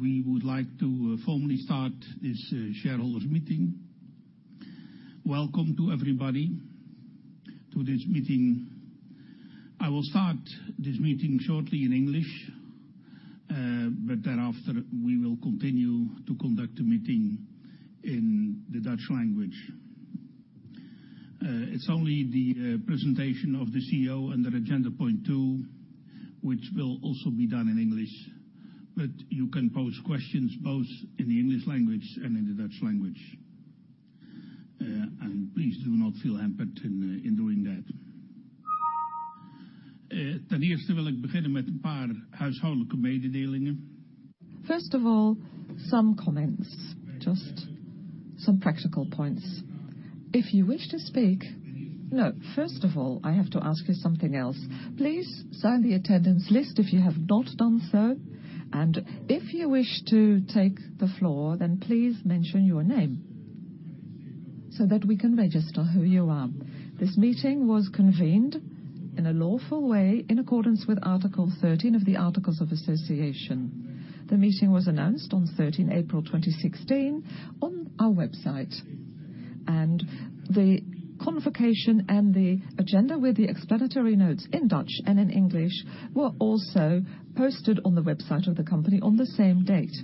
We would like to formally start this shareholders meeting. Welcome to everybody to this meeting. I will start this meeting shortly in English. Thereafter, we will continue to conduct the meeting in the Dutch language. It's only the presentation of the CEO under agenda point two, which will also be done in English. You can pose questions both in the English language and in the Dutch language. Please do not feel hampered in doing that. First of all, some comments, just some practical points. If you wish to speak. First of all, I have to ask you something else. Please sign the attendance list if you have not done so. If you wish to take the floor, please mention your name so that we can register who you are. This meeting was convened in a lawful way in accordance with Article 13 of the Articles of Association. The meeting was announced on 13 April 2016 on our website. The convocation and the agenda with the explanatory notes in Dutch and in English were also posted on the website of the company on the same date.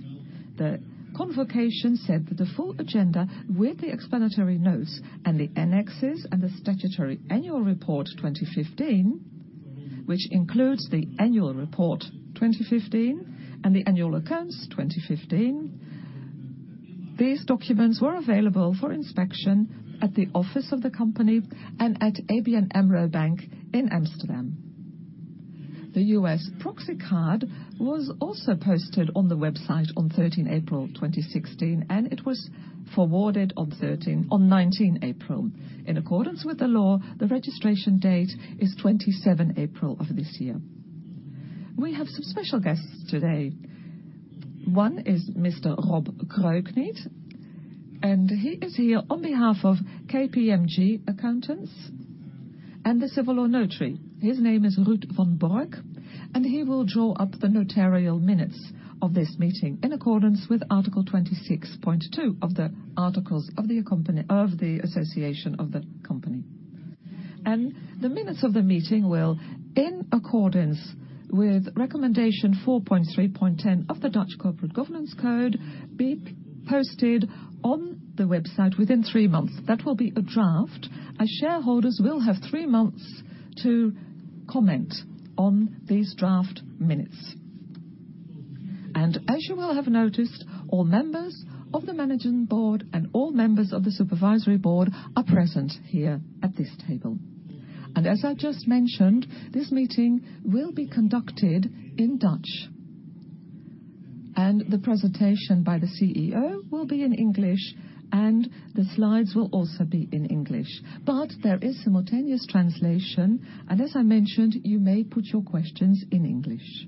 The convocation said that the full agenda with the explanatory notes and the annexes and the statutory annual report 2015, which includes the annual report 2015 and the annual accounts 2015, these documents were available for inspection at the office of the company and at ABN AMRO Bank in Amsterdam. The U.S. proxy card was also posted on the website on 13 April 2016. It was forwarded on 19 April. In accordance with the law, the registration date is 27 April of this year. We have some special guests today. One is Mr. Rob Kreukniet. He is here on behalf of KPMG Accountants and the civil law notary. His name is Ruud van Bork. He will draw up the notarial minutes of this meeting in accordance with Article 26.2 of the Articles of the Association of the company. The minutes of the meeting will, in accordance with Recommendation 4.3.10 of the Dutch Corporate Governance Code, be posted on the website within three months. That will be a draft, as shareholders will have three months to comment on these draft minutes. As you will have noticed, all members of the managing board and all members of the supervisory board are present here at this table. As I've just mentioned, this meeting will be conducted in Dutch. The presentation by the CEO will be in English. The slides will also be in English. There is simultaneous translation. As I mentioned, you may put your questions in English.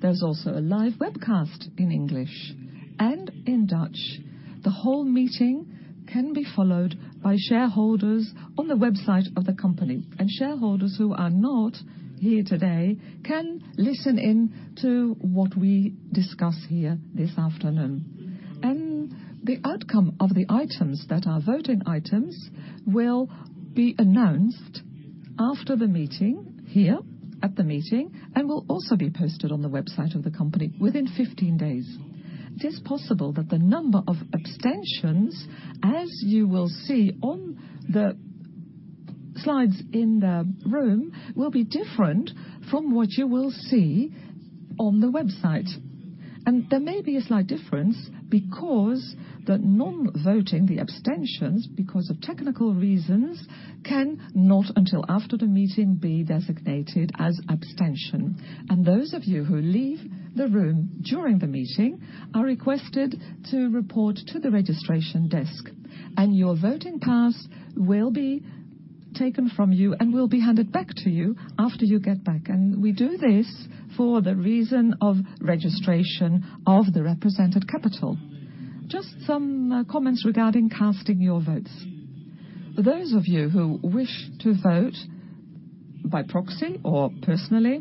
There's also a live webcast in English and in Dutch. The whole meeting can be followed by shareholders on the website of the company. Shareholders who are not here today can listen in to what we discuss here this afternoon. The outcome of the items that are voting items will be announced after the meeting here at the meeting and will also be posted on the website of the company within 15 days. It is possible that the number of abstentions, as you will see on the slides in the room, will be different from what you will see on the website. There may be a slight difference because the non-voting, the abstentions, because of technical reasons, cannot until after the meeting be designated as abstention. Those of you who leave the room during the meeting are requested to report to the registration desk, and your voting pass will be taken from you and will be handed back to you after you get back. We do this for the reason of registration of the represented capital. Just some comments regarding casting your votes. For those of you who wish to vote by proxy or personally,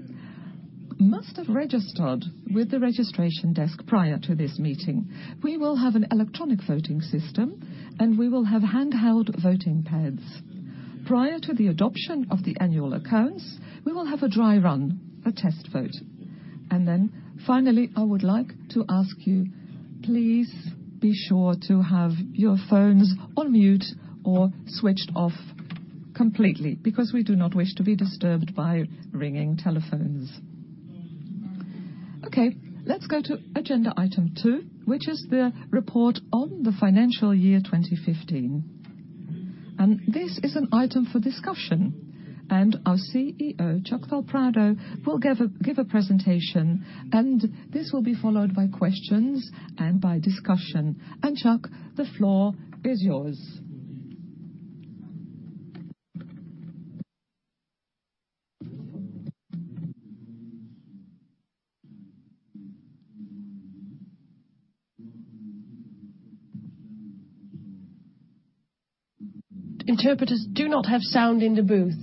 must have registered with the registration desk prior to this meeting. We will have an electronic voting system, and we will have handheld voting pads. Prior to the adoption of the annual accounts, we will have a dry run, a test vote. Then finally, I would like to ask you, please be sure to have your phones on mute or switched off completely, because we do not wish to be disturbed by ringing telephones. Okay, let's go to agenda item 2, which is the report on the financial year 2015. This is an item for discussion, and our CEO, Chuck del Prado, will give a presentation, and this will be followed by questions and by discussion. Chuck, the floor is yours. Interpreters do not have sound in the booth.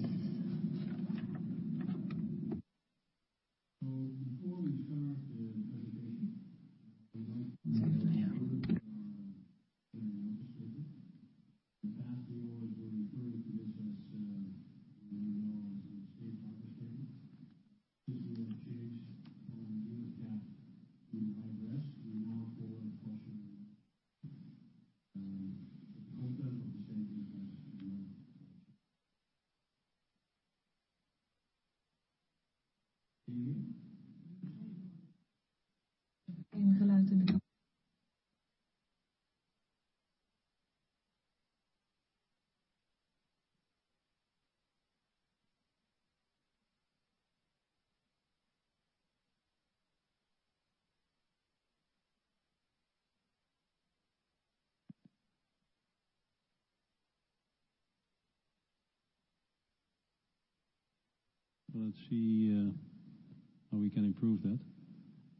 Before we start the presentation, we'd like to go over our annual report. In the past, we always were referring to this as what we know as the. [inaudible] Since we have changed from [inaudible] to high risk, we now call it caution. The content of the statement has Let's see how we can improve that.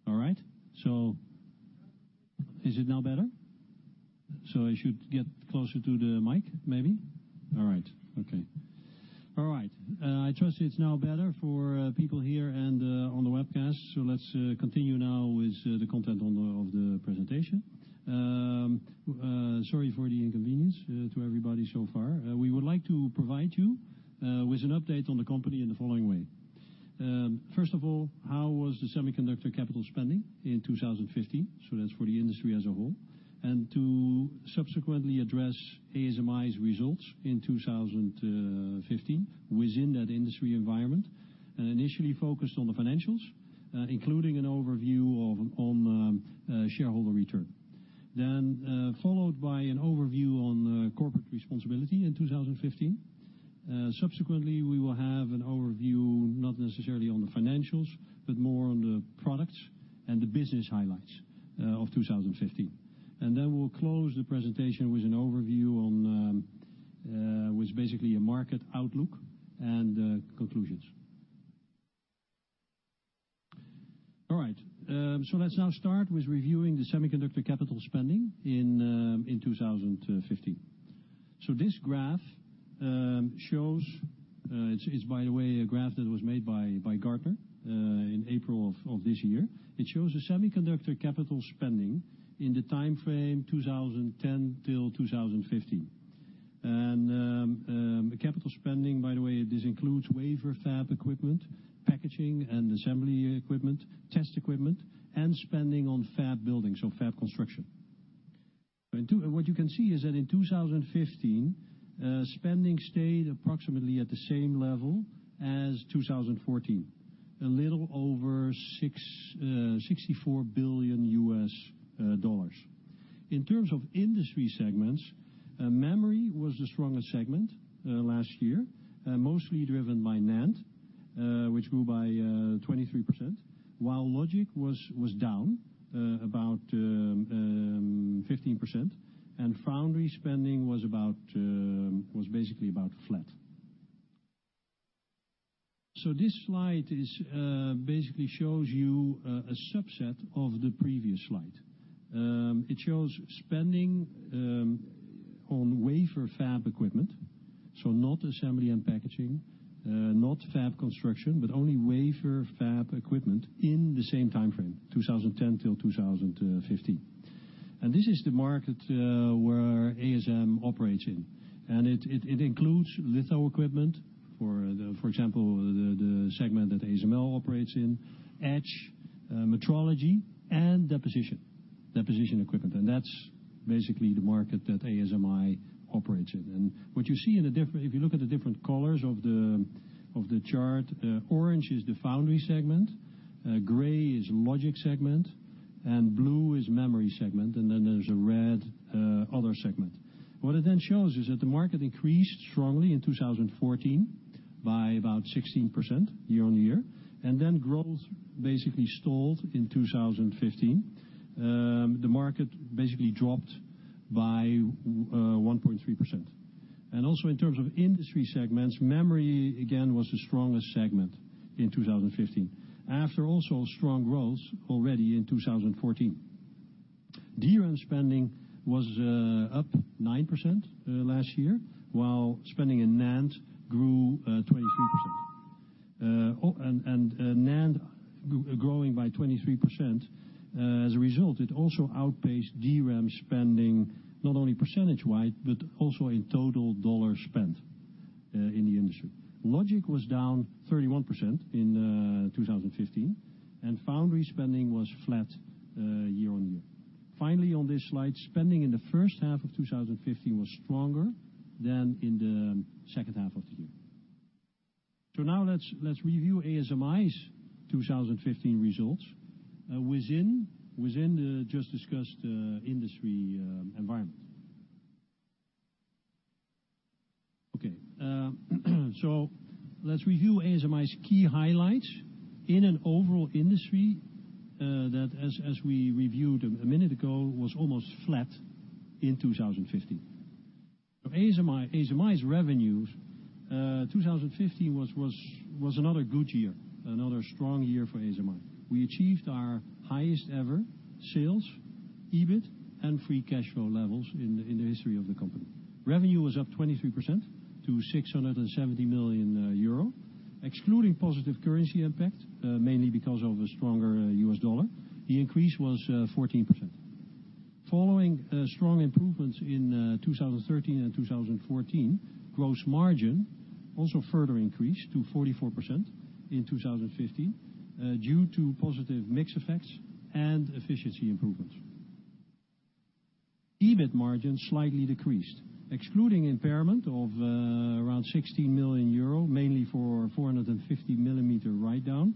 All right. Is it now better? I should get closer to the mic, maybe? All right. Okay. All right. I trust it's now better for people here and on the webcast. Let's continue now with the content of the presentation. Sorry for the inconvenience to everybody so far. We would like to provide you with an update on the company in the following way. First of all, how was the semiconductor capital spending in 2015? That's for the industry as a whole, and to subsequently address ASMI's results in 2015 within that industry environment, and initially focused on the financials, including an overview on shareholder return. Followed by an overview on corporate responsibility in 2015. Subsequently, we will have an overview, not necessarily on the financials, but more on the products and the business highlights of 2015. Then we'll close the presentation with an overview on what's basically a market outlook and conclusions. All right. Let's now start with reviewing the semiconductor capital spending in 2015. This graph shows, it's by the way, a graph that was made by Gartner in April of this year. It shows the semiconductor capital spending in the time frame 2010 till 2015. And capital spending, by the way, this includes wafer fab equipment, packaging and assembly equipment, test equipment, and spending on fab buildings. Fab construction. What you can see is that in 2015, spending stayed approximately at the same level as 2014, a little over $64 billion. In terms of industry segments, memory was the strongest segment last year, mostly driven by NAND, which grew by 23%, while logic was down about 15% and foundry spending was basically about flat. This slide basically shows you a subset of the previous slide. It shows spending on wafer fab equipment. Not assembly and packaging, not fab construction, but only wafer fab equipment in the same time frame, 2010 till 2015. And this is the market where ASM operates in, and it includes litho equipment, for example, the segment that ASML operates in, etch, metrology, and deposition equipment. And that's basically the market that ASMI operates in. What you see, if you look at the different colors of the chart, orange is the foundry segment, gray is logic segment, and blue is memory segment. Then there's a red other segment. What it then shows is that the market increased strongly in 2014 by about 16% year-on-year, then growth basically stalled in 2015. The market basically dropped by 1.3%. Also in terms of industry segments, memory again was the strongest segment in 2015 after also strong growth already in 2014. DRAM spending was up 9% last year, while spending in NAND grew 23%. NAND growing by 23%, as a result, it also outpaced DRAM spending not only percentage-wide, but also in total dollars spent in the industry. Logic was down 31% in 2015, and foundry spending was flat year-on-year. Finally, on this slide, spending in the first half of 2015 was stronger than in the second half of the year. Now let's review ASMI's 2015 results within the just discussed industry environment. Okay. Let's review ASMI's key highlights in an overall industry that, as we reviewed a minute ago, was almost flat in 2015. ASMI's revenues 2015 was another good year, another strong year for ASMI. We achieved our highest ever sales, EBIT, and free cash flow levels in the history of the company. Revenue was up 23% to 670 million euro. Excluding positive currency impact, mainly because of a stronger U.S. dollar, the increase was 14%. Following strong improvements in 2013 and 2014, gross margin also further increased to 44% in 2015 due to positive mix effects and efficiency improvements. EBIT margin slightly decreased. Excluding impairment of around 16 million euro, mainly for 450 millimeter write-down,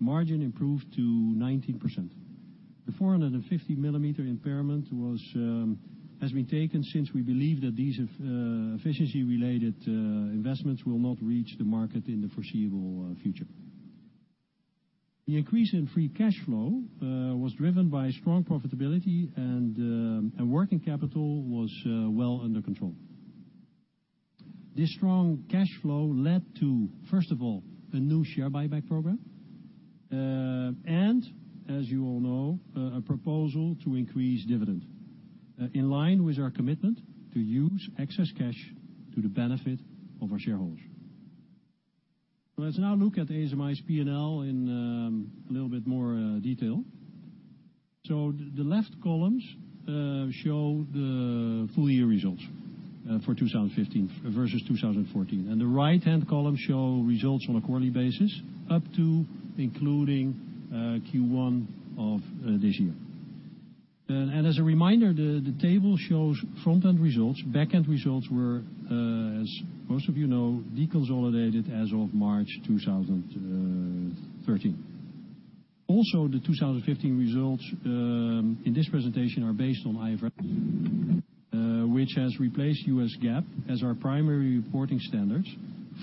margin improved to 19%. The 450-millimeter impairment has been taken since we believe that these efficiency-related investments will not reach the market in the foreseeable future. The increase in free cash flow was driven by strong profitability, and working capital was well under control. This strong cash flow led to, first of all, a new share buyback program, and as you all know, a proposal to increase dividend in line with our commitment to use excess cash to the benefit of our shareholders. Let's now look at ASMI's P&L in a little bit more detail. The left columns show the full-year results for 2015 versus 2014, and the right-hand columns show results on a quarterly basis up to including Q1 of this year. As a reminder, the table shows Front-End results. Back-End results were, as most of you know, deconsolidated as of March 2013. The 2015 results in this presentation are based on IFRS, which has replaced U.S. GAAP as our primary reporting standards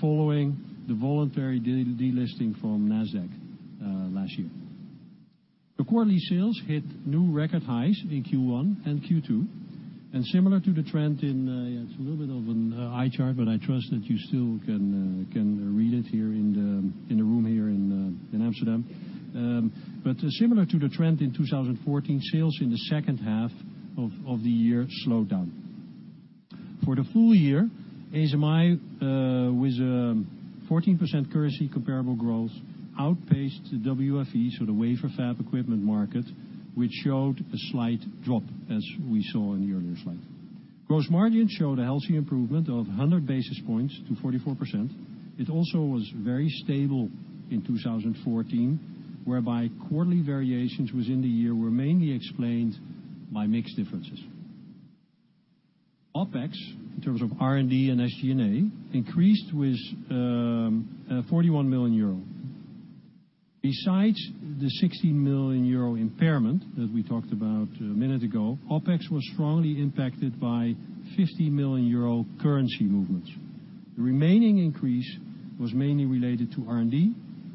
following the voluntary delisting from Nasdaq last year. The quarterly sales hit new record highs in Q1 and Q2. It's a little bit of an eye chart, but I trust that you still can read it here in the room here in Amsterdam. Similar to the trend in 2014, sales in the second half of the year slowed down. For the full year, ASMI, with 14% currency comparable growth, outpaced the WFE, so the wafer fab equipment market, which showed a slight drop as we saw in the earlier slide. Gross margin showed a healthy improvement of 100 basis points to 44%. It also was very stable in 2014, whereby quarterly variations within the year were mainly explained by mix differences. OpEx, in terms of R&D and SG&A, increased with 41 million euro. Besides the 16 million euro impairment that we talked about a minute ago, OpEx was strongly impacted by 50 million euro currency movements. The remaining increase was mainly related to R&D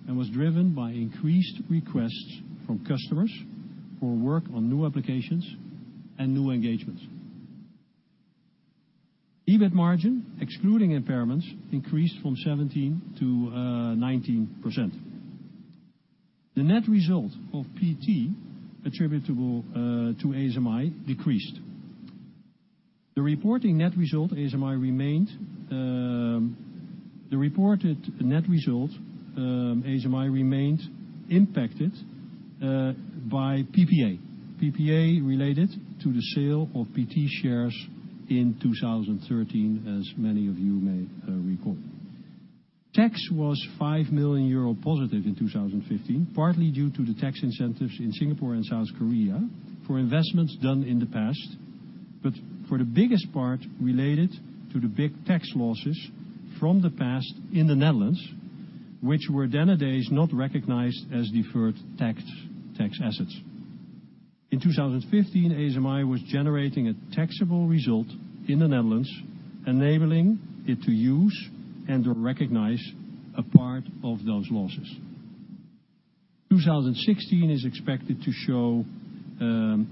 and was driven by increased requests from customers for work on new applications and new engagements. EBIT margin, excluding impairments, increased from 17% to 19%. The net result of ASMPT attributable to ASMI decreased. The reported net result ASMI remained impacted by PPA. PPA related to the sale of ASMPT shares in 2013, as many of you may recall. Tax was 5 million euro positive in 2015, partly due to the tax incentives in Singapore and South Korea for investments done in the past, but for the biggest part related to the big tax losses from the past in the Netherlands, which were then a days not recognized as deferred tax assets. In 2015, ASMI was generating a taxable result in the Netherlands, enabling it to use and to recognize a part of those losses. 2016 is expected to show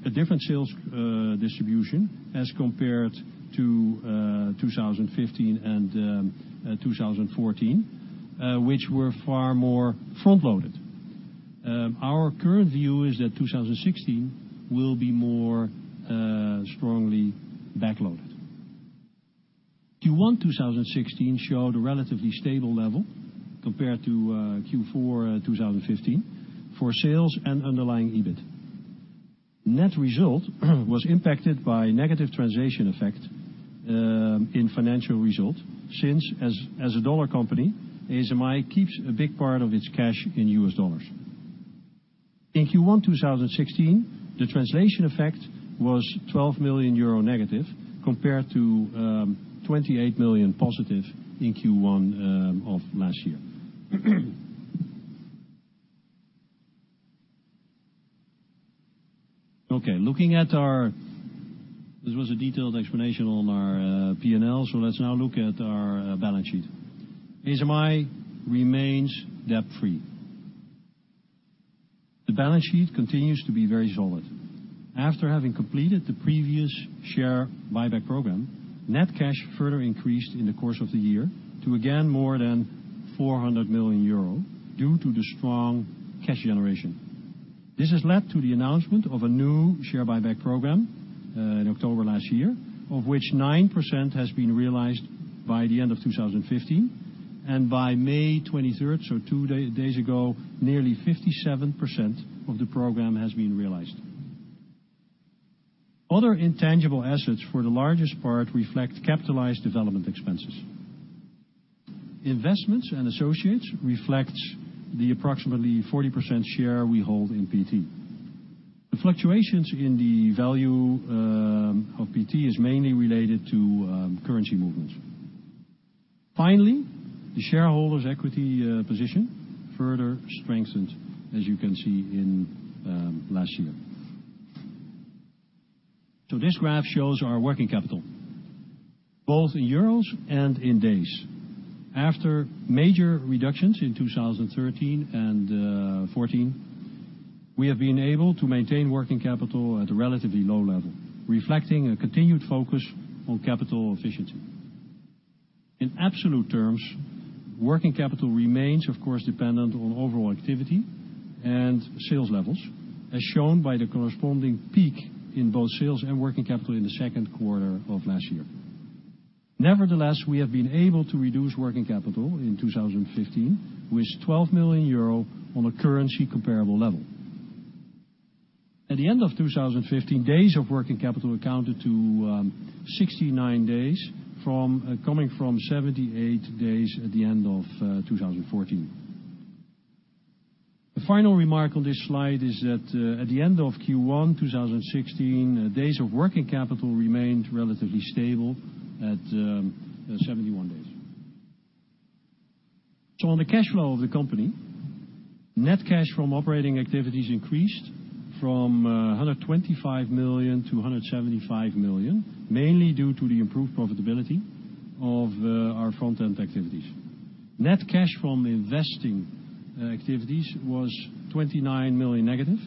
a different sales distribution as compared to 2015 and 2014, which were far more front-loaded. Our current view is that 2016 will be more strongly back-loaded. Q1 2016 showed a relatively stable level compared to Q4 2015 for sales and underlying EBIT. Net result was impacted by negative translation effect in financial results, since as a dollar company, ASMI keeps a big part of its cash in US dollars. In Q1 2016, the translation effect was 12 million euro negative compared to 28 million positive in Q1 of last year. Okay. This was a detailed explanation on our P&L, so let's now look at our balance sheet. ASMI remains debt-free. The balance sheet continues to be very solid. After having completed the previous share buyback program, net cash further increased in the course of the year to again more than 400 million euro due to the strong cash generation. This has led to the announcement of a new share buyback program in October last year, of which 9% has been realized by the end of 2015. By May 23rd, so two days ago, nearly 57% of the program has been realized. Other intangible assets, for the largest part, reflect capitalized development expenses. Investments and associates reflect the approximately 40% share we hold in PT. The fluctuations in the value of PT is mainly related to currency movements. Finally, the shareholders' equity position further strengthened, as you can see in last year. This graph shows our working capital, both in euros and in days. After major reductions in 2013 and 2014, we have been able to maintain working capital at a relatively low level, reflecting a continued focus on capital efficiency. In absolute terms, working capital remains, of course, dependent on overall activity and sales levels, as shown by the corresponding peak in both sales and working capital in the second quarter of last year. Nevertheless, we have been able to reduce working capital in 2015 with 12 million euro on a currency comparable level. At the end of 2015, days of working capital accounted to 69 days, coming from 78 days at the end of 2014. The final remark on this slide is that at the end of Q1 2016, days of working capital remained relatively stable at 71 days. On the cash flow of the company, net cash from operating activities increased from 125 million to 175 million, mainly due to the improved profitability of our Front-End activities. Net cash from investing activities was 29 million negative,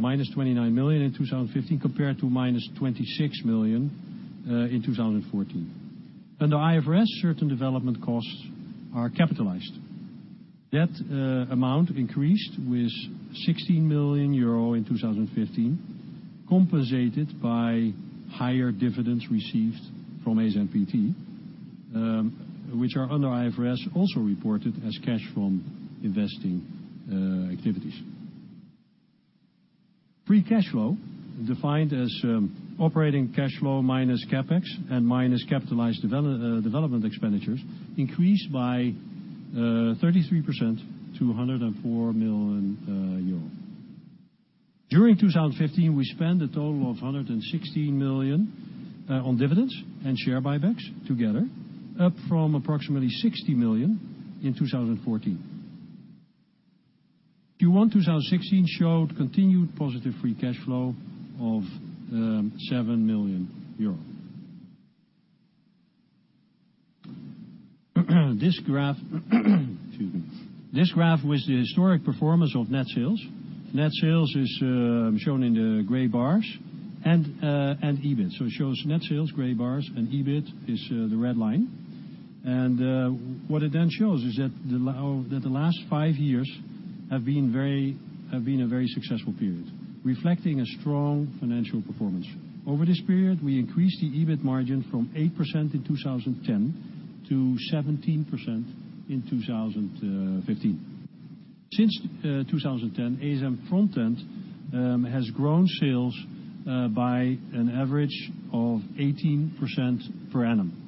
minus 29 million in 2015, compared to minus 26 million in 2014. Under IFRS, certain development costs are capitalized. That amount increased with 16 million euro in 2015, compensated by higher dividends received from ASMPT, which are under IFRS, also reported as cash from investing activities. Free cash flow, defined as operating cash flow minus CapEx and minus capitalized development expenditures, increased by 33% to 104 million euro. During 2015, we spent a total of 116 million on dividends and share buybacks together, up from approximately 60 million in 2014. Q1 2016 showed continued positive free cash flow of 7 million euro. Excuse me. This graph with the historic performance of net sales. Net sales is shown in the gray bars and EBIT. It shows net sales, gray bars, and EBIT is the red line. What it shows is that the last five years have been a very successful period, reflecting a strong financial performance. Over this period, we increased the EBIT margin from 8% in 2010 to 17% in 2015. Since 2010, ASM Front-End has grown sales by an average of 18% per annum.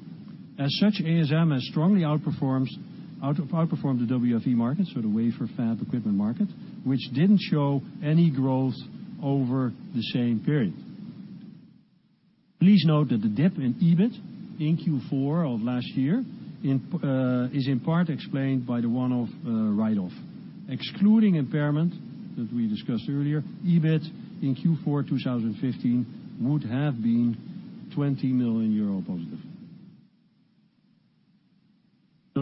As such, ASM has strongly outperformed the WFE market, the wafer fab equipment market, which didn't show any growth over the same period. Please note that the dip in EBIT in Q4 of last year is in part explained by the one-off write-off. Excluding impairment that we discussed earlier, EBIT in Q4 2015 would have been 20 million euro positive.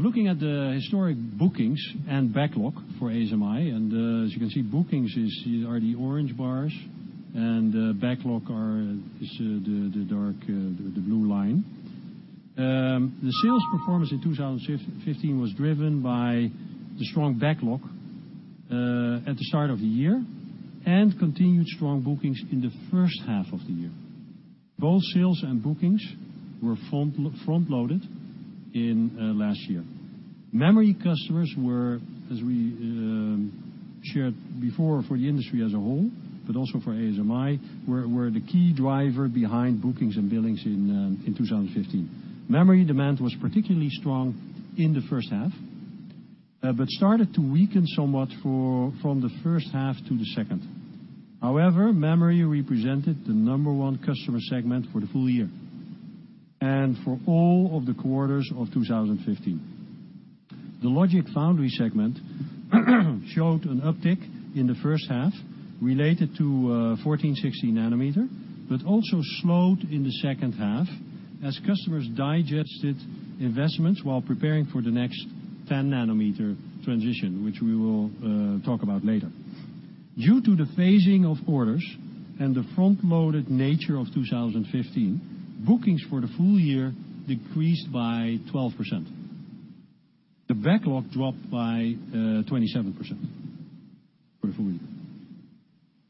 Looking at the historic bookings and backlog for ASMI, as you can see, bookings are the orange bars and the backlog is the dark blue line. The sales performance in 2015 was driven by the strong backlog at the start of the year and continued strong bookings in the first half of the year. Both sales and bookings were front-loaded last year. Memory customers, as we shared before for the industry as a whole, but also for ASMI, were the key driver behind bookings and billings in 2015. Memory demand was particularly strong in the first half, but started to weaken somewhat from the first half to the second. However, memory represented the number 1 customer segment for the full year and for all of the quarters of 2015. The logic foundry segment showed an uptick in the first half related to 14/16 nanometer, but also slowed in the second half as customers digested investments while preparing for the next 10 nanometer transition, which we will talk about later. Due to the phasing of orders and the front-loaded nature of 2015, bookings for the full year decreased by 12%. The backlog dropped by 27% for the full year.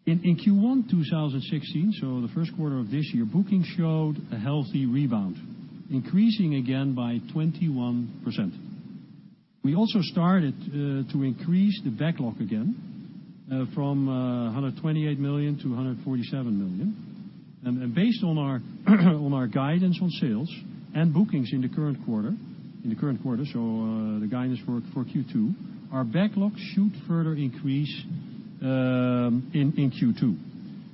In Q1 2016, the first quarter of this year, booking showed a healthy rebound, increasing again by 21%. We also started to increase the backlog again from 128 million to 147 million. Based on our guidance on sales and bookings in the current quarter, the guidance for Q2, our backlog should further increase in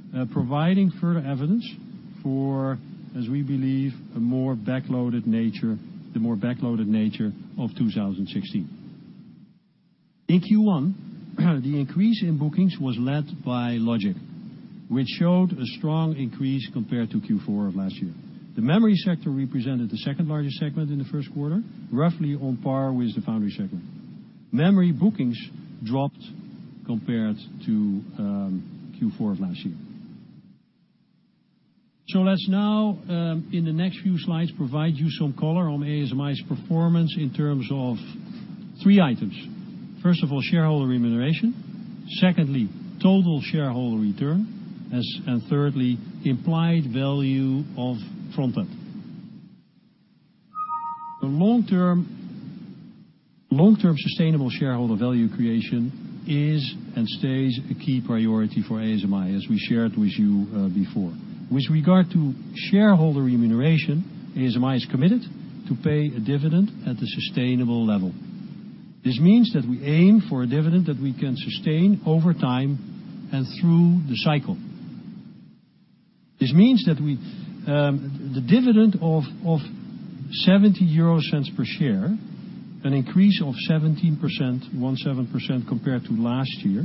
Q2, providing further evidence for, as we believe, the more backloaded nature of 2016. In Q1, the increase in bookings was led by logic, which showed a strong increase compared to Q4 of last year. The memory sector represented the second largest segment in the first quarter, roughly on par with the foundry segment. Memory bookings dropped compared to Q4 of last year. Let's now, in the next few slides, provide you some color on ASMI's performance in terms of three items. First of all, shareholder remuneration. Secondly, total shareholder return, and thirdly, implied value of Front-End. Long-term sustainable shareholder value creation is and stays a key priority for ASMI, as we shared with you before. With regard to shareholder remuneration, ASMI is committed to pay a dividend at a sustainable level. This means that we aim for a dividend that we can sustain over time and through the cycle. This means that the dividend of 0.70 per share, an increase of 17%, compared to last year,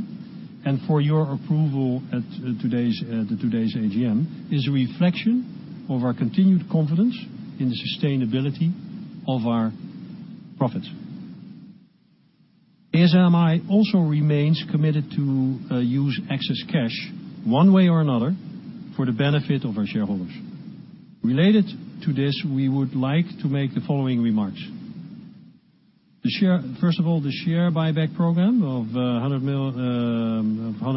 and for your approval at today's AGM, is a reflection of our continued confidence in the sustainability of our profits. ASMI also remains committed to use excess cash, one way or another, for the benefit of our shareholders. Related to this, we would like to make the following remarks. First of all, the share buyback program of 100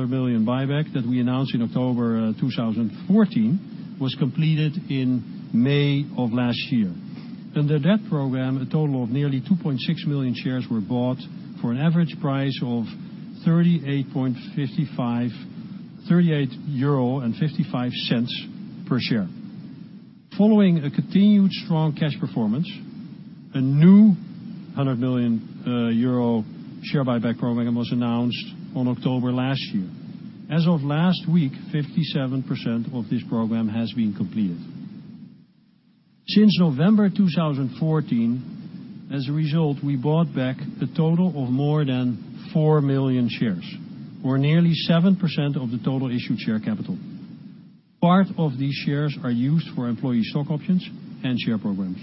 million that we announced in October 2014 was completed in May of last year. Under that program, a total of nearly 2.6 million shares were bought for an average price of 38.55 per share. Following a continued strong cash performance, a new 100 million euro share buyback program was announced in October last year. As of last week, 57% of this program has been completed. Since November 2014, as a result, we bought back a total of more than 4 million shares, or nearly 7% of the total issued share capital. Part of these shares are used for employee stock options and share programs.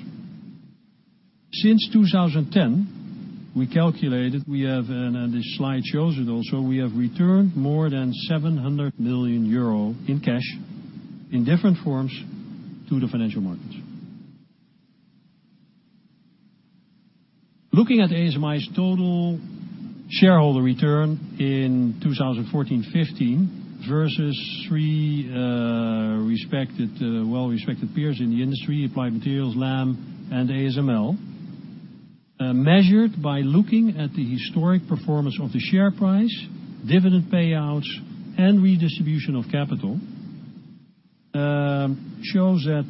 Since 2010, we calculated, and this slide shows it also, we have returned more than 700 million euro in cash in different forms to the financial markets. Looking at ASMI's total shareholder return in 2014-2015 versus three well-respected peers in the industry, Applied Materials, Lam, and ASML, measured by looking at the historic performance of the share price, dividend payouts, and redistribution of capital, shows that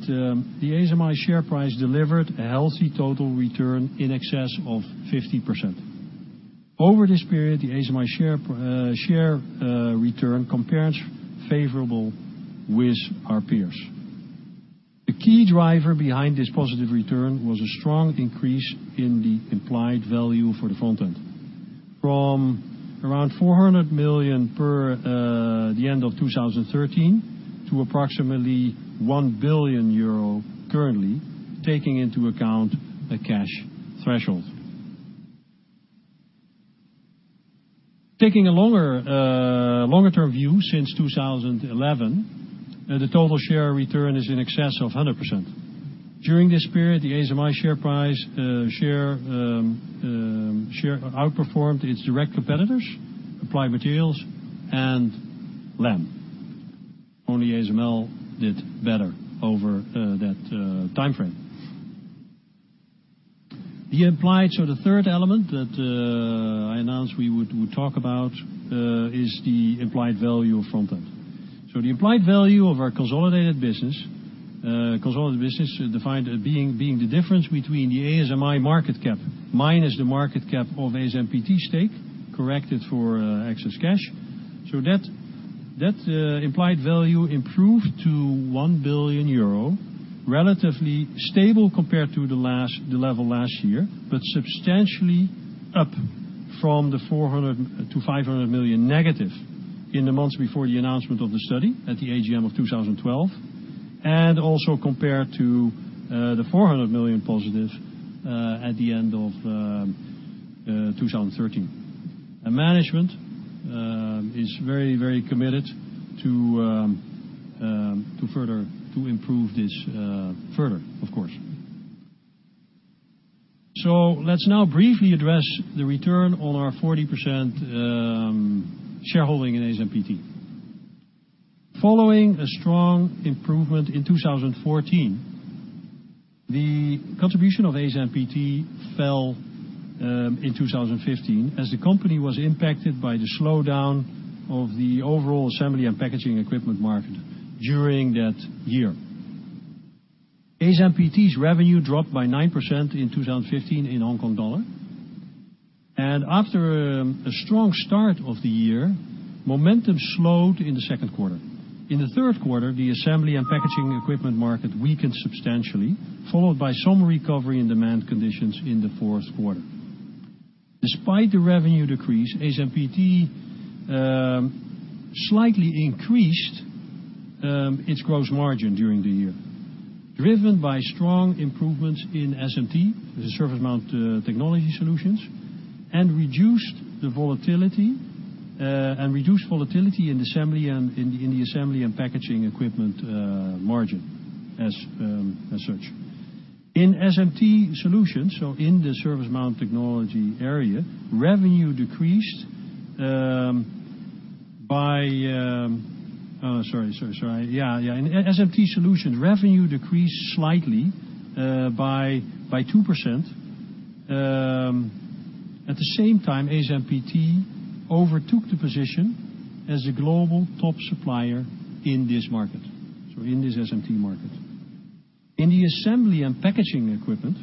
the ASMI share price delivered a healthy total return in excess of 50%. Over this period, the ASMI share return compares favorably with our peers. The key driver behind this positive return was a strong increase in the implied value for the Front-End. From around 400 million per the end of 2013 to approximately 1 billion euro currently, taking into account a cash threshold. Taking a longer term view since 2011, the total share return is in excess of 100%. During this period, the ASMI share price outperformed its direct competitors, Applied Materials and Lam. Only ASML did better over that timeframe. The third element that I announced we would talk about is the implied value of Front-End. The implied value of our consolidated business, defined as being the difference between the ASMI market cap minus the market cap of ASMPT's stake, corrected for excess cash. That implied value improved to 1 billion euro, relatively stable compared to the level last year, but substantially up from the $400 million-$500 million negative in the months before the announcement of the study at the AGM of 2012, and also compared to the $400 million positive at the end of 2013. Management is very committed to improve this further, of course. Let's now briefly address the return on our 40% shareholding in ASMPT. Following a strong improvement in 2014, the contribution of ASMPT fell in 2015 as the company was impacted by the slowdown of the overall assembly and packaging equipment market during that year. ASMPT's revenue dropped by 9% in 2015 in HKD. After a strong start of the year, momentum slowed in the second quarter. In the third quarter, the assembly and packaging equipment market weakened substantially, followed by some recovery in demand conditions in the fourth quarter. Despite the revenue decrease, ASMPT slightly increased its gross margin during the year, driven by strong improvements in SMT, the surface mount technology solutions, and reduced the volatility in the assembly and packaging equipment margin as such. In SMT solutions, so in the surface mount technology area, revenue decreased by Sorry. Yeah. In SMT solutions, revenue decreased slightly by 2%. At the same time, ASMPT overtook the position as a global top supplier in this market, so in this SMT market. In the assembly and packaging equipment,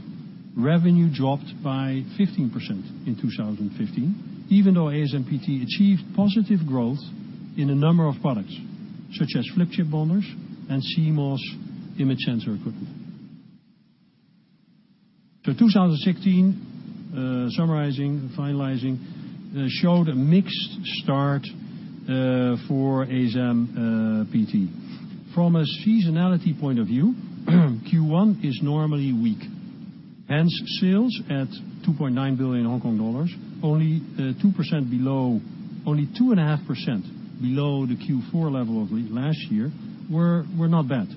revenue dropped by 15% in 2015, even though ASMPT achieved positive growth in a number of products, such as flip chip bonders and CMOS image sensor equipment. 2016, summarizing, finalizing, showed a mixed start for ASMPT. From a seasonality point of view, Q1 is normally weak, hence sales at 2.9 billion Hong Kong dollars, only 2.5% below the Q4 level of last year, were not bad.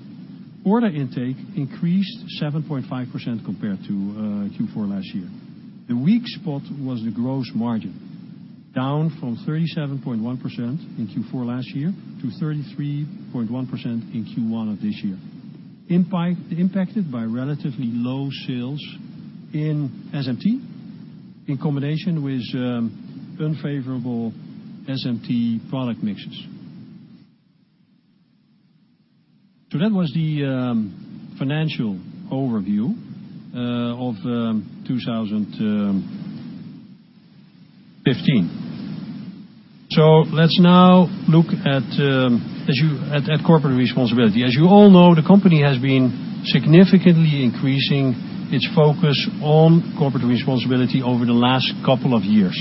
Order intake increased 7.5% compared to Q4 last year. The weak spot was the gross margin, down from 37.1% in Q4 last year to 33.1% in Q1 of this year, impacted by relatively low sales in SMT in combination with unfavorable SMT product mixes. That was the financial overview of 2015. Let's now look at corporate responsibility. As you all know, the company has been significantly increasing its focus on corporate responsibility over the last couple of years.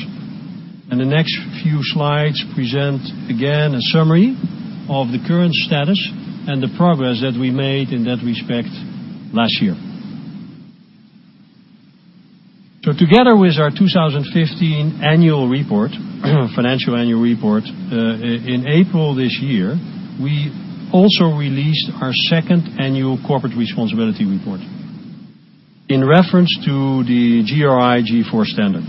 The next few slides present, again, a summary of the current status and the progress that we made in that respect last year. Together with our 2015 annual report, financial annual report, in April this year, we also released our second annual corporate responsibility report in reference to the GRI G4 standard.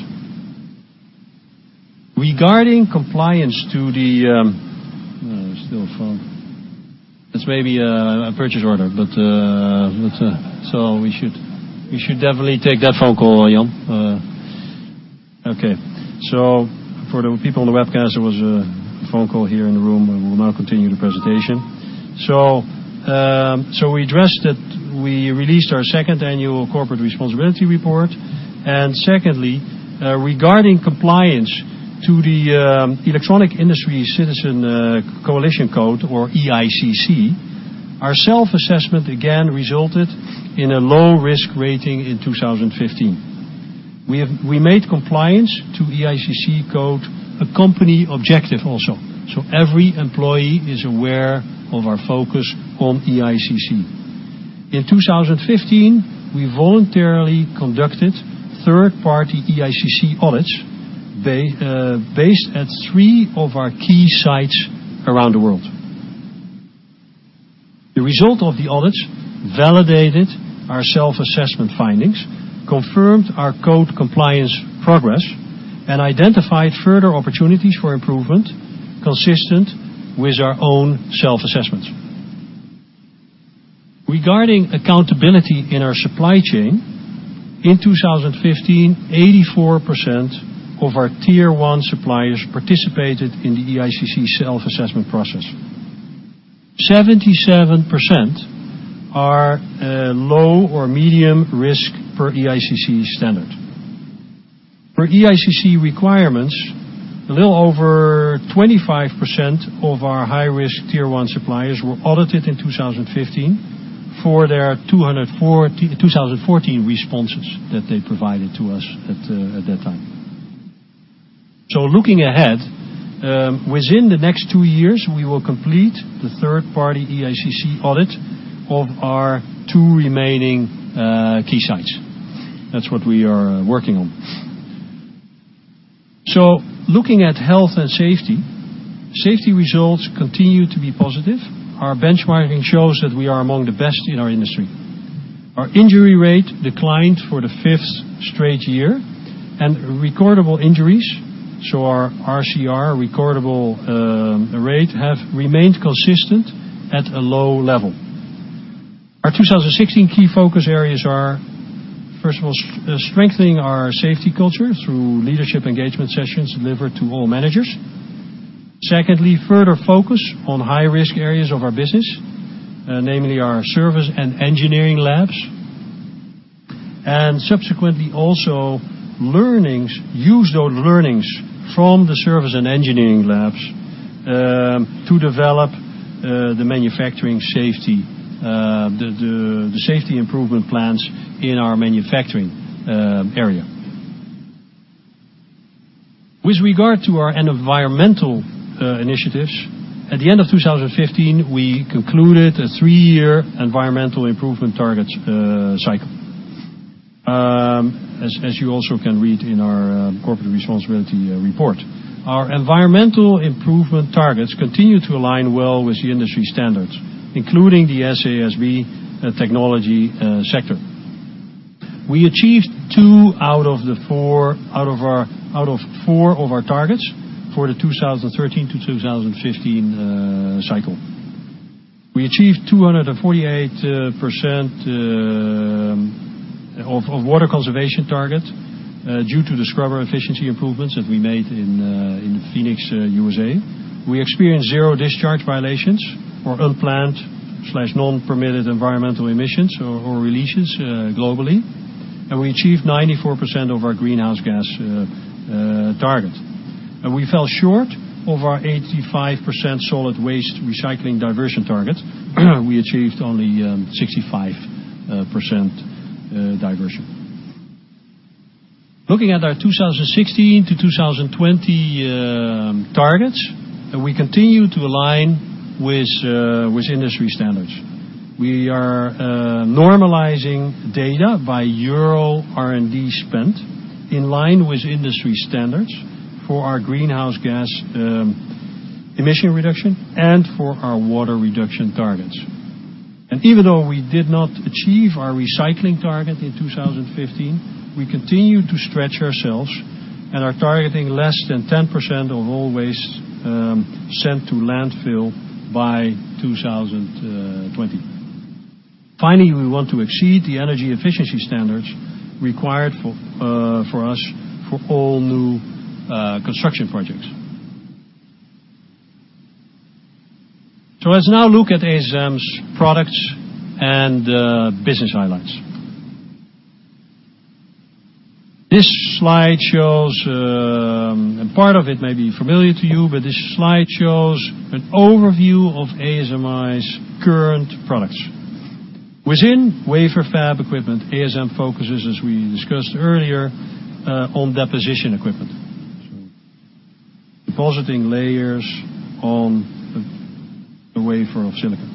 Regarding compliance to the There's still a phone. It's maybe a purchase order, so we should definitely take that phone call, Jan. Okay. For the people on the webcast, there was a phone call here in the room, and we will now continue the presentation. We addressed it. We released our second annual corporate responsibility report. Secondly, regarding compliance to the Electronic Industry Citizenship Coalition code, or EICC, our self-assessment again resulted in a low-risk rating in 2015. We made compliance to EICC code a company objective also. Every employee is aware of our focus on EICC. In 2015, we voluntarily conducted third-party EICC audits based at three of our key sites around the world. The result of the audits validated our self-assessment findings, confirmed our code compliance progress, and identified further opportunities for improvement consistent with our own self-assessments. Regarding accountability in our supply chain, in 2015, 84% of our tier 1 suppliers participated in the EICC self-assessment process. 77% are low or medium risk per EICC standard. Per EICC requirements A little over 25% of our high-risk tier 1 suppliers were audited in 2015 for their 2014 responses that they provided to us at that time. Looking ahead, within the next two years, we will complete the third-party EICC audit of our two remaining key sites. That's what we are working on. Looking at health and safety results continue to be positive. Our benchmarking shows that we are among the best in our industry. Our injury rate declined for the fifth straight year, and recordable injuries, so our RCR, recordable rate, have remained consistent at a low level. Our 2016 key focus areas are, first of all, strengthening our safety culture through leadership engagement sessions delivered to all managers. Secondly, further focus on high-risk areas of our business, namely our service and engineering labs. Subsequently also use those learnings from the service and engineering labs, to develop the safety improvement plans in our manufacturing area. With regard to our environmental initiatives, at the end of 2015, we concluded a three-year environmental improvement targets cycle, as you also can read in our corporate responsibility report. Our environmental improvement targets continue to align well with the industry standards, including the SASB technology sector. We achieved two out of four of our targets for the 2013 to 2015 cycle. We achieved 248% of water conservation target due to the scrubber efficiency improvements that we made in Phoenix, U.S.A. We experienced zero discharge violations or unplanned/non-permitted environmental emissions or releases globally, and we achieved 94% of our greenhouse gas target. We fell short of our 85% solid waste recycling diversion target, we achieved only 65% diversion. Looking at our 2016 to 2020 targets, we continue to align with industry standards. We are normalizing data by EUR R&D spend in line with industry standards for our greenhouse gas emission reduction and for our water reduction targets. Even though we did not achieve our recycling target in 2015, we continue to stretch ourselves and are targeting less than 10% of all waste sent to landfill by 2020. Finally, we want to exceed the energy efficiency standards required for us for all new construction projects. Let's now look at ASM's products and business highlights. This slide shows, a part of it may be familiar to you, but this slide shows an overview of ASMI's current products. Within wafer fab equipment, ASM focuses, as we discussed earlier, on deposition equipment. Depositing layers on the wafer of silicon.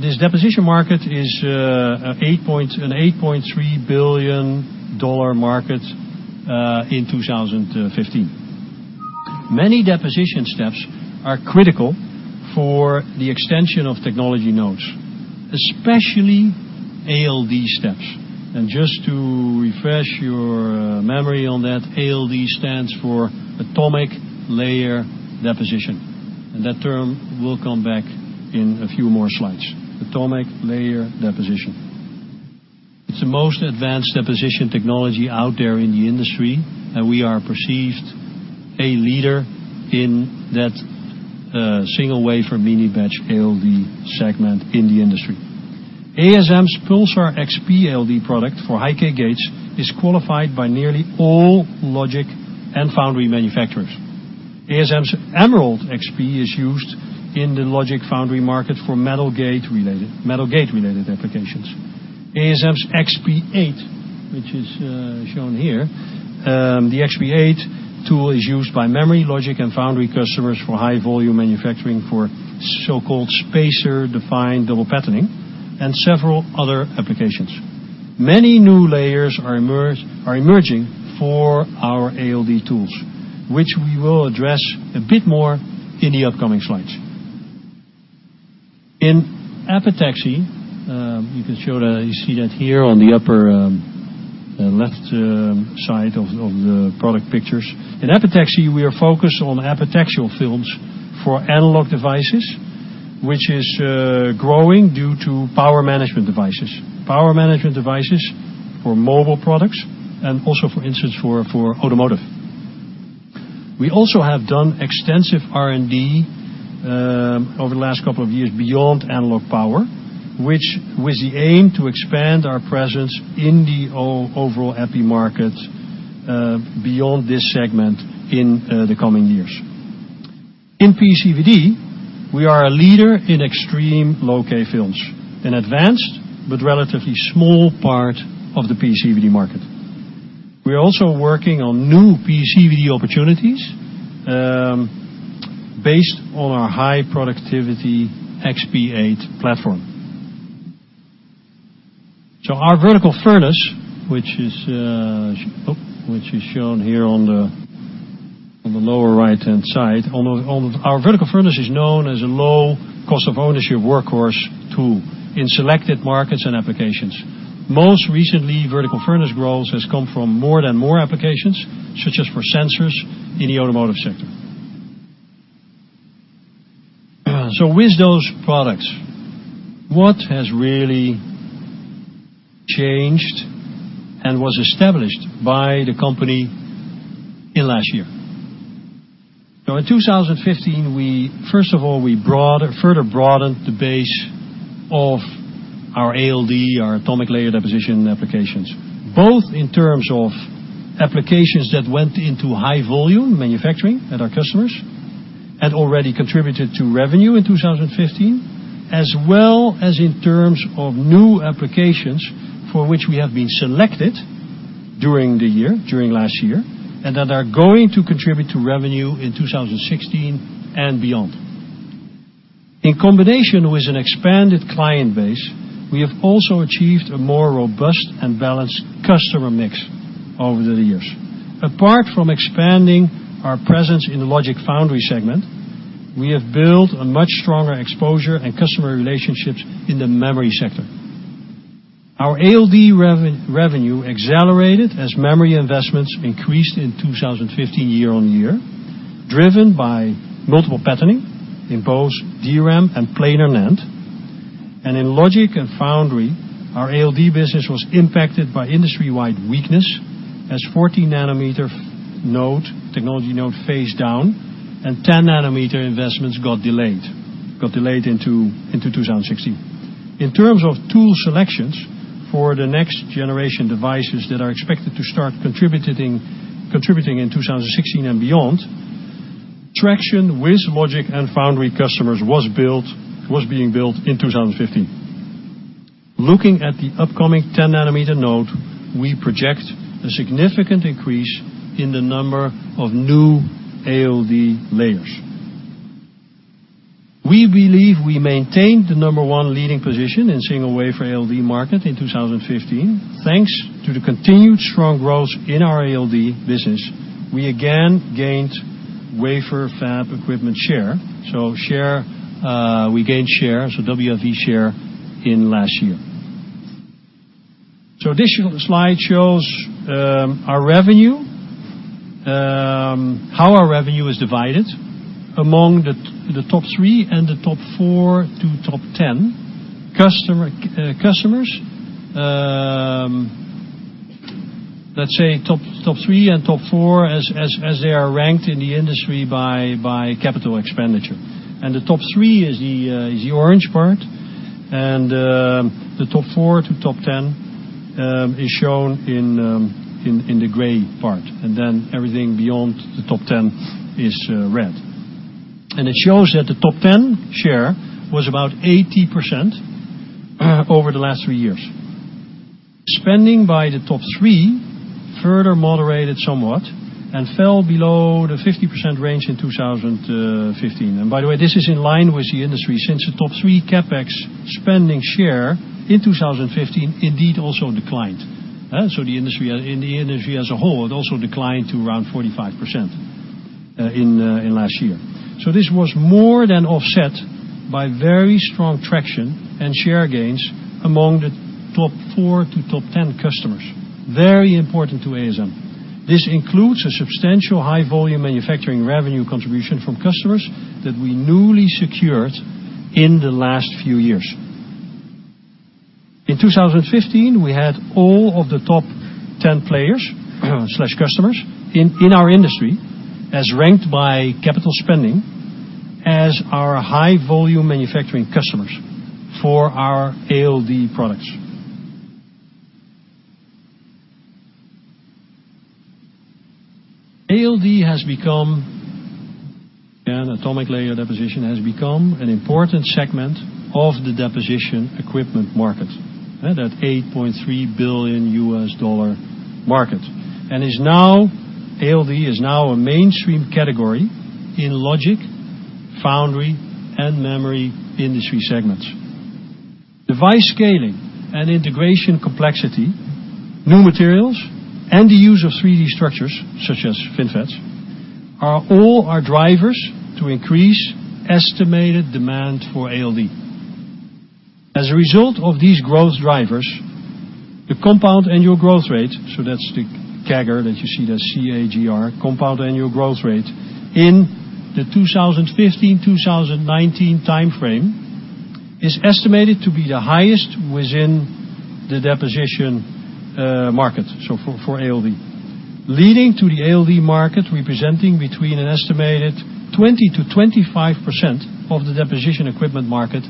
This deposition market is an EUR 8.3 billion market in 2015. Many deposition steps are critical for the extension of technology nodes, especially ALD steps. Just to refresh your memory on that, ALD stands for atomic layer deposition, and that term will come back in a few more slides. Atomic layer deposition. It's the most advanced deposition technology out there in the industry, and we are perceived a leader in that single wafer mini batch ALD segment in the industry. ASM's Pulsar XP ALD product for high-k gates is qualified by nearly all logic and foundry manufacturers. ASM's EmerALD XP is used in the logic foundry market for metal gate-related applications. ASM's XP8, which is shown here, the XP8 tool is used by memory, logic, and foundry customers for high-volume manufacturing for so-called spacer-defined double patterning and several other applications. Many new layers are emerging for our ALD tools, which we will address a bit more in the upcoming slides. In epitaxy, you see that here on the upper left side of the product pictures. In epitaxy, we are focused on epitaxial films for analog devices, which is growing due to power management devices. Power management devices for mobile products and also, for instance, for automotive. We also have done extensive R&D over the last couple of years beyond analog power. The aim was to expand our presence in the overall epi market beyond this segment in the coming years. In PECVD, we are a leader in extreme low-k films, an advanced but relatively small part of the PECVD market. We are also working on new PECVD opportunities based on our high-productivity XP8 platform. Our vertical furnace, which is shown here on the lower right-hand side. Our vertical furnace is known as a low cost of ownership workhorse tool in selected markets and applications. Most recently, vertical furnace growth has come from more than more applications, such as for sensors in the automotive sector. With those products, what has really changed and was established by the company in last year? In 2015, first of all, we further broadened the base of our ALD, our atomic layer deposition applications, both in terms of applications that went into high volume manufacturing at our customers and already contributed to revenue in 2015, as well as in terms of new applications for which we have been selected during the year, during last year, and that are going to contribute to revenue in 2016 and beyond. In combination with an expanded client base, we have also achieved a more robust and balanced customer mix over the years. Apart from expanding our presence in the logic foundry segment, we have built a much stronger exposure and customer relationships in the memory sector. Our ALD revenue accelerated as memory investments increased in 2015 year-on-year, driven by multiple patterning in both DRAM and planar NAND. In logic and foundry, our ALD business was impacted by industry-wide weakness as 40 nanometer technology node phased down and 10 nanometer investments got delayed into 2016. In terms of tool selections for the next generation devices that are expected to start contributing in 2016 and beyond, traction with logic and foundry customers was being built in 2015. Looking at the upcoming 10 nanometer node, we project a significant increase in the number of new ALD layers. We believe we maintained the number one leading position in single wafer ALD market in 2015. Thanks to the continued strong growth in our ALD business, we again gained wafer fab equipment share. We gained share, so WFE share in last year. This slide shows our revenue, how our revenue is divided among the top three and the top four to top 10 customers. Let's say top three and top four as they are ranked in the industry by capital expenditure. The top three is the orange part, and the top four to top 10 is shown in the gray part. Everything beyond the top 10 is red. It shows that the top 10 share was about 80% over the last three years. Spending by the top three further moderated somewhat and fell below the 50% range in 2015. By the way, this is in line with the industry, since the top three CapEx spending share in 2015 indeed also declined. In the industry as a whole, it also declined to around 45% last year. This was more than offset by very strong traction and share gains among the top four to top 10 customers. Very important to ASM. This includes a substantial high volume manufacturing revenue contribution from customers that we newly secured in the last few years. In 2015, we had all of the top 10 players/customers in our industry, as ranked by capital spending, as our high volume manufacturing customers for our ALD products. ALD has become, atomic layer deposition has become an important segment of the deposition equipment market, that $8.3 billion market. ALD is now a mainstream category in logic, foundry, and memory industry segments. Device scaling and integration complexity, new materials, and the use of 3D structures, such as FinFETs, are all our drivers to increase estimated demand for ALD. As a result of these growth drivers, the compound annual growth rate, so that's the CAGR that you see there, CAGR, compound annual growth rate, in the 2015-2019 time frame, is estimated to be the highest within the deposition market, so for ALD. Leading to the ALD market representing between an estimated 20%-25% of the deposition equipment market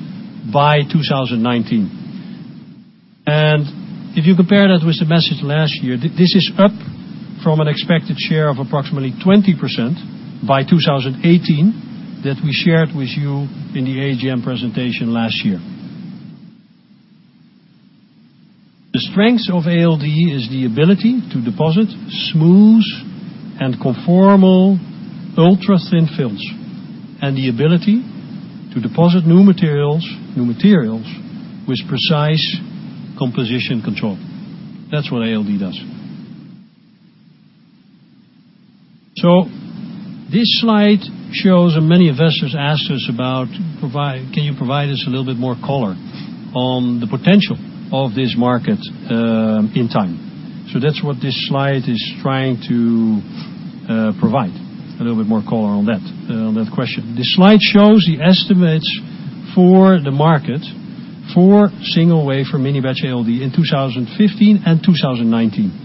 by 2019. If you compare that with the message last year, this is up from an expected share of approximately 20% by 2018 that we shared with you in the AGM presentation last year. The strength of ALD is the ability to deposit smooth and conformal ultra-thin films, and the ability to deposit new materials with precise composition control. That's what ALD does. This slide shows, and many investors asked us about, "Can you provide us a little bit more color on the potential of this market in time?" That's what this slide is trying to provide, a little bit more color on that question. This slide shows the estimates for the market for single-wafer mini batch ALD in 2015 and 2019.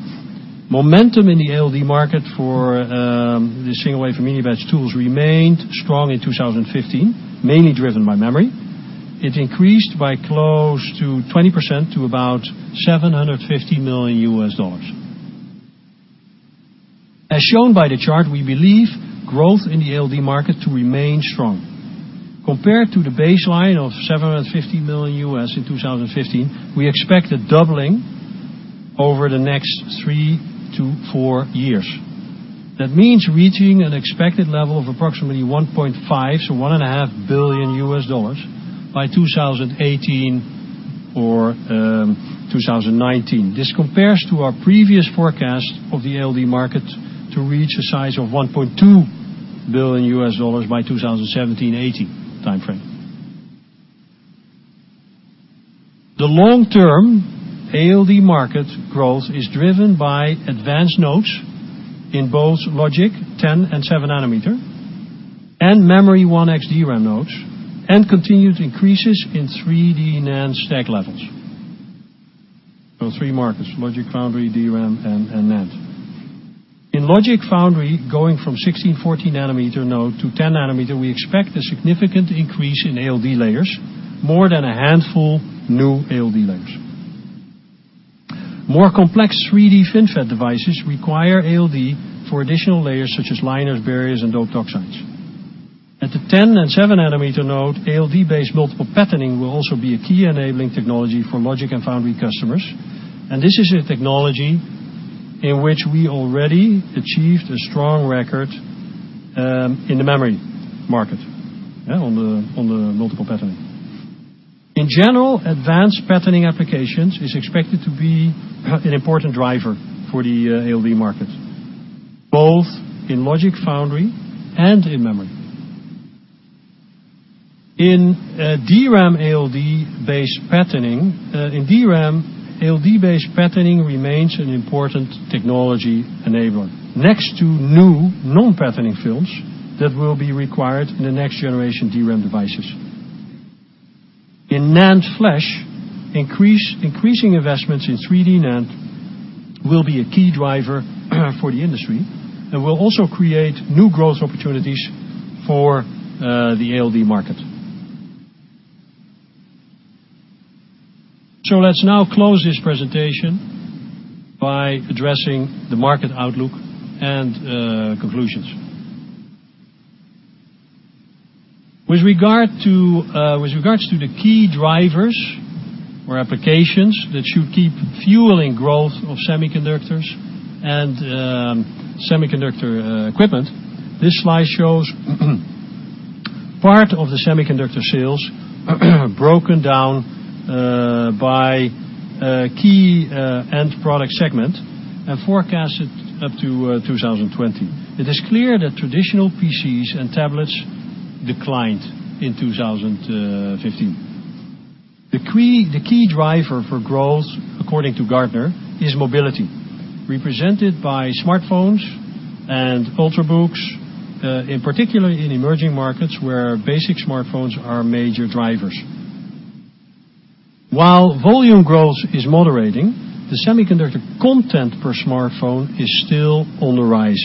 Momentum in the ALD market for the single-wafer mini batch tools remained strong in 2015, mainly driven by memory. It increased by close to 20% to about $750 million. As shown by the chart, we believe growth in the ALD market to remain strong. Compared to the baseline of $750 million in 2015, we expect a doubling over the next three to four years. That means reaching an expected level of approximately 1.5, so one and a half billion US dollars by 2018 or 2019. This compares to our previous forecast of the ALD market to reach a size of $1.2 billion by 2017-2018 timeframe. The long-term ALD market growth is driven by advanced nodes in both logic 10 and seven nanometer, and memory 1x DRAM nodes, and continued increases in 3D NAND stack levels. Three markets, logic foundry, DRAM, and NAND. In logic foundry, going from 16/14 nanometer node to 10 nanometer, we expect a significant increase in ALD layers, more than a handful new ALD layers. More complex 3D FinFET devices require ALD for additional layers such as liners, barriers, and doped oxides. At the 10 and seven nanometer node, ALD-based multiple patterning will also be a key enabling technology for logic and foundry customers, and this is a technology in which we already achieved a strong record in the memory market on the multiple patterning. In general, advanced patterning applications is expected to be an important driver for the ALD market, both in logic foundry and in memory. In DRAM, ALD-based patterning remains an important technology enabler, next to new non-patterning films that will be required in the next generation DRAM devices. In NAND flash, increasing investments in 3D NAND will be a key driver for the industry and will also create new growth opportunities for the ALD market. Let's now close this presentation by addressing the market outlook and conclusions. With regards to the key drivers or applications that should keep fueling growth of semiconductors and semiconductor equipment, this slide shows part of the semiconductor sales broken down by key end product segment and forecasted up to 2020. It is clear that traditional PCs and tablets declined in 2015. The key driver for growth, according to Gartner, is mobility, represented by smartphones and ultrabooks, in particular in emerging markets where basic smartphones are major drivers. While volume growth is moderating, the semiconductor content per smartphone is still on the rise.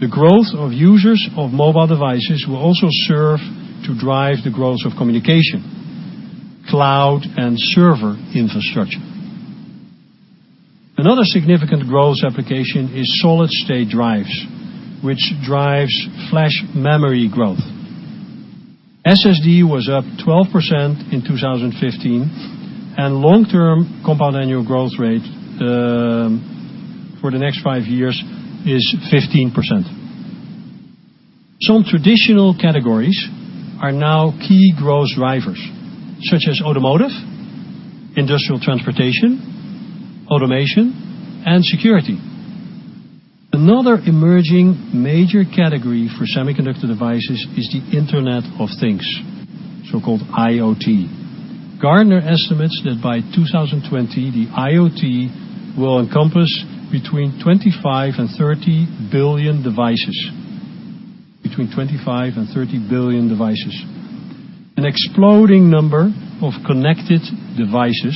The growth of users of mobile devices will also serve to drive the growth of communication, cloud, and server infrastructure. Another significant growth application is solid-state drives, which drives flash memory growth. SSD was up 12% in 2015, and long-term CAGR for the next five years is 15%. Some traditional categories are now key growth drivers, such as automotive, industrial transportation, automation, and security. Another emerging major category for semiconductor devices is the Internet of Things, so-called IoT. Gartner estimates that by 2020, the IoT will encompass between 25 and 30 billion devices. Between 25 and 30 billion devices. An exploding number of connected devices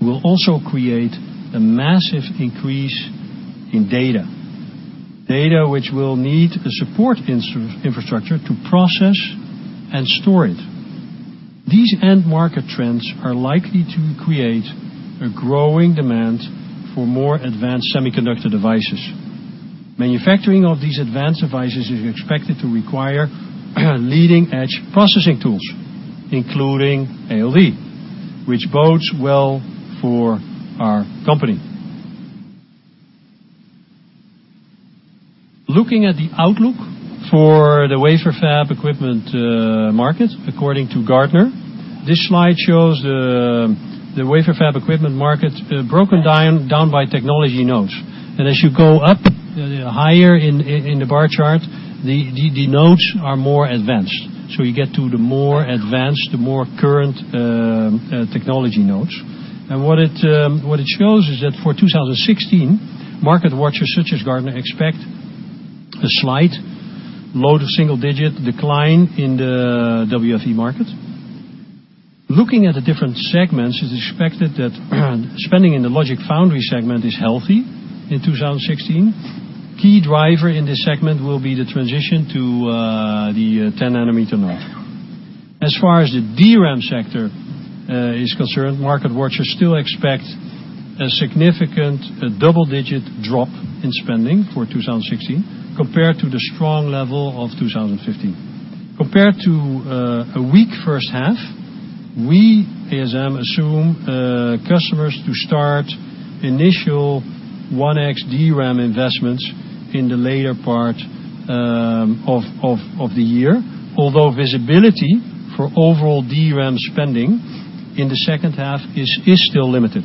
will also create a massive increase in data. Data which will need a support infrastructure to process and store it. These end market trends are likely to create a growing demand for more advanced semiconductor devices. Manufacturing of these advanced devices is expected to require leading-edge processing tools, including ALD, which bodes well for our company. Looking at the outlook for the wafer fab equipment market, according to Gartner, this slide shows the wafer fab equipment market broken down by technology nodes. As you go up higher in the bar chart, the nodes are more advanced. You get to the more advanced, the more current technology nodes. What it shows is that for 2016, market watchers such as Gartner expect a slight, low to single-digit decline in the WFE market. Looking at the different segments, it's expected that spending in the logic foundry segment is healthy in 2016. Key driver in this segment will be the transition to the 10-nanometer node. As far as the DRAM sector is concerned, market watchers still expect a significant double-digit drop in spending for 2016 compared to the strong level of 2015. Compared to a weak first half, we, ASM, assume customers to start initial 1X DRAM investments in the later part of the year, although visibility for overall DRAM spending in the second half is still limited.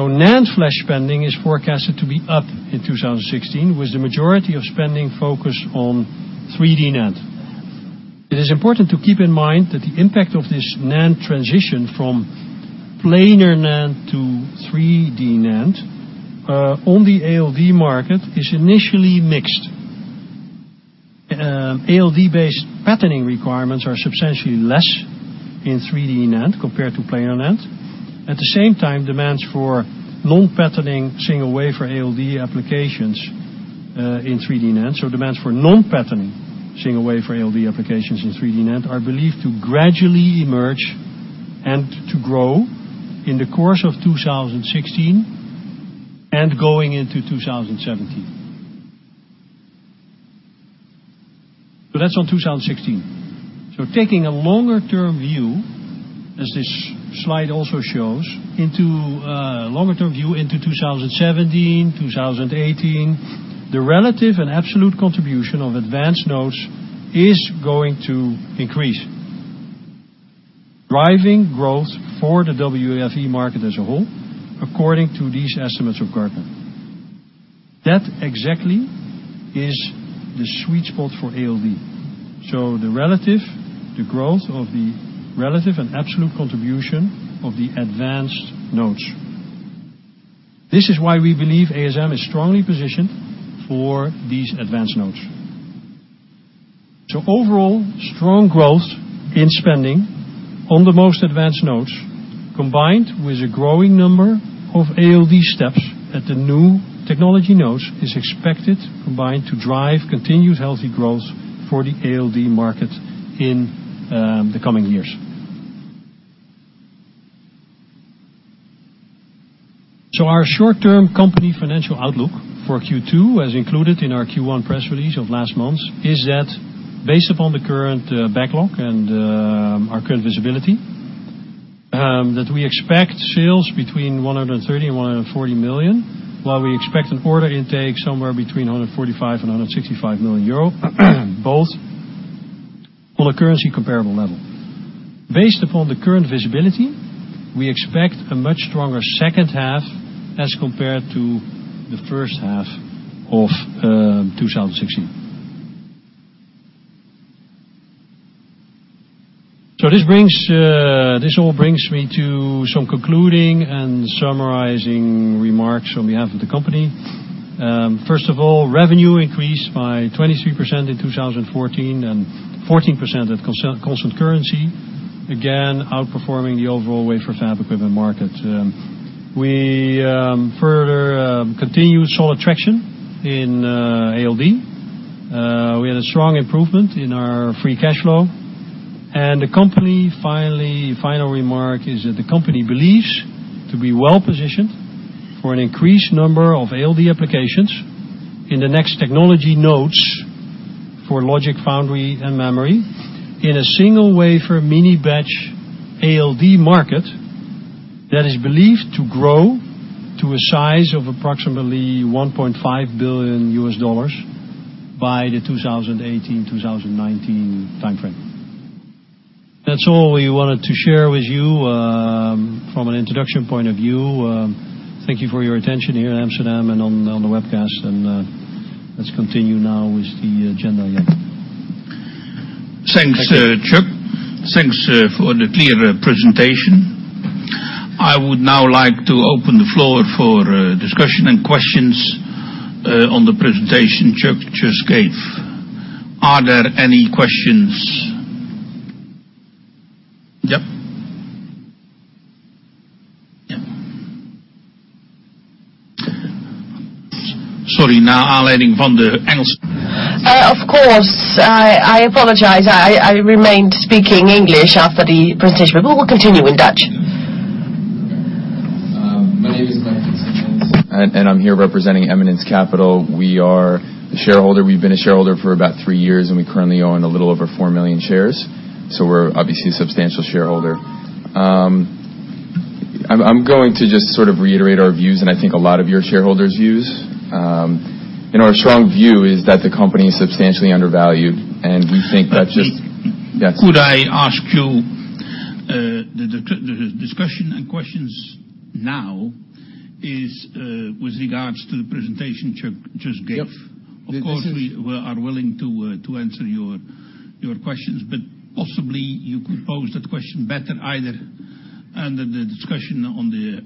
NAND flash spending is forecasted to be up in 2016, with the majority of spending focused on 3D NAND. It is important to keep in mind that the impact of this NAND transition from planar NAND to 3D NAND on the ALD market is initially mixed. ALD-based patterning requirements are substantially less in 3D NAND compared to planar NAND. At the same time, demands for long patterning single wafer ALD applications in 3D NAND, so demands for non-patterning single wafer ALD applications in 3D NAND, are believed to gradually emerge and to grow in the course of 2016 and going into 2017. That's on 2016. Taking a longer-term view, as this slide also shows, into 2017, 2018, the relative and absolute contribution of advanced nodes is going to increase, driving growth for the WFE market as a whole, according to these estimates of Gartner. That exactly is the sweet spot for ALD. The growth of the relative and absolute contribution of the advanced nodes. This is why we believe ASM is strongly positioned for these advanced nodes. Overall, strong growth in spending on the most advanced nodes, combined with a growing number of ALD steps at the new technology nodes, is expected combined to drive continued healthy growth for the ALD market in the coming years. Our short-term company financial outlook for Q2, as included in our Q1 press release of last month, is that based upon the current backlog and our current visibility, that we expect sales between 130 million and 140 million, while we expect an order intake somewhere between 145 million and 165 million euro, both on a currency comparable level. Based upon the current visibility, we expect a much stronger second half as compared to the first half of 2016. This all brings me to some concluding and summarizing remarks on behalf of the company. First of all, revenue increased by 23% in 2014 and 14% at constant currency, again, outperforming the overall wafer fab equipment market. We further continued solid traction in ALD. We had a strong improvement in our free cash flow. The company, final remark is that the company believes to be well-positioned for an increased number of ALD applications in the next technology nodes for logic foundry and memory in a single wafer mini batch ALD market that is believed to grow to a size of approximately $1.5 billion by the 2018-2019 timeframe. That's all we wanted to share with you from an introduction point of view. Thank you for your attention here in Amsterdam and on the webcast. Let's continue now with the agenda item. Thanks, Chuck. Thanks for the clear presentation. I would now like to open the floor for discussion and questions on the presentation Chuck just gave. Are there any questions? Yep. Yeah. Sorry, Of course. I apologize. I remained speaking English after the presentation, but we will continue in Dutch. My name is Michael Simanovsky, and I'm here representing Eminence Capital. We are the shareholder. We've been a shareholder for about three years, and we currently own a little over four million shares, so we're obviously a substantial shareholder. I'm going to just sort of reiterate our views and I think a lot of your shareholders' views. Our strong view is that the company is substantially undervalued. Wait. Yes. Could I ask you, the discussion and questions now is with regards to the presentation Chuck just gave. Yep. We are willing to answer your questions, possibly you could pose that question better either under the discussion on the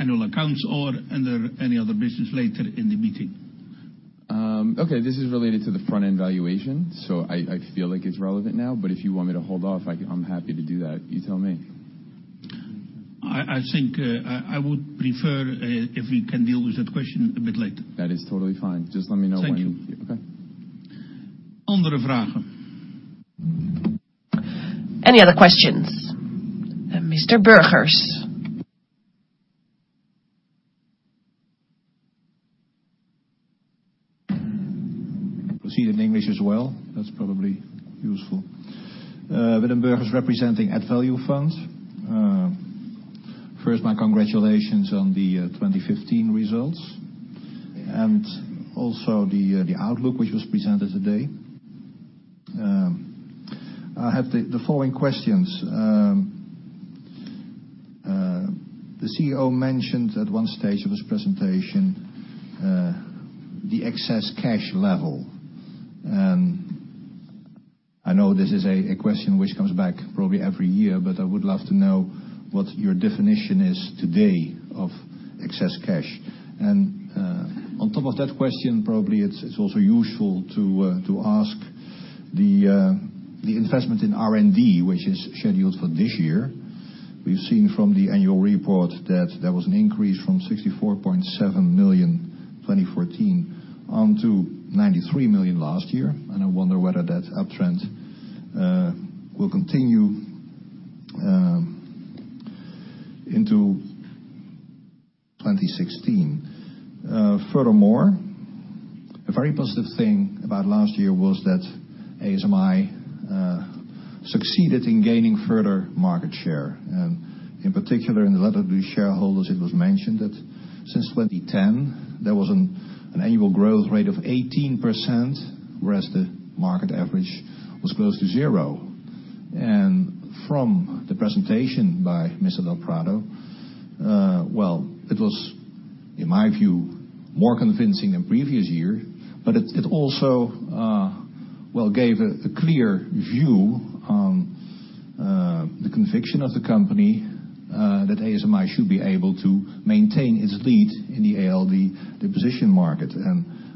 annual accounts or under any other business later in the meeting. This is related to the Front-End valuation, I feel like it's relevant now, if you want me to hold off, I'm happy to do that. You tell me. I think I would prefer if we can deal with that question a bit later. That is totally fine. Just let me know when. Thank you. Okay. Any other questions? Mr. Burgers. Proceed in English as well. That's probably useful. Willem Burgers representing AddValue Fund. First, my congratulations on the 2015 results, also the outlook, which was presented today. I have the following questions. The CEO mentioned at one stage of his presentation the excess cash level. I know this is a question which comes back probably every year, but I would love to know what your definition is today of excess cash. On top of that question, probably it's also useful to ask the investment in R&D, which is scheduled for this year. We've seen from the annual report that there was an increase from 64.7 million in 2014 on to 93 million last year, and I wonder whether that uptrend will continue into 2016. A very positive thing about last year was that ASMI succeeded in gaining further market share. In particular, in the letter to shareholders, it was mentioned that since 2010, there was an annual growth rate of 18%, whereas the market average was close to zero. From the presentation by Mr. Del Prado, it was, in my view, more convincing than previous years, but it also gave a clear view on the conviction of the company that ASMI should be able to maintain its lead in the ALD deposition market.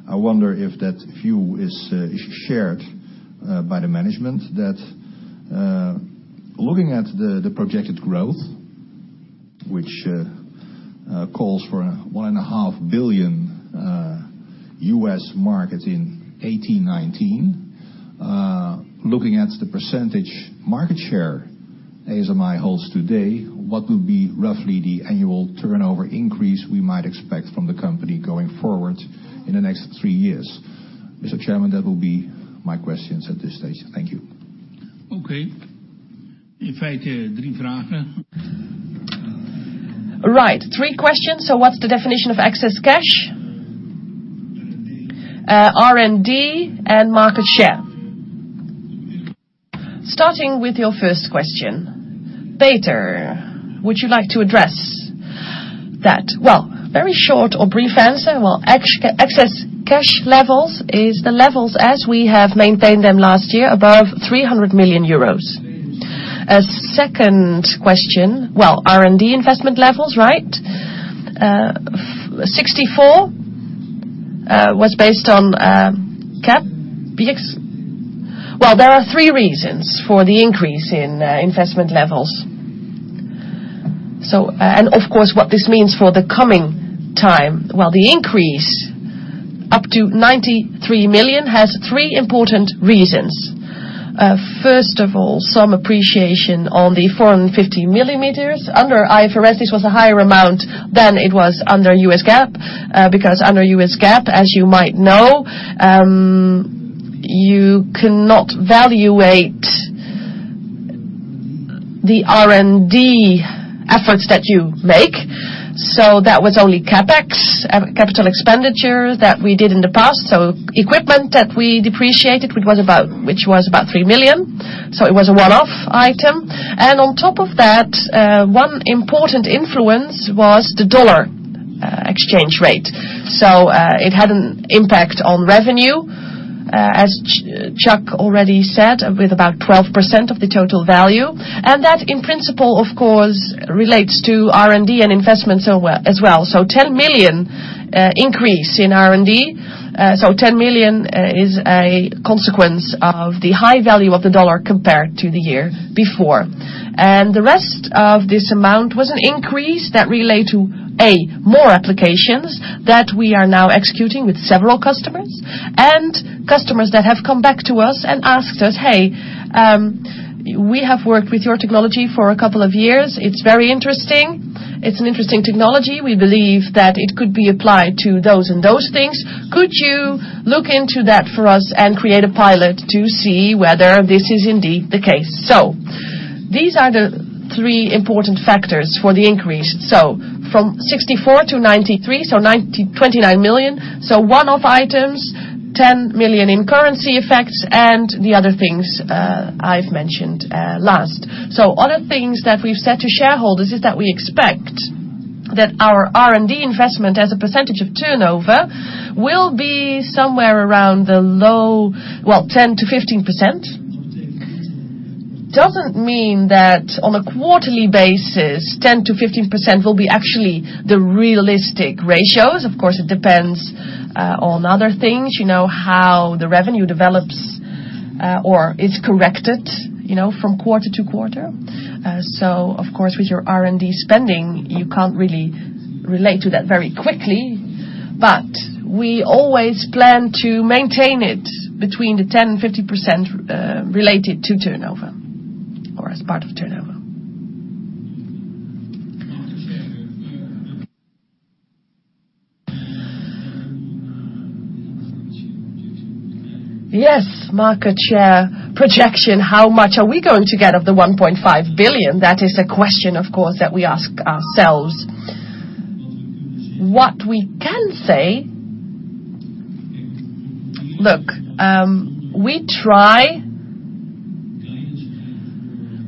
I wonder if that view is shared by the management that, looking at the projected growth, which calls for a one and a half billion U.S. market in 2018, 2019. Looking at the percentage market share ASMI holds today, what will be roughly the annual turnover increase we might expect from the company going forward in the next three years? Mr. Chairman, that will be my questions at this stage. Thank you. Okay. Right. Three questions. What's the definition of excess cash, R&D, and market share? Starting with your first question. Peter, would you like to address that? Very short or brief answer. Excess cash levels is the levels as we have maintained them last year above 300 million euros. A second question, R&D investment levels, right? 64 was based on CapEx. There are three reasons for the increase in investment levels. Of course, what this means for the coming time, while the increase up to 93 million has three important reasons. First of all, some appreciation on the 450 millimeters. Under IFRS, this was a higher amount than it was under US GAAP, because under US GAAP, as you might know, you cannot valuate the R&D efforts that you make. That was only CapEx, capital expenditure, that we did in the past. Equipment that we depreciated, which was about 3 million. It was a one-off item. On top of that, one important influence was the U.S. dollar exchange rate. It had an impact on revenue, as Chuck already said, with about 12% of the total value, and that in principle, of course, relates to R&D and investments as well. 10 million increase in R&D, 10 million is a consequence of the high value of the U.S. dollar compared to the year before. The rest of this amount was an increase that relate to, A, more applications that we are now executing with several customers, and customers that have come back to us and asked us, "Hey, we have worked with your technology for a couple of years. It's very interesting. It's an interesting technology. We believe that it could be applied to those and those things. Could you look into that for us and create a pilot to see whether this is indeed the case?" These are the three important factors for the increase. From 64 to 93, 29 million. One-off items, 10 million in currency effects, and the other things I've mentioned last. Other things that we've said to shareholders is that we expect that our R&D investment as a percentage of turnover will be somewhere around the low, 10%-15%. Doesn't mean that on a quarterly basis, 10%-15% will be actually the realistic ratios. Of course, it depends on other things, how the revenue develops or is corrected from quarter to quarter. Of course, with your R&D spending, you can't really relate to that very quickly. We always plan to maintain it between the 10% and 15% related to turnover or as part of turnover. Market share projection, how much are we going to get of the 1.5 billion? That is a question, of course, that we ask ourselves. What we can say, look, we try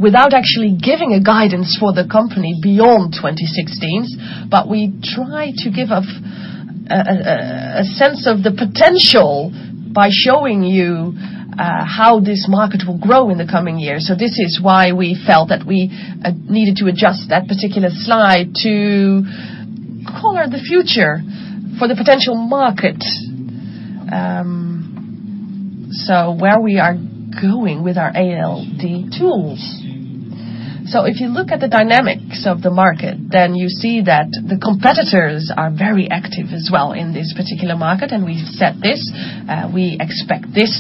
without actually giving a guidance for the company beyond 2016, but we try to give a sense of the potential by showing you how this market will grow in the coming years. This is why we felt that we needed to adjust that particular slide to color the future for the potential market. Where we are going with our ALD tools. If you look at the dynamics of the market, you see that the competitors are very active as well in this particular market, and we said this. We expect this.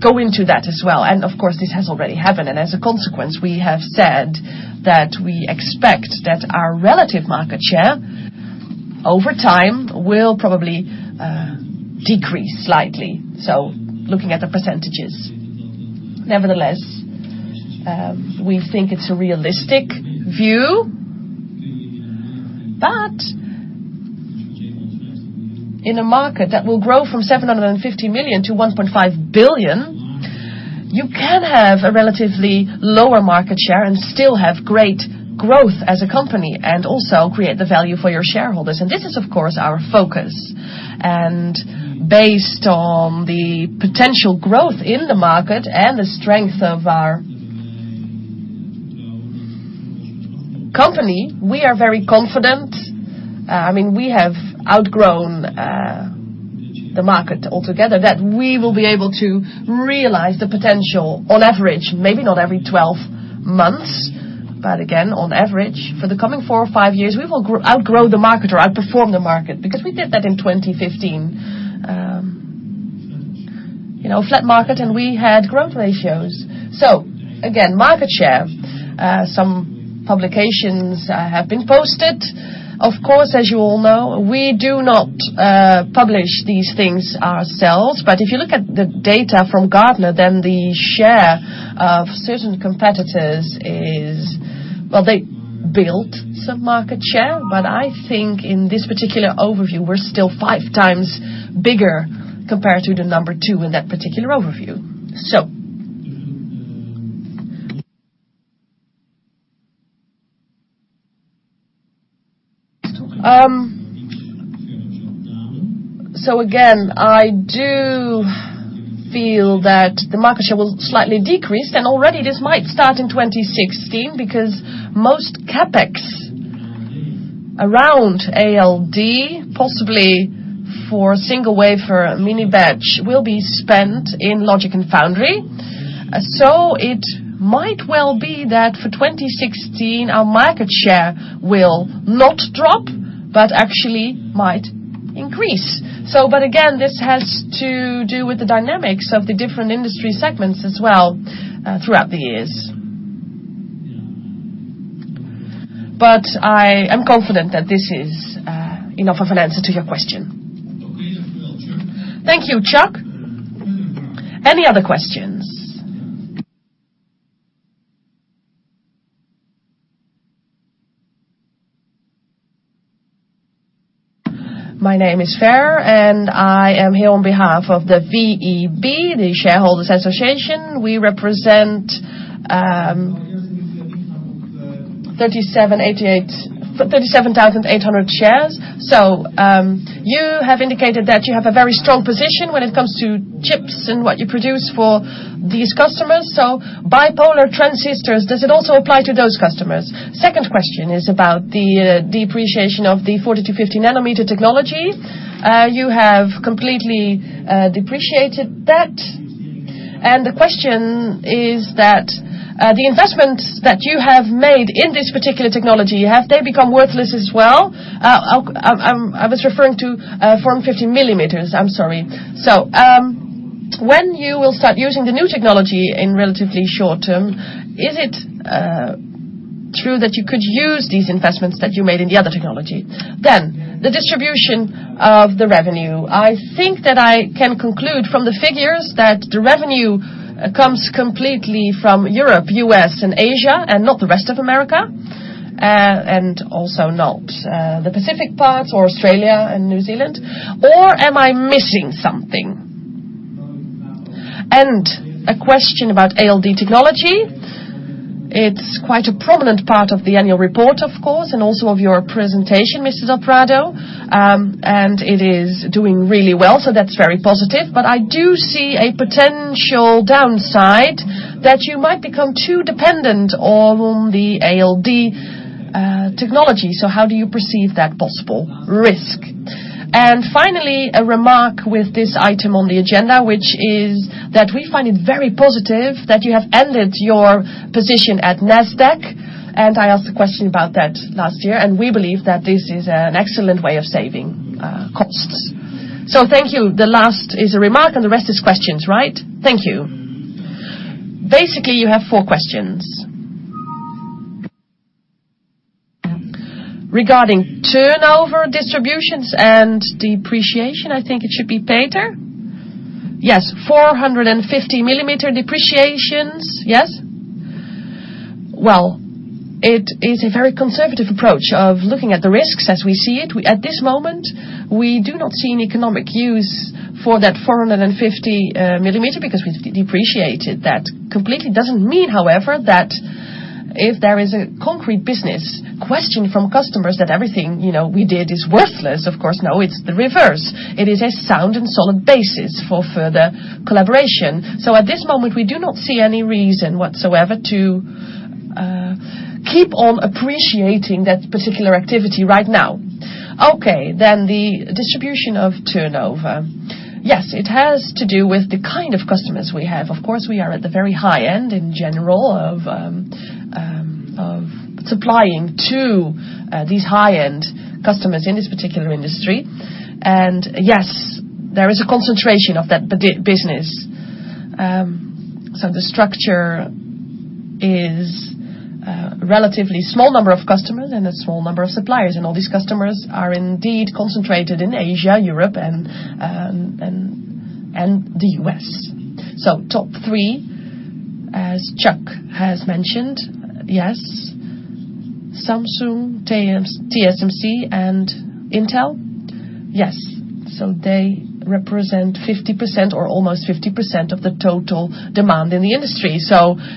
As a consequence, we have said that we expect that our relative market share over time will probably decrease slightly, looking at the percentages. Nevertheless, we think it's a realistic view. But in a market that will grow from $750 million to $1.5 billion, you can have a relatively lower market share and still have great growth as a company, and also create the value for your shareholders. This is, of course, our focus. Based on the potential growth in the market and the strength of our company, we are very confident. We have outgrown the market altogether, that we will be able to realize the potential on average, maybe not every 12 months, but again, on average. For the coming four or five years, we will outgrow the market or outperform the market, because we did that in 2015. Flat market, and we had growth ratios. Again, market share. Some publications have been posted. Of course, as you all know, we do not publish these things ourselves. If you look at the data from Gartner, then the share of certain competitors is, well, they built some market share. But I think in this particular overview, we're still 5 times bigger compared to the number two in that particular overview. Again, I do feel that the market share will slightly decrease, and already this might start in 2016 because most CapEx around ALD, possibly for single wafer mini batch, will be spent in logic and foundry. It might well be that for 2016, our market share will not drop, but actually might increase. Again, this has to do with the dynamics of the different industry segments as well throughout the years. But I am confident that this is enough of an answer to your question. Thank you, Chuck. Any other questions? My name is Fer, and I am here on behalf of the VEB, the Shareholders Association. We represent 37,800 shares. You have indicated that you have a very strong position when it comes to chips and what you produce for these customers. Bipolar transistors, does it also apply to those customers? Second question is about the depreciation of the 40-50 nanometer technology. You have completely depreciated that, and the question is that the investments that you have made in this particular technology, have they become worthless as well? I was referring to 450 millimeters. I'm sorry. When you will start using the new technology in relatively short term, is it true that you could use these investments that you made in the other technology? The distribution of the revenue. I think that I can conclude from the figures that the revenue comes completely from Europe, U.S., and Asia, and not the rest of America, and also not the Pacific parts or Australia and New Zealand. Or am I missing something? A question about ALD Technology. It's quite a prominent part of the annual report, of course, and also of your presentation, Mr. Prado. It is doing really well, that's very positive. I do see a potential downside that you might become too dependent on the ALD technology. How do you perceive that possible risk? Finally, a remark with this item on the agenda, which is that we find it very positive that you have ended your position at Nasdaq, I asked a question about that last year, we believe that this is an excellent way of saving costs. Thank you. The last is a remark, and the rest is questions, right? Thank you. Basically, you have four questions. Regarding turnover distributions and depreciation, I think it should be Peter. Yes, 450-millimeter depreciations. Yes. Well, it is a very conservative approach of looking at the risks as we see it. At this moment, we do not see an economic use for that 450 millimeter because we've depreciated that completely. Doesn't mean, however, that if there is a concrete business question from customers that everything we did is worthless. Of course, no, it's the reverse. It is a sound and solid basis for further collaboration. At this moment, we do not see any reason whatsoever to keep on appreciating that particular activity right now. Okay, the distribution of turnover. Yes, it has to do with the kind of customers we have. Of course, we are at the very high end in general of supplying to these high-end customers in this particular industry. Yes, there is a concentration of that business. The structure is a relatively small number of customers and a small number of suppliers, and all these customers are indeed concentrated in Asia, Europe, and the U.S. Top three, as Chuck has mentioned, yes, Samsung, TSMC, and Intel. Yes. They represent 50% or almost 50% of the total demand in the industry.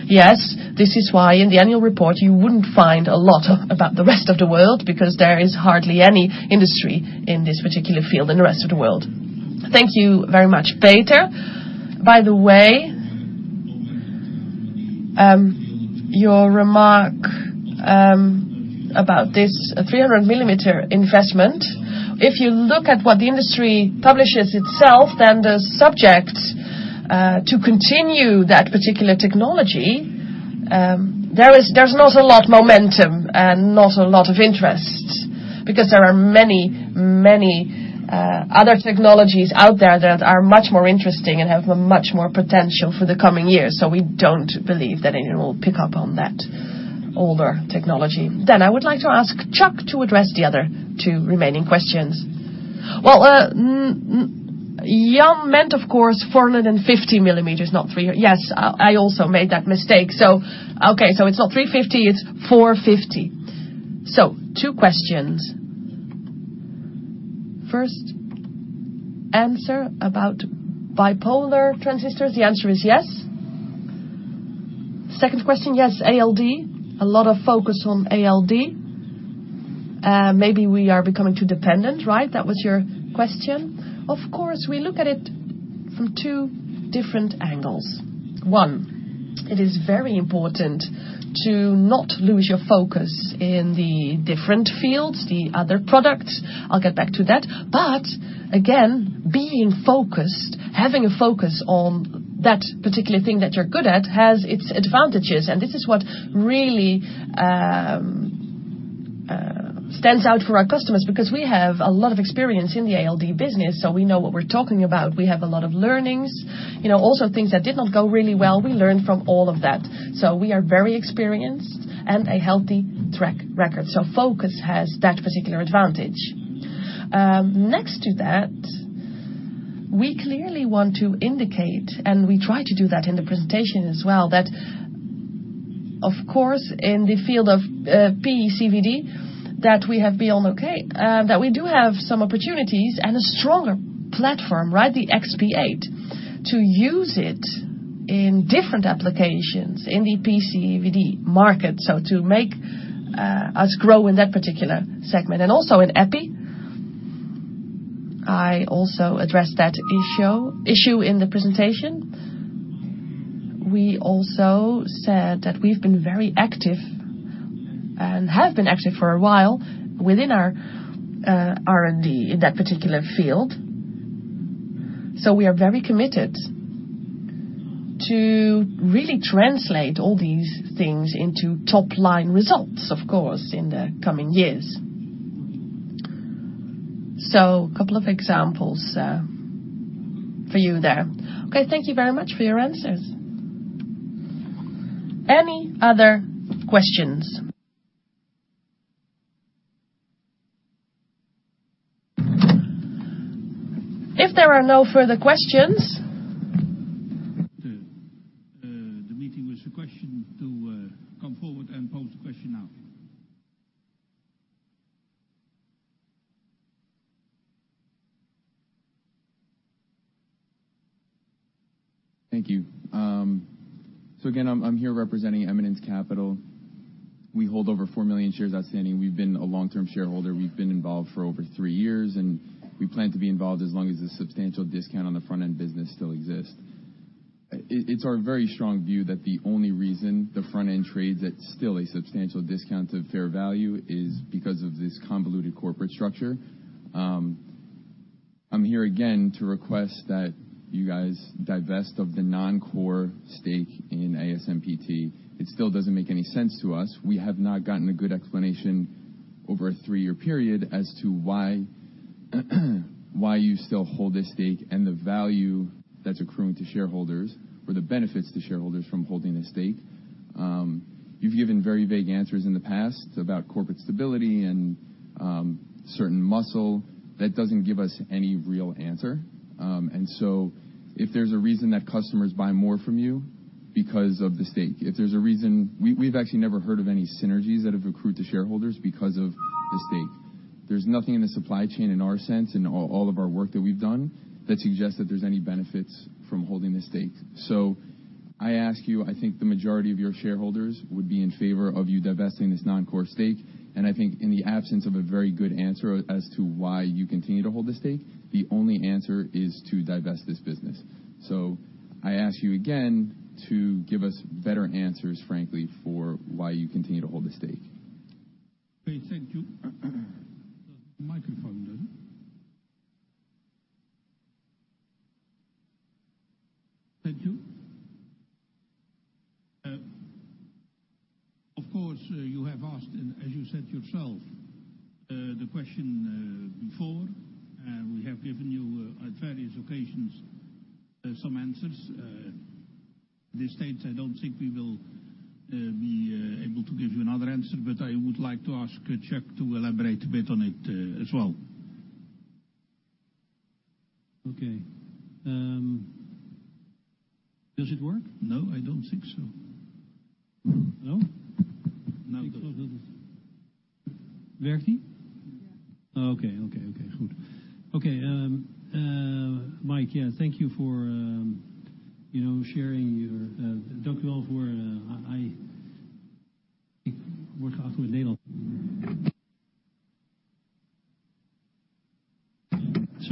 Yes, this is why in the annual report, you wouldn't find a lot about the rest of the world, because there is hardly any industry in this particular field in the rest of the world. Thank you very much, Peter. By the way, your remark about this 300-millimeter investment. If you look at what the industry publishes itself, the subject to continue that particular technology, there's not a lot momentum and not a lot of interest because there are many, many other technologies out there that are much more interesting and have much more potential for the coming years. We don't believe that anyone will pick up on that older technology. I would like to ask Chuck to address the other two remaining questions. Well, Jan meant, of course, 450 millimeters, not 300. Yes, I also made that mistake. It's not 350, it's 450. Two questions. First answer about bipolar transistors, the answer is yes. Second question, yes, ALD, a lot of focus on ALD. Maybe we are becoming too dependent, right? That was your question. Of course, we look at it from two different angles. It is very important to not lose your focus in the different fields, the other products. I'll get back to that. Again, being focused, having a focus on that particular thing that you're good at has its advantages. This is what really stands out for our customers, because we have a lot of experience in the ALD business, so we know what we're talking about. We have a lot of learnings, also things that did not go really well. We learned from all of that. We are very experienced and a healthy track record. Focus has that particular advantage. Next to that, we clearly want to indicate, and we try to do that in the presentation as well, that of course, in the field of PECVD, that we have beyond okay, that we do have some opportunities and a stronger platform. The XP8, to use it in different applications in the PECVD market. To make us grow in that particular segment and also in EPI. I also addressed that issue in the presentation. We also said that we've been very active and have been active for a while within our R&D in that particular field. We are very committed to really translate all these things into top-line results, of course, in the coming years. Couple of examples for you there. Okay. Thank you very much for your answers. Any other questions? If there are no further questions. The meeting with the question to come forward and pose the question now. Thank you. Again, I'm here representing Eminence Capital. We hold over four million shares outstanding. We've been a long-term shareholder. We've been involved for over three years, and we plan to be involved as long as the substantial discount on the front-end business still exists. It's our very strong view that the only reason the front end trades at still a substantial discount to fair value is because of this convoluted corporate structure. I'm here again to request that you guys divest of the non-core stake in ASMPT. It still doesn't make any sense to us. We have not gotten a good explanation over a three-year period as to why you still hold this stake and the value that's accruing to shareholders or the benefits to shareholders from holding the stake. You've given very vague answers in the past about corporate stability and certain muscle. That doesn't give us any real answer. If there's a reason that customers buy more from you because of the stake, if there's a reason We've actually never heard of any synergies that have accrued to shareholders because of the stake. There's nothing in the supply chain in our sense, in all of our work that we've done that suggests that there's any benefits from holding the stake. I ask you, I think the majority of your shareholders would be in favor of you divesting this non-core stake. I think in the absence of a very good answer as to why you continue to hold the stake, the only answer is to divest this business. I ask you again to give us better answers, frankly, for why you continue to hold the stake. Okay. Thank you. Microphone. Thank you. Of course, you have asked and as you said yourself, the question before, and we have given you at various occasions some answers. At this stage, I don't think we will be able to give you another answer, but I would like to ask Chuck to elaborate a bit on it as well. Okay. Does it work? No, I don't think so. No? No. Okay, good. Okay, Mike. Thank you for sharing your.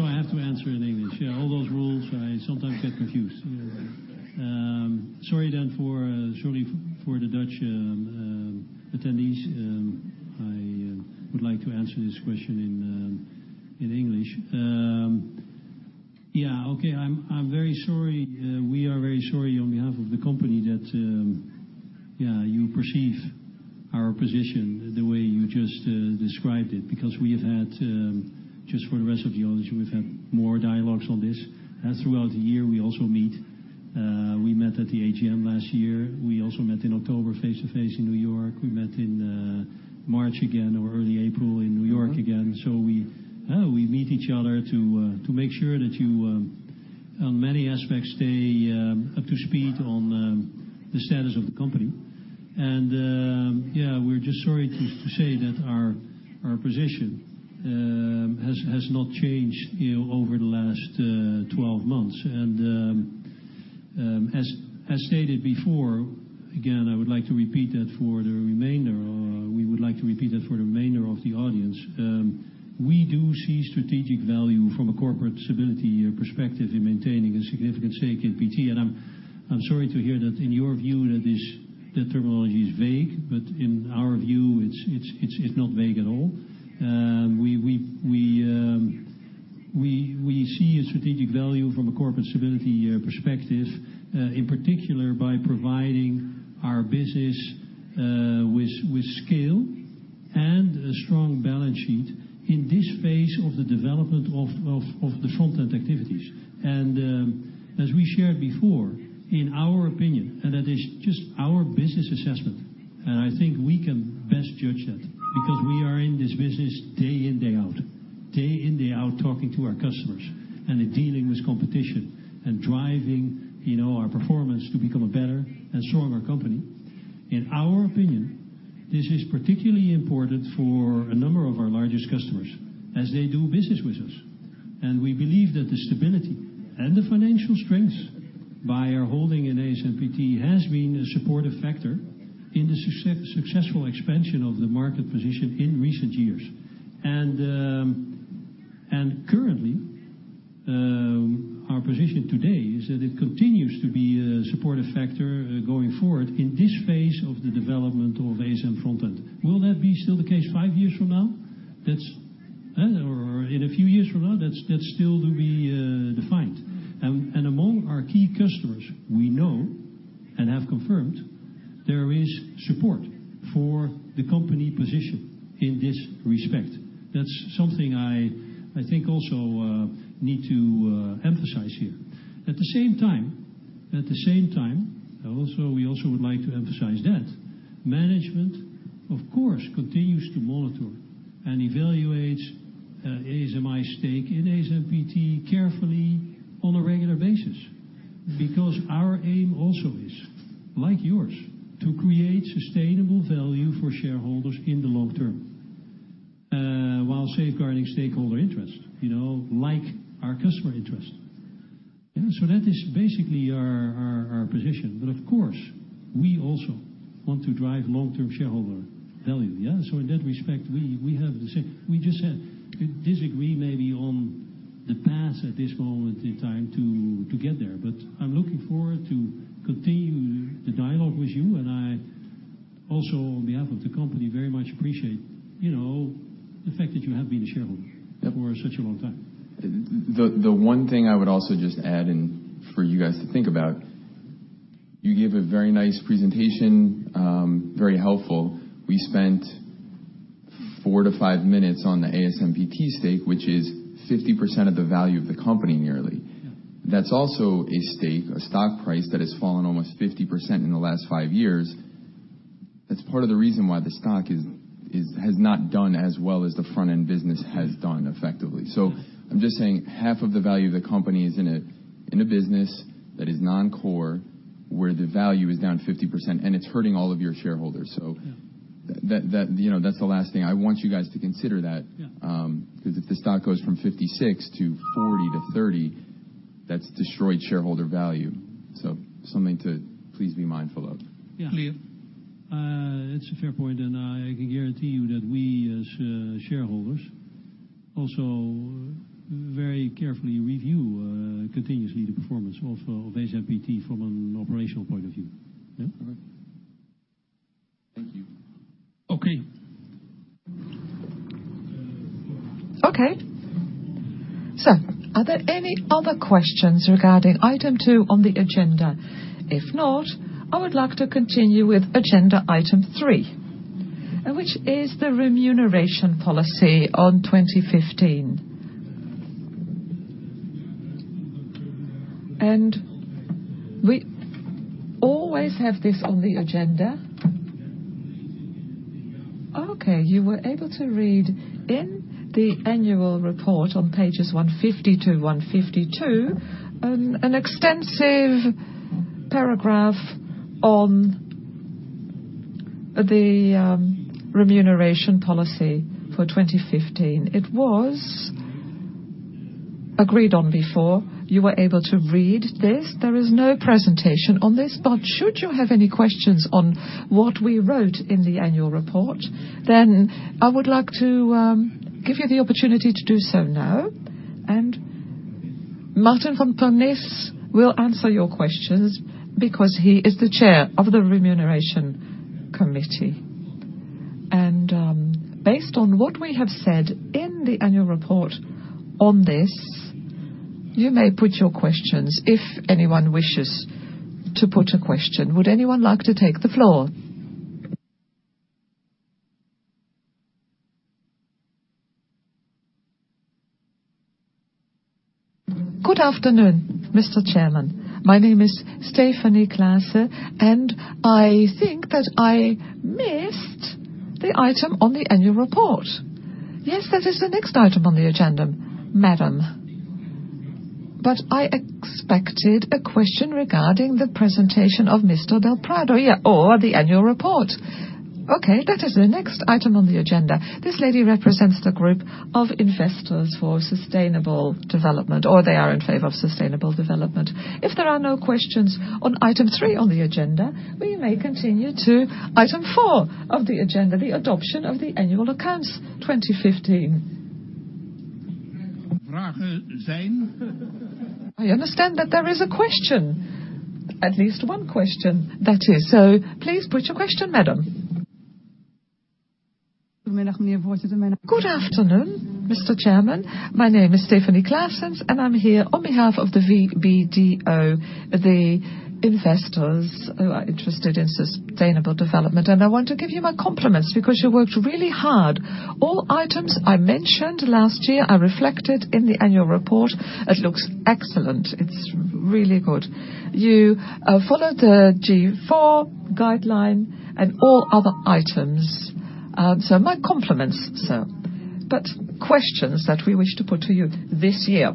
I have to answer in English. All those rules I sometimes get confused. Sorry for the Dutch attendees. I would like to answer this question in English. Okay. I'm very sorry. We are very sorry on behalf of the company that you perceive our position the way you just described it, because just for the rest of you all, we've had more dialogues on this. Throughout the year we also meet. We met at the AGM last year. We also met in October face-to-face in New York. We met in March again or early April in New York again. We meet each other to make sure that you, on many aspects, stay up to speed on the status of the company. We're just sorry to say that our position has not changed over the last 12 months. As stated before, again, I would like to repeat that for the remainder, or we would like to repeat that for the remainder of the audience. We do see strategic value from a corporate stability perspective in maintaining a significant stake in PT. I'm sorry to hear that in your view, that terminology is vague, but in our view, it's not vague at all. We see a strategic value from a corporate stability perspective, in particular by providing our business with scale and a strong balance sheet in this phase of the development of the front-end activities. As we shared before, in our opinion, and that is just our business assessment, and I think we can best judge that because we are in this business day in, day out. Day in, day out, talking to our customers and dealing with competition and driving our performance to become a better and stronger company. In our opinion, this is particularly important for a number of our largest customers as they do business with us. We believe that the stability and the financial strength by our holding in ASMPT has been a supportive factor in the successful expansion of the market position in recent years. Currently, our position today is that it continues to be a supportive factor going forward in this phase of the development of ASMI Front-End. Will that be still the case five years from now? In a few years from now? That's still to be defined. Among our key customers, we know and have confirmed there is support for the company position in this respect. That's something I think I also need to emphasize here. At the same time, we also would like to emphasize that management, of course, continues to monitor and evaluate ASMI's stake in ASMPT carefully on a regular basis, because our aim also is, like yours, to create sustainable value for shareholders in the long term, while safeguarding stakeholder interest, like our customer interest. That is basically our position. Of course, we also want to drive long-term shareholder value. In that respect, we have the same. We just disagree maybe on the path at this moment in time to get there. I'm looking forward to continuing the dialogue with you, and I also, on behalf of the company, very much appreciate the fact that you have been a shareholder for such a long time. The one thing I would also just add in for you guys to think about, you gave a very nice presentation, very helpful. We spent four to five minutes on the ASMPT stake, which is 50% of the value of the company, nearly. That's also a stake, a stock price that has fallen almost 50% in the last five years. That's part of the reason why the stock has not done as well as the front-end business has done effectively. I'm just saying half of the value of the company is in a business that is non-core, where the value is down 50%, and it's hurting all of your shareholders. Yeah. That's the last thing. I want you guys to consider that. Yeah. If the stock goes from 56 to 40 to 30, that's destroyed shareholder value. Something to please be mindful of. Yeah. Clear. It's a fair point, and I can guarantee you that we as shareholders also very carefully review continuously the performance of ASMPT from an operational point of view. Yeah? All right. Thank you. Okay. Are there any other questions regarding item two on the agenda? If not, I would like to continue with agenda item three, which is the remuneration policy on 2015. We always have this on the agenda. You were able to read in the annual report on pages 150 to 152 an extensive paragraph on the remuneration policy for 2015. It was agreed on before. You were able to read this. There is no presentation on this, but should you have any questions on what we wrote in the annual report, then I would like to give you the opportunity to do so now. Maarten van Pernis will answer your questions because he is the Chair of the Remuneration Committee. Based on what we have said in the annual report on this, you may put your questions if anyone wishes to put a question. Would anyone like to take the floor? Good afternoon, Mr. Chairman. My name is Stefanie Claessens, I think that I missed the item on the annual report. Yes, that is the next item on the agenda, madam. I expected a question regarding the presentation of Mr. del Prado. The annual report. That is the next item on the agenda. This lady represents the group of investors for sustainable development, or they are in favor of sustainable development. If there are no questions on item three on the agenda, we may continue to item four of the agenda, the adoption of the annual accounts 2015. I understand that there is a question, at least one question that is. Please put your question, madam. Good afternoon, Mr. Chairman. My name is Stefanie Claessens, and I am here on behalf of the VBDO, the investors who are interested in sustainable development. I want to give you my compliments because you worked really hard. All items I mentioned last year are reflected in the annual report. It looks excellent. It is really good. You followed the G4 guideline and all other items. My compliments, sir. Questions that we wish to put to you this year.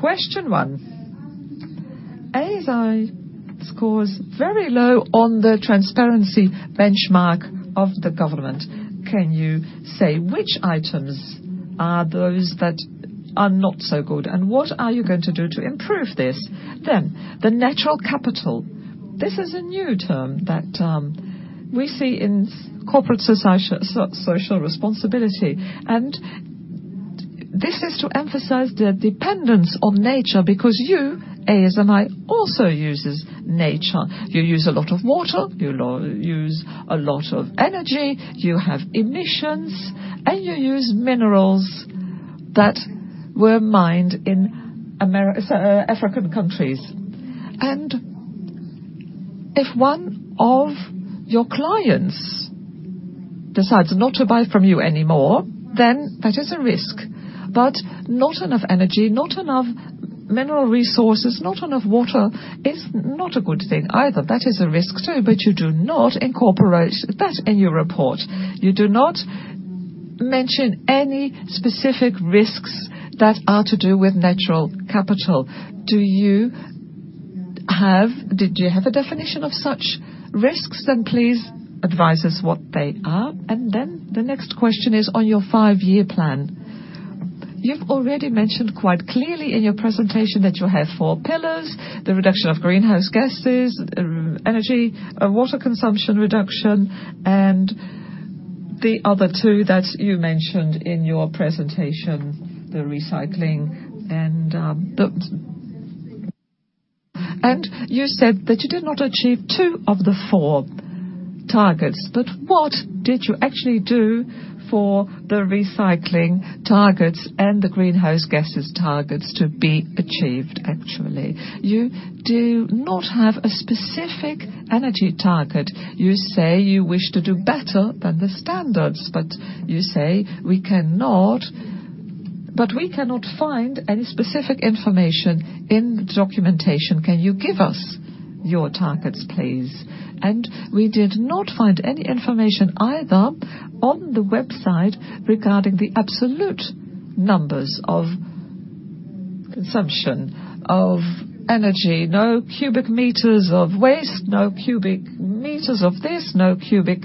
Question 1, ASMI scores very low on the transparency benchmark of the government. Can you say which items are those that are not so good, and what are you going to do to improve this? The natural capital. This is a new term that we see in corporate social responsibility, and this is to emphasize the dependence on nature, because you, ASMI, also uses nature. You use a lot of water, you use a lot of energy, you have emissions, and you use minerals that were mined in African countries. If one of your clients decides not to buy from you anymore, then that is a risk. Not enough energy, not enough mineral resources, not enough water is not a good thing either. That is a risk too, but you do not incorporate that in your report. You do not mention any specific risks that are to do with natural capital. Do you have a definition of such risks? Please advise us what they are. The next question is on your five-year plan. You have already mentioned quite clearly in your presentation that you have four pillars, the reduction of greenhouse gases, energy, water consumption reduction, and the other two that you mentioned in your presentation, the recycling. You said that you did not achieve two of the four targets, but what did you actually do for the recycling targets and the greenhouse gases targets to be achieved actually? You do not have a specific energy target. You say you wish to do better than the standards, but you say we cannot. We cannot find any specific information in the documentation. Can you give us your targets, please? We did not find any information either on the website regarding the absolute numbers of consumption of energy. No cubic meters of waste, no cubic meters of this, no cubic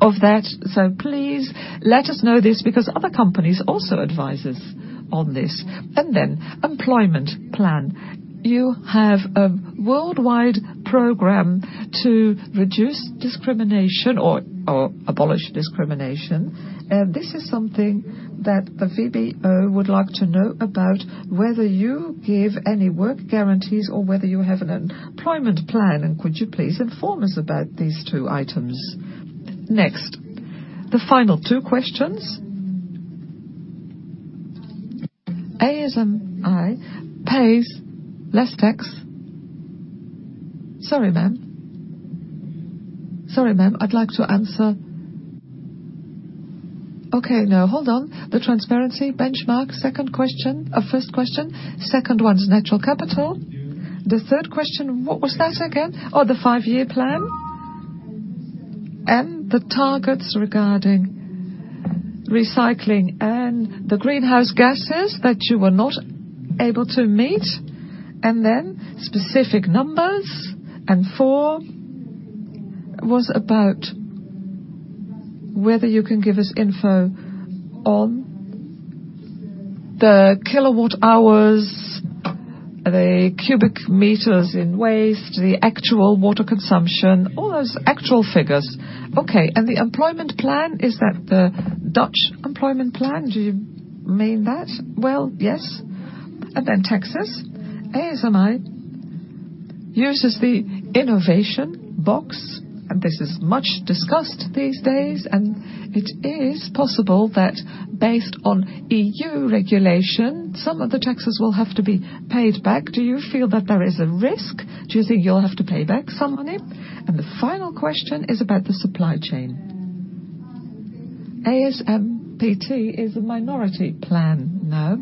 of that. Please let us know this because other companies also advise us on this. Employment plan. You have a worldwide program to reduce discrimination or abolish discrimination. This is something that the VBDO would like to know about whether you give any work guarantees or whether you have an employment plan, and could you please inform us about these two items? Next, the final two questions. ASMI pays less tax. Sorry, ma'am. Sorry, ma'am, I'd like to answer. Okay, no, hold on. The transparency benchmark, first question. Second one's natural capital. The third question, what was that again? Oh, the five-year plan and the targets regarding recycling and the greenhouse gases that you were not able to meet, and then specific numbers. Four was about whether you can give us info on the kilowatt hours, the cubic meters in waste, the actual water consumption, all those actual figures. Okay, the employment plan, is that the Dutch employment plan? Do you mean that? Well, yes. Taxes. ASM International uses the Innovation Box, this is much discussed these days, it is possible that based on EU regulation, some of the taxes will have to be paid back. Do you feel that there is a risk? Do you think you will have to pay back some money? The final question is about the supply chain. ASMPT is a minority plan now.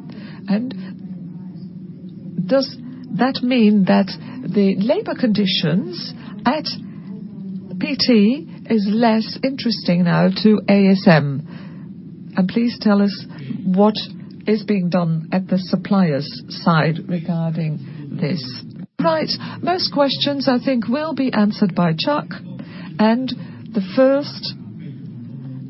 Does that mean that the labor conditions at ASMPT is less interesting now to ASM International? Please tell us what is being done at the supplier's side regarding this. Most questions, I think, will be answered by Chuck, and the first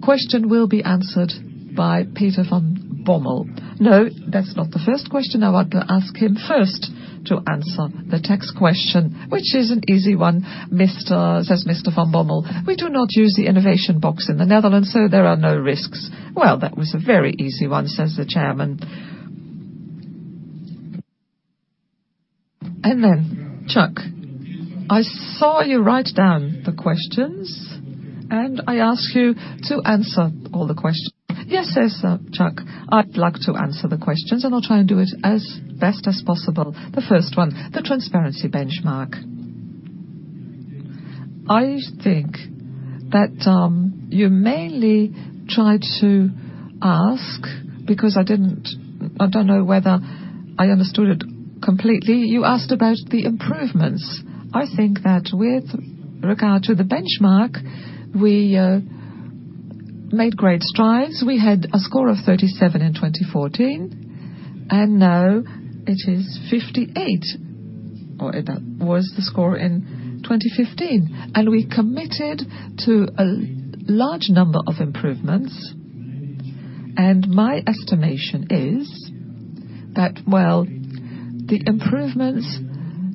question will be answered by Peter van Bommel. That is not the first question. I want to ask him first to answer the tax question. "Which is an easy one," says Mr. van Bommel. We do not use the Innovation Box in the Netherlands, so there are no risks." "That was a very easy one," says the chairman. Chuck, I saw you write down the questions, and I ask you to answer all the questions. Yes, sir, Chuck, I would like to answer the questions, and I will try and do it as best as possible. The first one, the transparency benchmark. I think that you mainly tried to ask because I do not know whether I understood it completely. You asked about the improvements. I think that with regard to the benchmark, we made great strides. We had a score of 37 in 2014, and now it is 58, or that was the score in 2015. We committed to a large number of improvements, and my estimation is that while the improvements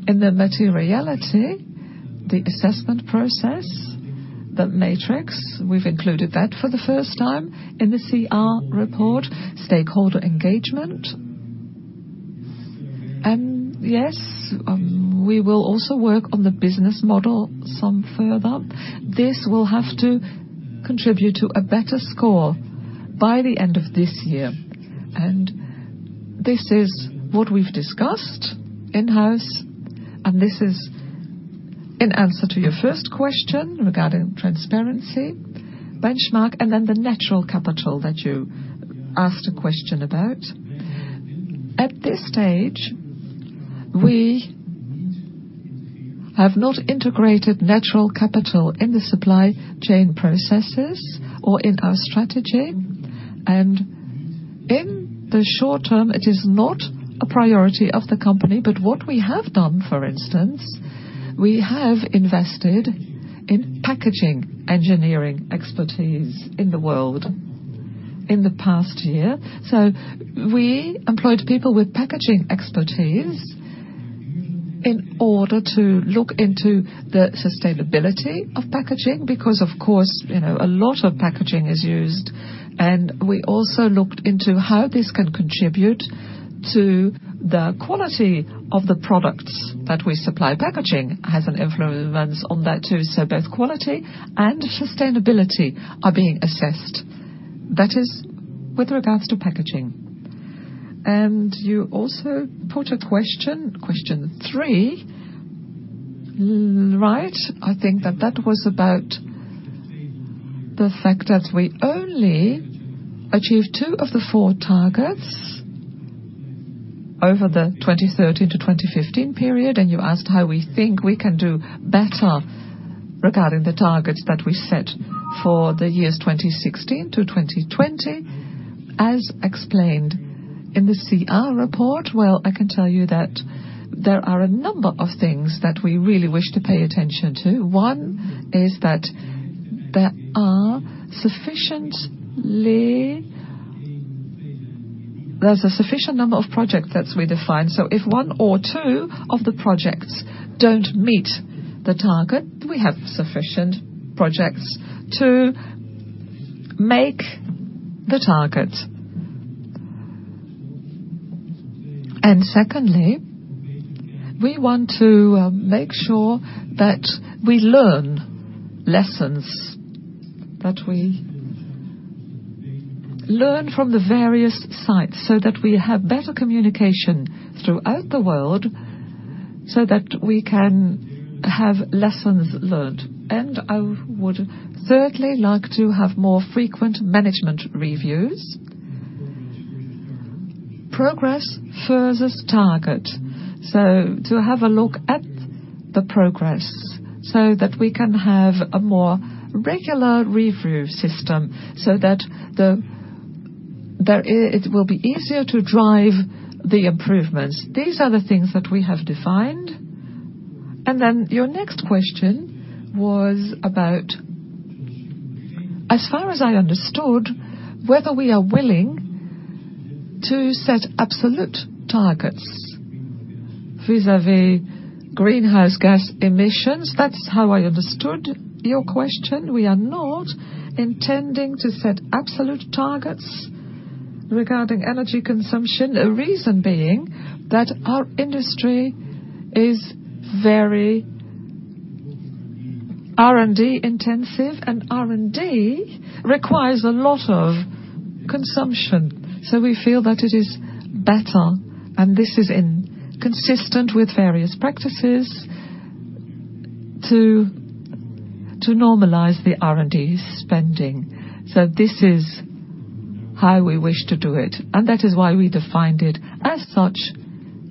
in the materiality, the assessment process, the matrix, we have included that for the first time in the CR report, stakeholder engagement. Yes, we will also work on the business model some further. This will have to contribute to a better score by the end of this year. This is what we have discussed in-house, and this is in answer to your first question regarding transparency benchmark. The natural capital that you asked a question about. At this stage, we have not integrated natural capital in the supply chain processes or in our strategy. In the short term, it is not a priority of the company. What we have done, for instance, we have invested in packaging engineering expertise in the world in the past year. We employed people with packaging expertise in order to look into the sustainability of packaging because, of course, a lot of packaging is used, and we also looked into how this can contribute to the quality of the products that we supply. Packaging has an influence on that, too. Both quality and sustainability are being assessed. That is with regards to packaging. You also put a question three, right? I think that that was about the fact that we only achieved two of the four targets over the 2013-2015 period, and you asked how we think we can do better regarding the targets that we set for the years 2016-2020. As explained in the CR report, I can tell you that there are a number of things that we really wish to pay attention to. One is that there's a sufficient number of projects that we defined. If one or two of the projects don't meet the target, we have sufficient projects to make the target. Secondly, we want to make sure that we learn lessons, that we learn from the various sites so that we have better communication throughout the world so that we can have lessons learned. I would thirdly like to have more frequent management reviews. Progress versus target. To have a look at the progress so that we can have a more regular review system so that it will be easier to drive the improvements. These are the things that we have defined. Your next question was about, as far as I understood, whether we are willing to set absolute targets vis-a-vis greenhouse gas emissions. That's how I understood your question. We are not intending to set absolute targets regarding energy consumption. A reason being that our industry is very R&D intensive, and R&D requires a lot of consumption. We feel that it is better, and this is inconsistent with various practices to normalize the R&D spending. This is how we wish to do it, and that is why we defined it as such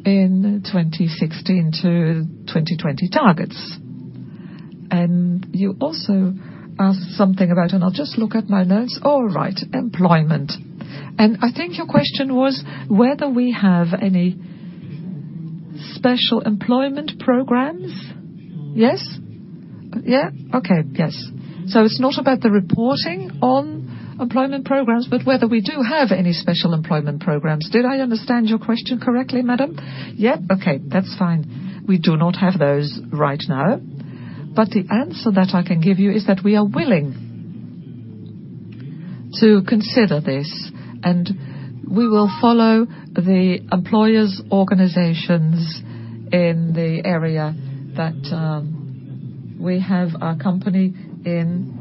in 2016 to 2020 targets. You also asked something about, I'll just look at my notes. All right, employment. I think your question was whether we have any special employment programs. Yes? Okay, yes. It's not about the reporting on employment programs, but whether we do have any special employment programs. Did I understand your question correctly, madam? Okay, that's fine. We do not have those right now, but the answer that I can give you is that we are willing to consider this. We will follow the employers' organizations in the area that we have our company in.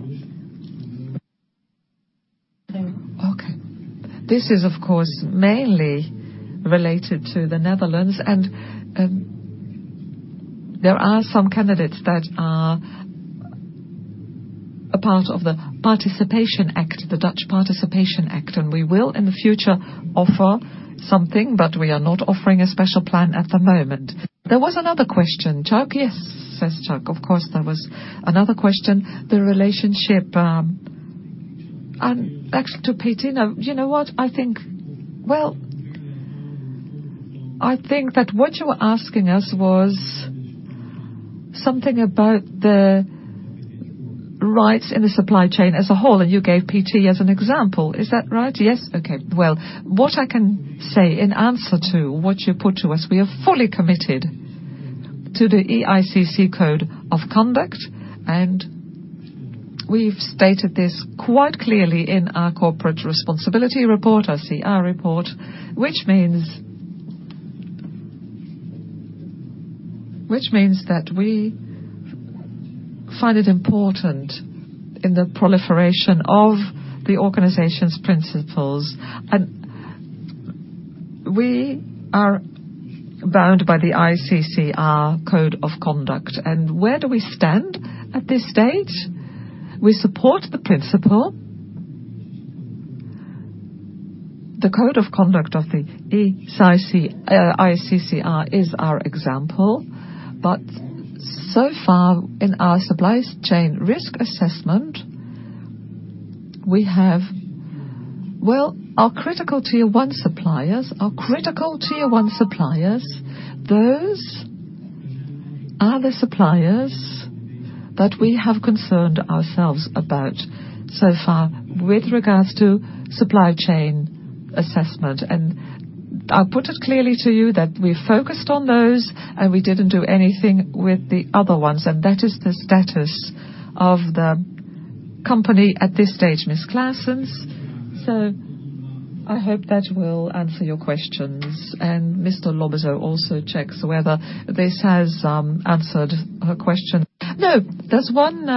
Okay. This is, of course, mainly related to the Netherlands, and there are some candidates that are a part of the Participation Act, the Dutch Participation Act, and we will, in the future, offer something, but we are not offering a special plan at the moment. There was another question, Chuck? Yes, says Chuck. Of course, there was another question. The relationship. Back to PT. You know what? I think that what you were asking us was something about the rights in the supply chain as a whole, and you gave PT as an example. Is that right? Yes. Okay. Well, what I can say in answer to what you put to us, we are fully committed to the EICC Code of Conduct, and we've stated this quite clearly in our corporate responsibility report, our CR report, which means that we find it important in the proliferation of the organization's principles. We are bound by the EICC Code of Conduct. Where do we stand at this stage? We support the principle. The code of conduct of the EICC is our example. In our supplies chain risk assessment, we have our critical tier 1 suppliers. Those are the suppliers that we have concerned ourselves about so far with regards to supply chain assessment. I put it clearly to you that we focused on those, we didn't do anything with the other ones, that is the status of the company at this stage, Ms. Claessens. I hope that will answer your questions. Mr. Lobbezoo also checks whether this has answered her question. No, there's one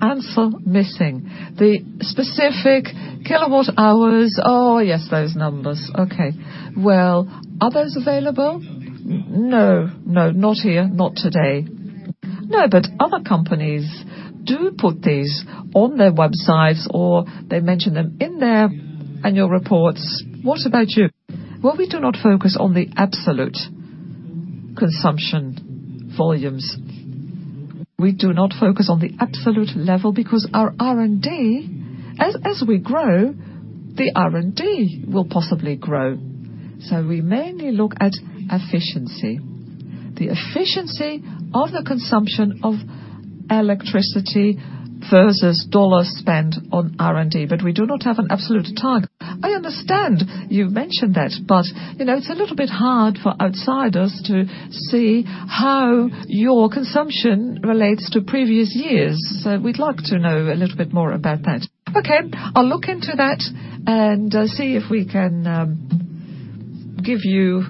answer missing. The specific kilowatt hours. Oh, yes, those numbers. Okay. Are those available? No, not here, not today. Other companies do put these on their websites, or they mention them in their annual reports. What about you? We do not focus on the absolute consumption volumes. We do not focus on the absolute level because as we grow, the R&D will possibly grow. We mainly look at efficiency. The efficiency of the consumption of electricity versus dollars spent on R&D, but we do not have an absolute target. I understand you've mentioned that, it's a little bit hard for outsiders to see how your consumption relates to previous years. We'd like to know a little bit more about that. Okay. I'll look into that and see if we can give you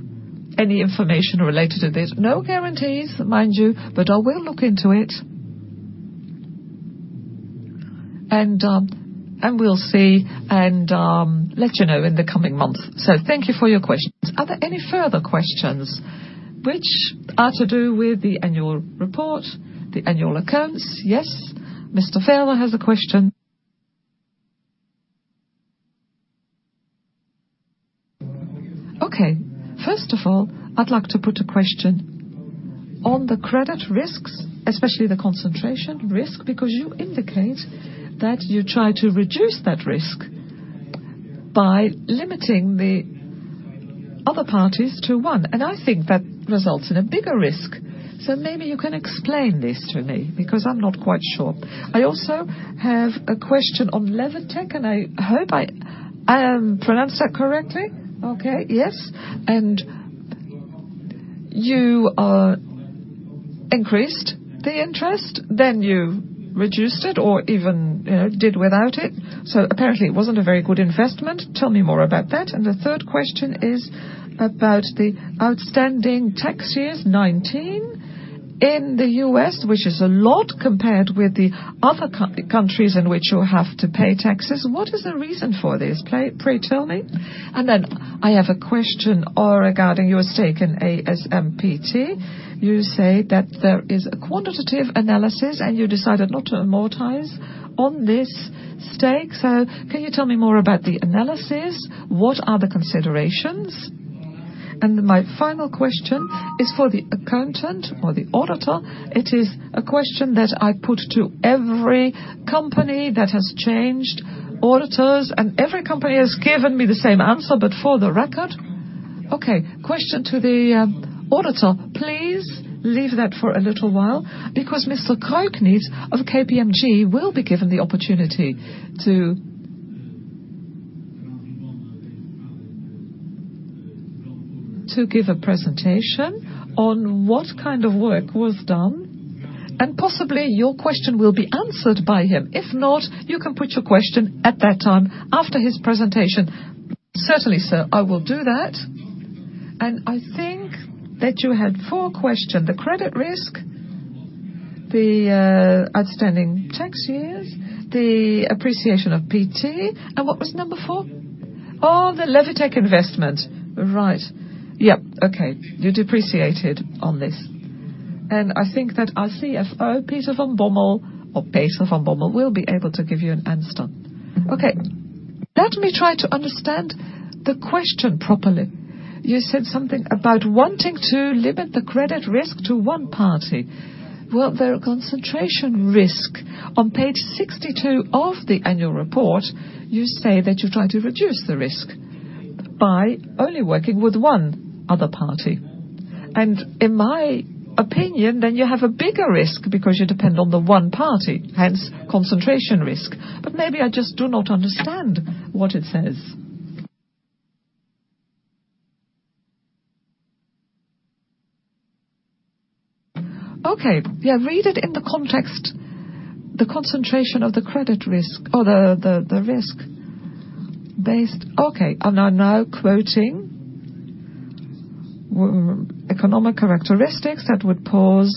any information related to this. No guarantees, mind you, but I will look into it. We'll see and let you know in the coming month. Thank you for your questions. Are there any further questions which are to do with the annual report, the annual accounts? Yes. Mr. Ferrer has a question. Okay. First of all, I'd like to put a question on the credit risks, especially the concentration risk, because you indicate that you try to reduce that risk by limiting the other parties to one. I think that results in a bigger risk. Maybe you can explain this to me because I'm not quite sure. I also have a question on Levitech, and I hope I pronounced that correctly. Okay, yes. You increased the interest, then you reduced it or even did without it. Apparently it wasn't a very good investment. Tell me more about that. The third question is about the outstanding tax year 2019 in the U.S., which is a lot compared with the other countries in which you have to pay taxes. What is the reason for this? Pray, tell me. I have a question regarding your stake in ASMPT. You say that there is a quantitative analysis and you decided not to amortize on this stake. Can you tell me more about the analysis? What are the considerations? My final question is for the accountant or the auditor. It is a question that I put to every company that has changed auditors, every company has given me the same answer, but for the record. Okay, question to the auditor. Please leave that for a little while, because Mr. Kreukniet of KPMG will be given the opportunity to give a presentation on what kind of work was done, possibly your question will be answered by him. If not, you can put your question at that time after his presentation. Certainly, sir, I will do that. I think that you had four questions, the credit risk, the outstanding tax years, the appreciation of ASMPT, what was number four? Oh, the Levitech investment. Right. Yep, okay. You depreciated on this. I think that our CFO, Peter van Bommel, or Peter van Bommel, will be able to give you an answer. Okay. Let me try to understand the question properly. You said something about wanting to limit the credit risk to one party. Well, the concentration risk. On page 62 of the annual report, you say that you're trying to reduce the risk by only working with one other party. In my opinion, then you have a bigger risk because you depend on the one party, hence concentration risk. Maybe I just do not understand what it says. Okay. Yeah, read it in the context, the concentration of the credit risk or the risk based Okay. I'm now quoting, "Economic characteristics that would cause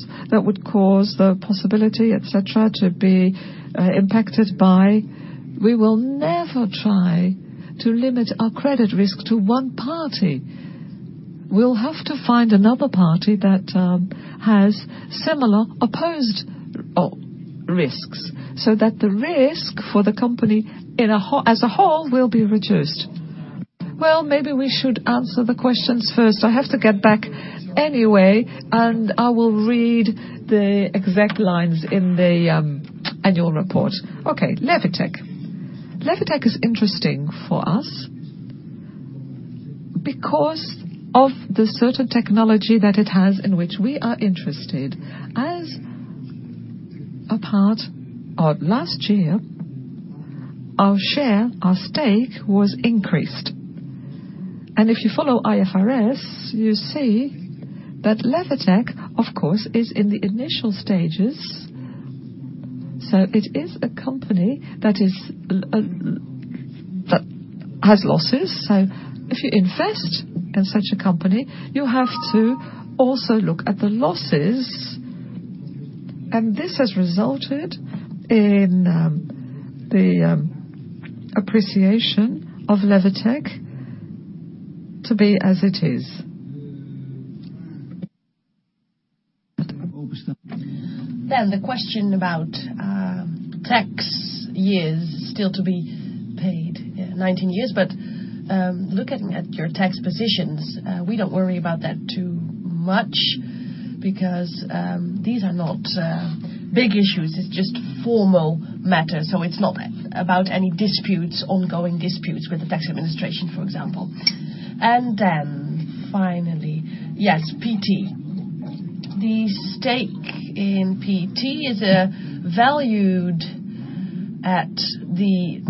the possibility, et cetera, to be impacted by." We will never try to limit our credit risk to one party. We'll have to find another party that has similar opposed risks, so that the risk for the company as a whole will be reduced. Maybe we should answer the questions first. I have to get back anyway. I will read the exact lines in the annual report. Okay. Levitech. Levitech is interesting for us because of the certain technology that it has in which we are interested. As a part of last year, our share, our stake was increased. If you follow IFRS, you see that Levitech, of course, is in the initial stages. It is a company that has losses. If you invest in such a company, you have to also look at the losses, and this has resulted in the appreciation of Levitech to be as it is. The question about tax years still to be paid, 19 years. Looking at your tax positions, we don't worry about that too much because these are not big issues. It's just formal matters, so it's not about any disputes, ongoing disputes with the tax administration, for example. Finally, yes, PT. The stake in PT is valued at the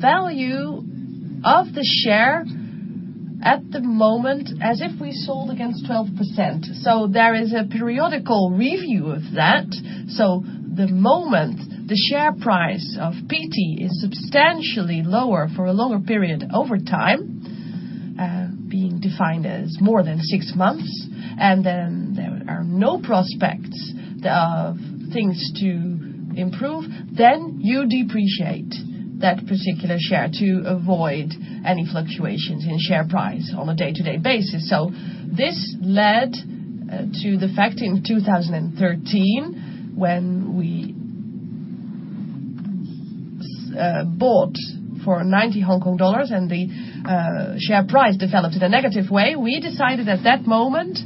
value of the share at the moment as if we sold against 12%. There is a periodical review of that. The moment the share price of PT is substantially lower for a longer period over time, being defined as more than six months, there are no prospects of things to improve, then you depreciate that particular share to avoid any fluctuations in share price on a day-to-day basis. This led to the fact in 2013, when we bought for 90 Hong Kong dollars, the share price developed in a negative way, we decided at that moment,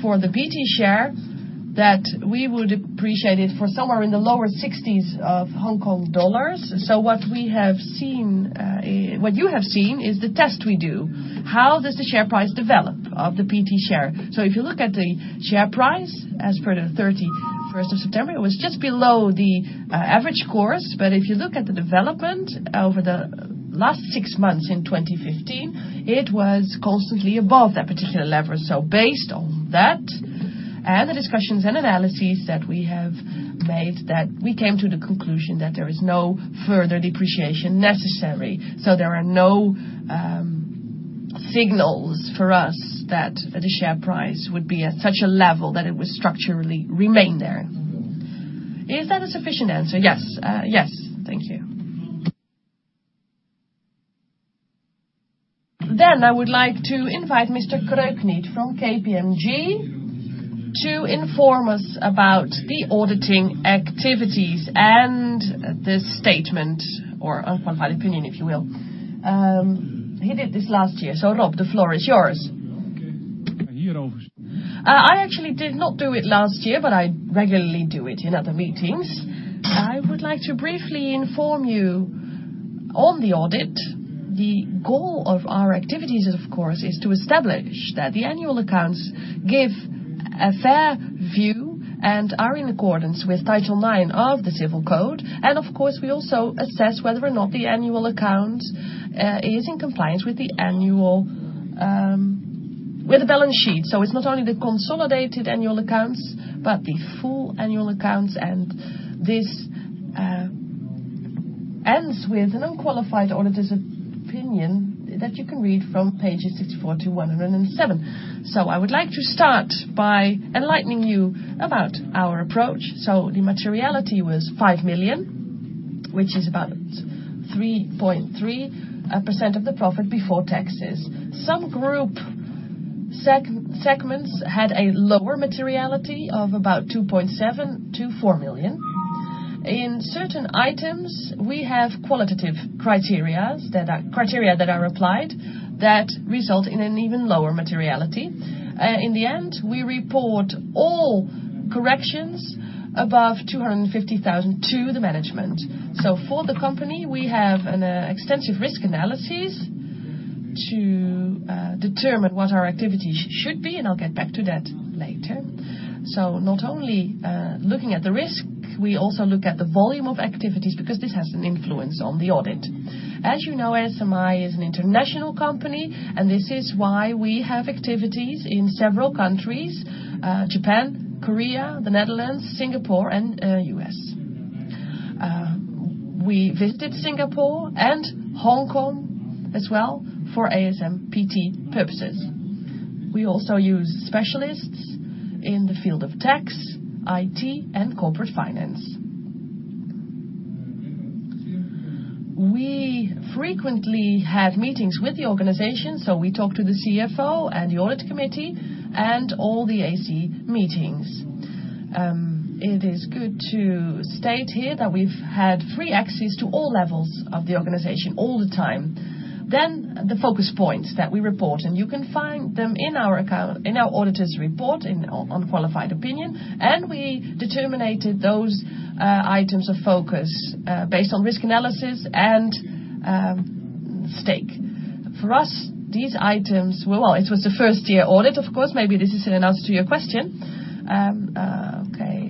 for the PT share, that we would appreciate it for somewhere in the lower HKD 60s. What you have seen is the test we do. How does the share price develop of the PT share? If you look at the share price as per the 31st of September, it was just below the average course. If you look at the development over the last six months in 2015, it was constantly above that particular level. Based on that, the discussions and analyses that we have made that we came to the conclusion that there is no further depreciation necessary. There are no signals for us that the share price would be at such a level that it would structurally remain there. Is that a sufficient answer? Yes. Yes. Thank you. I would like to invite Mr. Kreukniet from KPMG to inform us about the auditing activities and the statement or qualified opinion, if you will. He did this last year. Rob, the floor is yours. Okay. I actually did not do it last year, but I regularly do it in other meetings. I would like to briefly inform you on the audit. The goal of our activities, of course, is to establish that the annual accounts give a fair view and are in accordance with Title 9 of the Civil Code. Of course, we also assess whether or not the annual account is in compliance with the balance sheet. It's not only the consolidated annual accounts, but the full annual accounts, and this ends with an unqualified auditor's opinion that you can read from pages 64-107. I would like to start by enlightening you about our approach. The materiality was 5 million, which is about 3.3% of the profit before taxes. Some group segments had a lower materiality of about 2.7 million-4 million. In certain items, we have qualitative criteria that are applied that result in an even lower materiality. In the end, we report all corrections above 250,000 to the management. For the company, we have an extensive risk analysis to determine what our activities should be, and I'll get back to that later. Not only are we looking at the risk, we also look at the volume of activities because this has an influence on the audit. As you know, ASMI is an international company, and this is why we have activities in several countries: Japan, Korea, the Netherlands, Singapore, and U.S. We visited Singapore and Hong Kong as well for ASMPT purposes. We also use specialists in the field of tax, IT, and corporate finance. We frequently have meetings with the organization, so we talk to the CFO and the audit committee and all the AC meetings. It is good to state here that we've had free access to all levels of the organization all the time. The focus points that we report, and you can find them in our auditor's report in unqualified opinion, and we determined those items of focus based on risk analysis and stake. For us, these items, well, it was the first-year audit, of course. Maybe this is an answer to your question. Okay.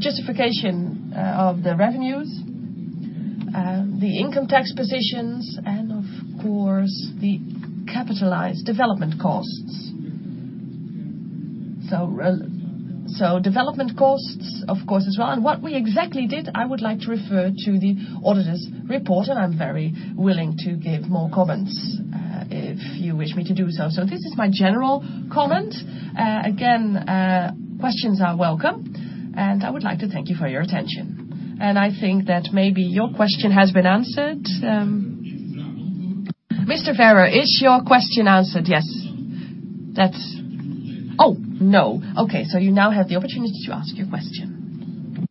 Justification of the revenues, the income tax positions, and of course, the capitalized development costs. Development costs, of course, as well. What we exactly did, I would like to refer to the auditor's report, and I'm very willing to give more comments if you wish me to do so. This is my general comment. Again, questions are welcome, and I would like to thank you for your attention. I think that maybe your question has been answered. Mr. Ferrer, is your question answered? Yes. Oh, no. You now have the opportunity to ask your question.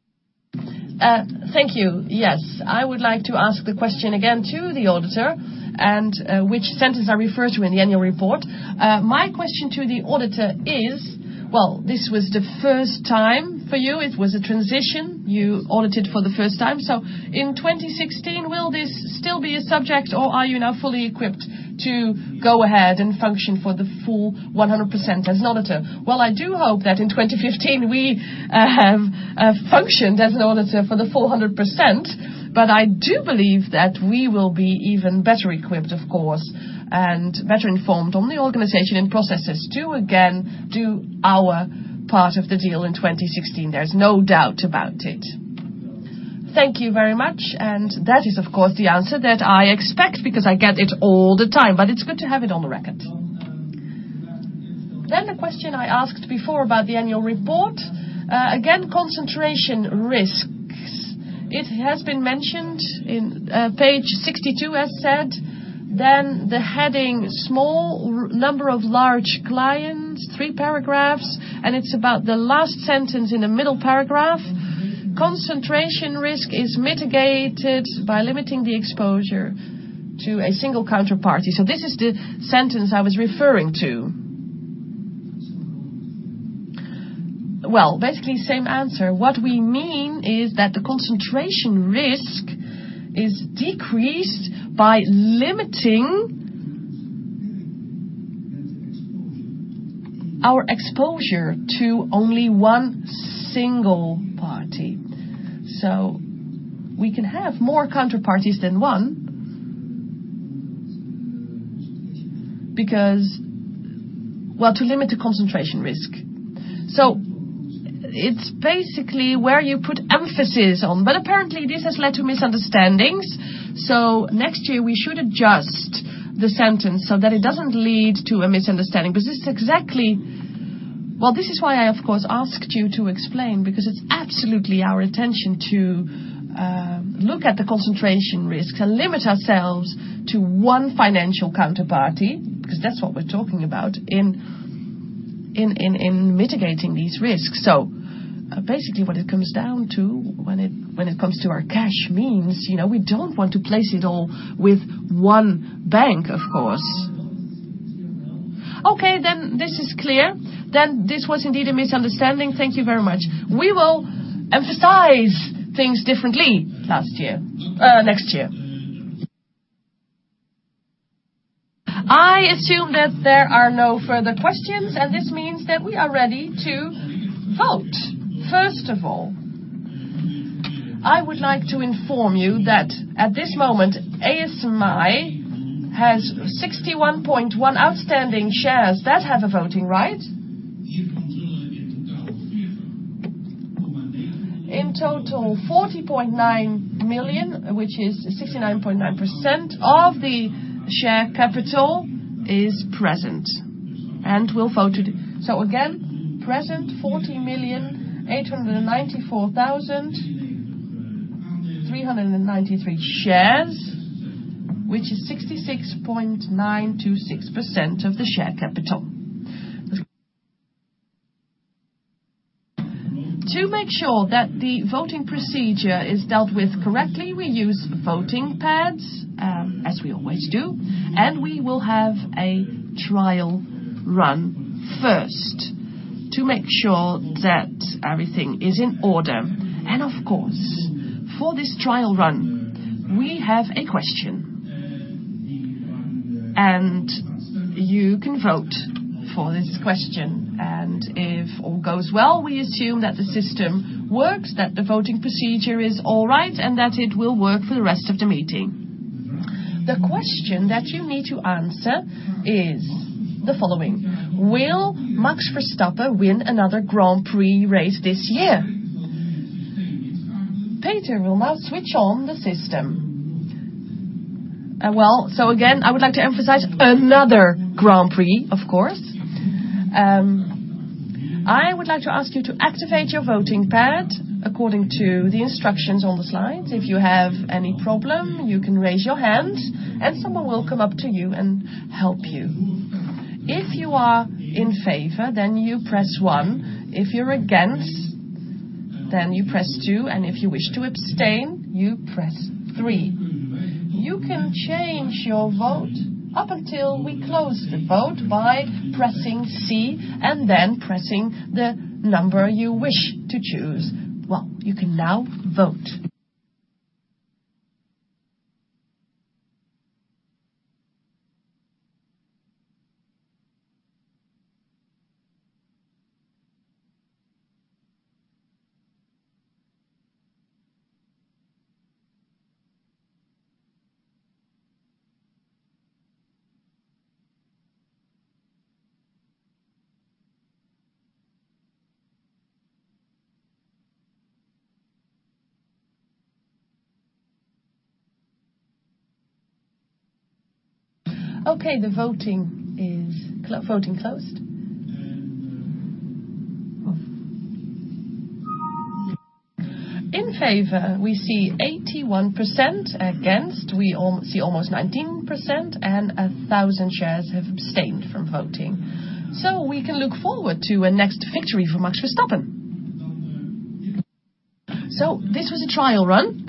Thank you. Yes. I would like to ask the question again to the auditor and which sentence I refer to in the annual report. My question to the auditor is, this was the first time for you. It was a transition. You audited for the first time. In 2016, will this still be a subject, or are you now fully equipped to go ahead and function for the full 100% as an auditor? I do hope that in 2015, we have functioned as an auditor for the full 100%. I do believe that we will be even better equipped, of course, and better informed on the organization and processes to, again, do our part of the deal in 2016. There is no doubt about it. Thank you very much. That is, of course, the answer that I expect because I get it all the time, but it is good to have it on the record. The question I asked before about the annual report, again, concentration risks. It has been mentioned on page 62, as said, the heading "Small Number of Large Clients," three paragraphs. It is about the last sentence in the middle paragraph. "Concentration risk is mitigated by limiting the exposure to a single counterparty." This is the sentence I was referring to. Basically the same answer. What we mean is that the concentration risk is decreased by limiting our exposure to only one single party. We can have more counterparties than one to limit the concentration risk. It is basically where you put emphasis on. Apparently, this has led to misunderstandings. Next year we should adjust the sentence so that it does not lead to a misunderstanding because this is exactly. This is why I, of course, asked you to explain, because it is absolutely our intention to look at the concentration risks and limit ourselves to one financial counterparty, because that is what we are talking about in mitigating these risks. Basically, what it comes down to when it comes to our cash means we do not want to place it all with one bank, of course. This is clear. This was indeed a misunderstanding. Thank you very much. We will emphasize things differently next year. I assume that there are no further questions. This means that we are ready to vote. First of all, I would like to inform you that at this moment, ASMI has 61.1 outstanding shares that have a voting right. In total, 40.9 million, which is 69.9% of the share capital, is present and will vote. Present 40,894,393 shares, which is 66.926% of the share capital. To make sure that the voting procedure is dealt with correctly, we use voting pads, as we always do. We will have a trial run first to make sure that everything is in order. Of course, for this trial run, we have a question. You can vote for this question. If all goes well, we assume that the system works, that the voting procedure is all right, and that it will work for the rest of the meeting. The question that you need to answer is the following: Will Max Verstappen win another Grand Prix race this year? Peter will now switch on the system. Again, I would like to emphasize another Grand Prix, of course. I would like to ask you to activate your voting pad according to the instructions on the slide. If you have any problem, you can raise your hand and someone will come up to you and help you. If you are in favor, then you press one. If you're against, then you press two, and if you wish to abstain, you press three. You can change your vote up until we close the vote by pressing C and then pressing the number you wish to choose. You can now vote. The voting closed. In favor, we see 81%, against we see almost 19%, and 1,000 shares have abstained from voting. We can look forward to a next victory for Max Verstappen. This was a trial run.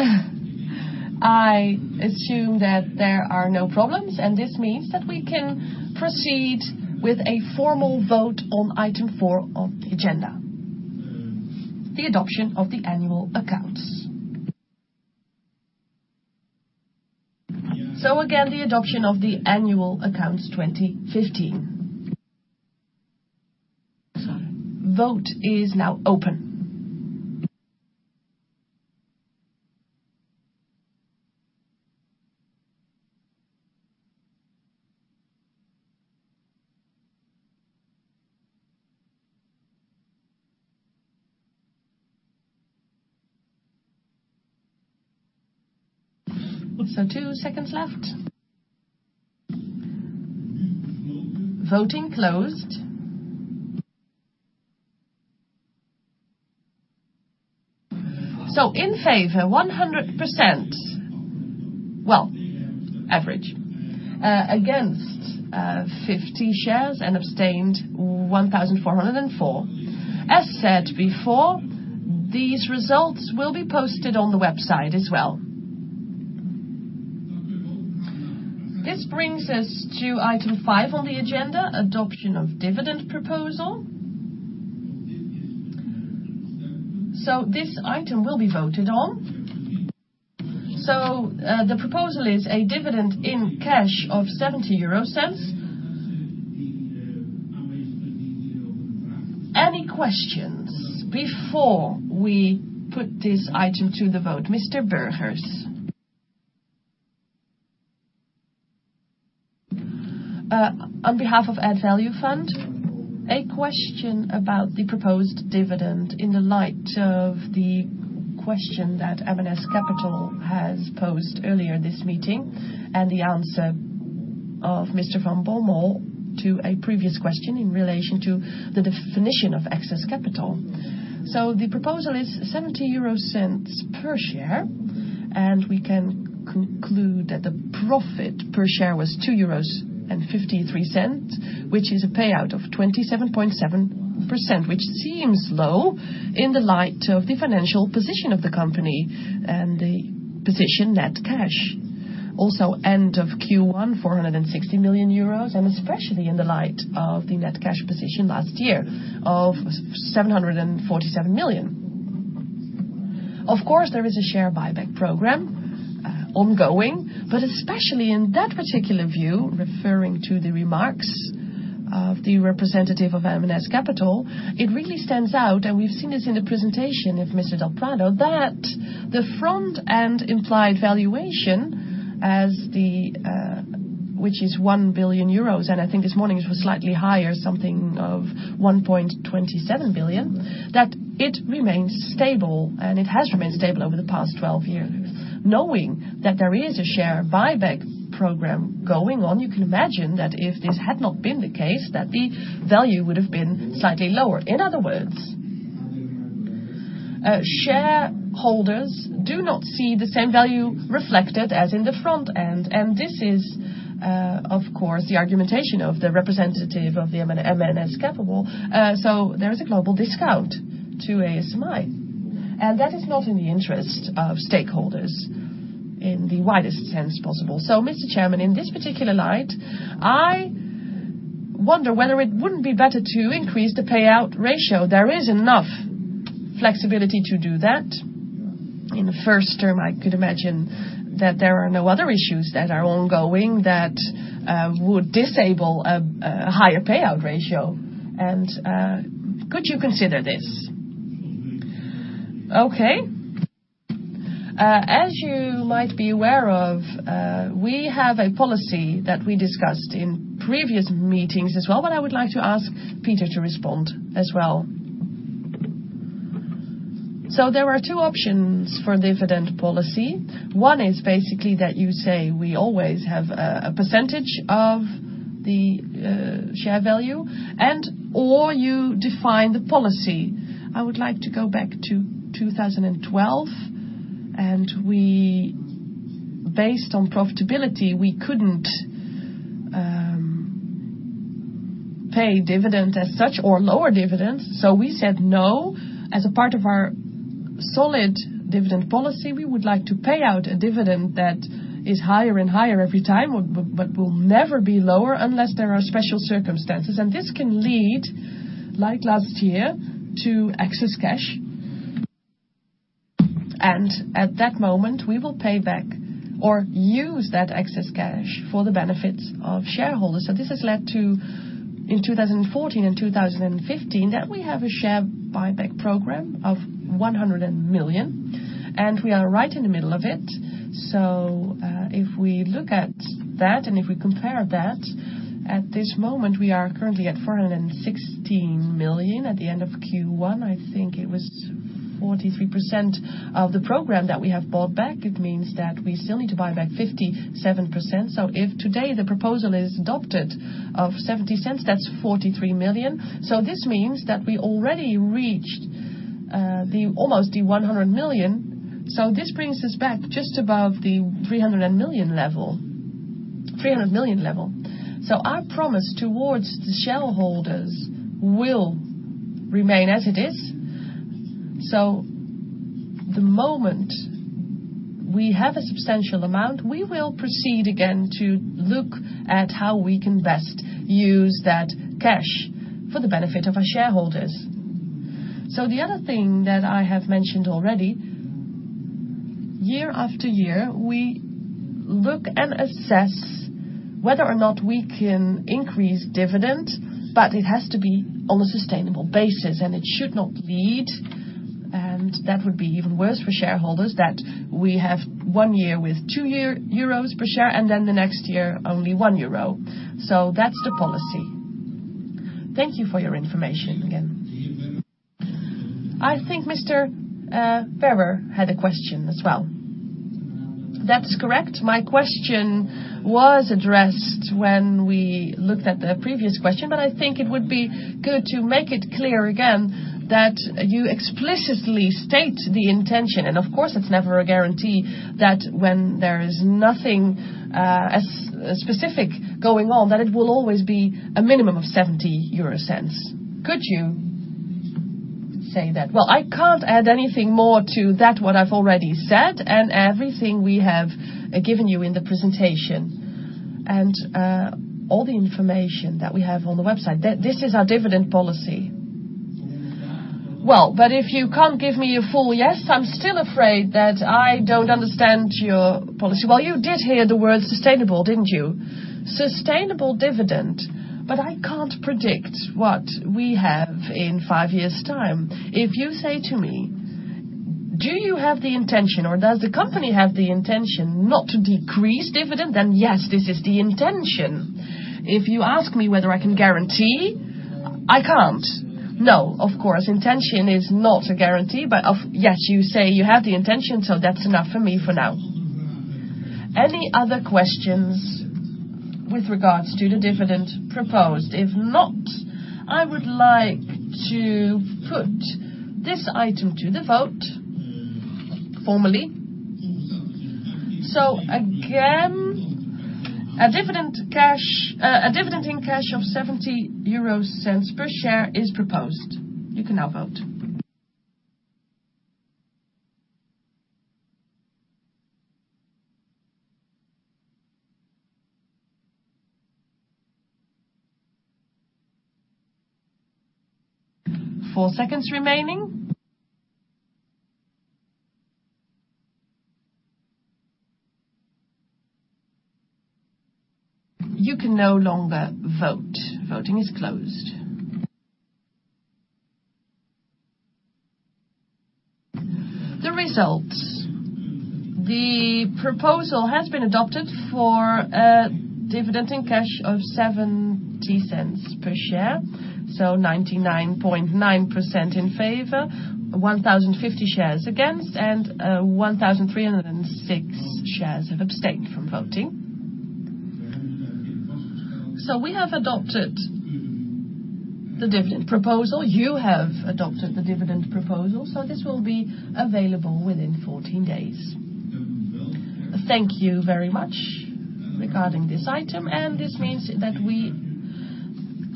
I assume that there are no problems, and this means that we can proceed with a formal vote on item four of the agenda, the adoption of the annual accounts. Again, the adoption of the annual accounts 2015. Vote is now open. Two seconds left. Voting closed. In favor, 100%. Average. Against, 50 shares, and abstained, 1,404. As said before, these results will be posted on the website as well. This brings us to item five on the agenda, adoption of dividend proposal. This item will be voted on. The proposal is a dividend in cash of €0.70. Any questions before we put this item to the vote? Mr. Burgers. On behalf of AddValue Funds, a question about the proposed dividend in the light of the question that Eminence Capital has posed earlier this meeting, and the answer of Mr. Van Bommel to a previous question in relation to the definition of excess capital. The proposal is €0.70 per share, and we can conclude that the profit per share was €2.53, which is a payout of 27.7%, which seems low in the light of the financial position of the company and the position net cash. Also, end of Q1, €460 million, and especially in the light of the net cash position last year of €747 million. Of course, there is a share buyback program ongoing, especially in that particular view, referring to the remarks of the representative of Eminence Capital, it really stands out, and we've seen this in the presentation of Mr. del Prado, that the Front-End implied valuation, which is €1 billion, and I think this morning it was slightly higher, something of 1.27 billion, that it remains stable, and it has remained stable over the past 12 years. Knowing that there is a share buyback program going on, you can imagine that if this had not been the case, that the value would've been slightly lower. In other words, shareholders do not see the same value reflected as in the Front-End. This is, of course, the argumentation of the representative of the Eminence Capital. There is a global discount to ASMI, and that is not in the interest of stakeholders in the widest sense possible. Mr. Chairman, in this particular light, I wonder whether it wouldn't be better to increase the payout ratio. There is enough flexibility to do that. In the first term, I could imagine that there are no other issues that are ongoing that would disable a higher payout ratio. Could you consider this? Okay. As you might be aware of, we have a policy that we discussed in previous meetings as well, but I would like to ask Peter to respond as well. There are two options for dividend policy. One is basically that you say we always have a percentage of the share value, and/or you define the policy. I would like to go back to 2012, and based on profitability, we couldn't pay dividend as such or lower dividends, so we said no. As a part of our solid dividend policy, we would like to pay out a dividend that is higher and higher every time, but will never be lower unless there are special circumstances. And this can lead, like last year, to excess cash. And at that moment, we will pay back or use that excess cash for the benefits of shareholders. This has led to, in 2014 and 2015, that we have a share buyback program of 100 million, and we are right in the middle of it. If we look at that, and if we compare that, at this moment, we are currently at 416 million. At the end of Q1, I think it was 43% of the program that we have bought back. It means that we still need to buy back 57%. If today the proposal is adopted of €0.70, that's €43 million. This means that we already reached almost the 100 million. This brings us back just above the 300 million level. Our promise towards the shareholders will remain as it is. The moment we have a substantial amount, we will proceed again to look at how we can best use that cash for the benefit of our shareholders. The other thing that I have mentioned already, year after year, we look and assess whether or not we can increase dividend, but it has to be on a sustainable basis, and it should not lead, and that would be even worse for shareholders, that we have one year with €2 per share and then the next year only €1. That's the policy. Thank you for your information again. I think Mr. Ferwer had a question as well. That's correct. My question was addressed when we looked at the previous question, but I think it would be good to make it clear again that you explicitly state the intention, and of course, it's never a guarantee that when there is nothing specific going on, that it will always be a minimum of €0.70. Could you say that? I can't add anything more to that what I've already said and everything we have given you in the presentation, and all the information that we have on the website. This is our dividend policy. If you can't give me a full yes, I'm still afraid that I don't understand your policy. You did hear the word sustainable, didn't you? Sustainable dividend. I can't predict what we have in five years' time. If you say to me, "Do you have the intention or does the company have the intention not to decrease dividend?" Then yes, this is the intention. If you ask me whether I can guarantee, I can't. No, of course, intention is not a guarantee. Yes, you say you have the intention, so that's enough for me for now. Any other questions with regards to the dividend proposed? If not, I would like to put this item to the vote formally. Again, a dividend in cash of 0.70 per share is proposed. You can now vote. Four seconds remaining. You can no longer vote. Voting is closed. The results. The proposal has been adopted for a dividend in cash of 0.70 per share, 99.9% in favor, 1,050 shares against, and 1,306 shares have abstained from voting. We have adopted the dividend proposal. You have adopted the dividend proposal, so this will be available within 14 days. Thank you very much regarding this item, and this means that we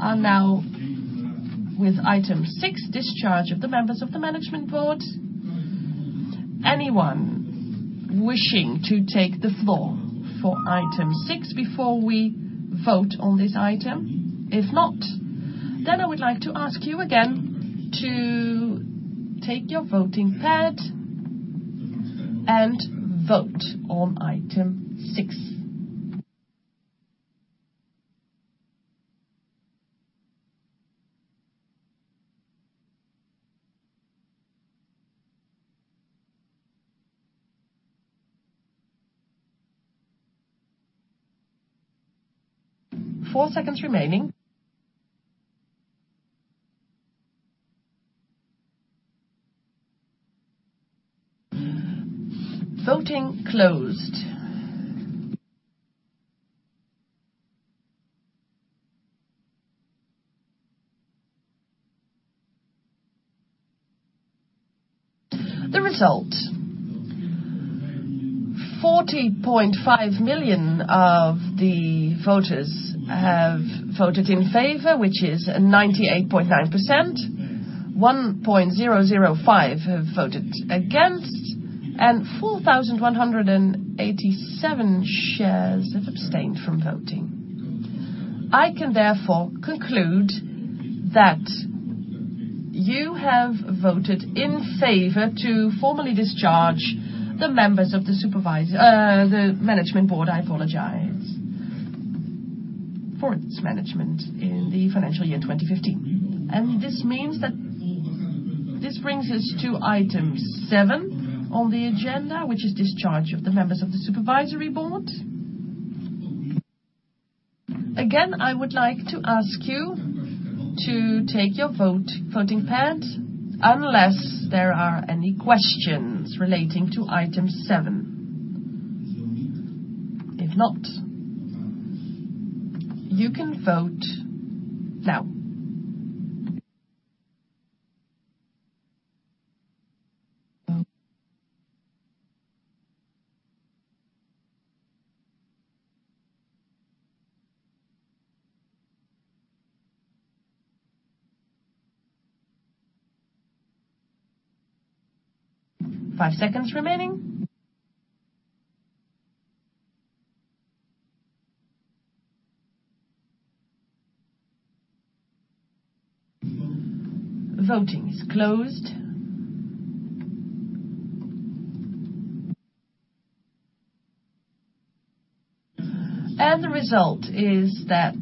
are now with item 6, discharge of the members of the management board. Anyone wishing to take the floor for item 6 before we vote on this item? If not, I would like to ask you again to take your voting pad and vote on item 6. Four seconds remaining. Voting closed. The result, 40.5 million of the voters have voted in favor, which is 98.9%, 1.005% have voted against, and 4,187 shares have abstained from voting. I can therefore conclude that you have voted in favor to formally discharge the members of the management board for its management in the financial year 2015. This means that this brings us to item 7 on the agenda, which is discharge of the members of the supervisory board. Again, I would like to ask you to take your voting pad unless there are any questions relating to item 7. If not, you can vote now. Five seconds remaining. Voting is closed. The result is that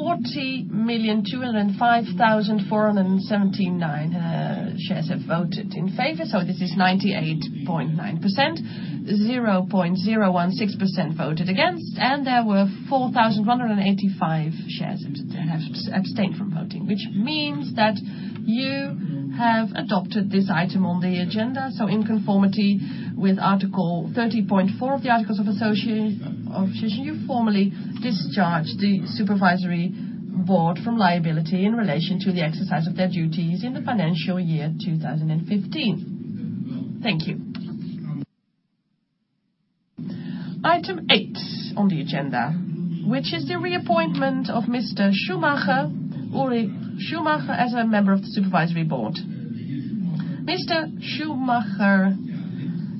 40,205,479 shares have voted in favor. This is 98.9%, 0.016% voted against, and there were 4,185 shares that have abstained from voting, which means that you have adopted this item on the agenda. In conformity with Article 13.4 of the articles of association, you formally discharge the supervisory board from liability in relation to the exercise of their duties in the financial year 2015. Thank you. Item 8 on the agenda, which is the reappointment of Mr. Schumacher, Uli Schumacher, as a member of the supervisory board. Mr. Schumacher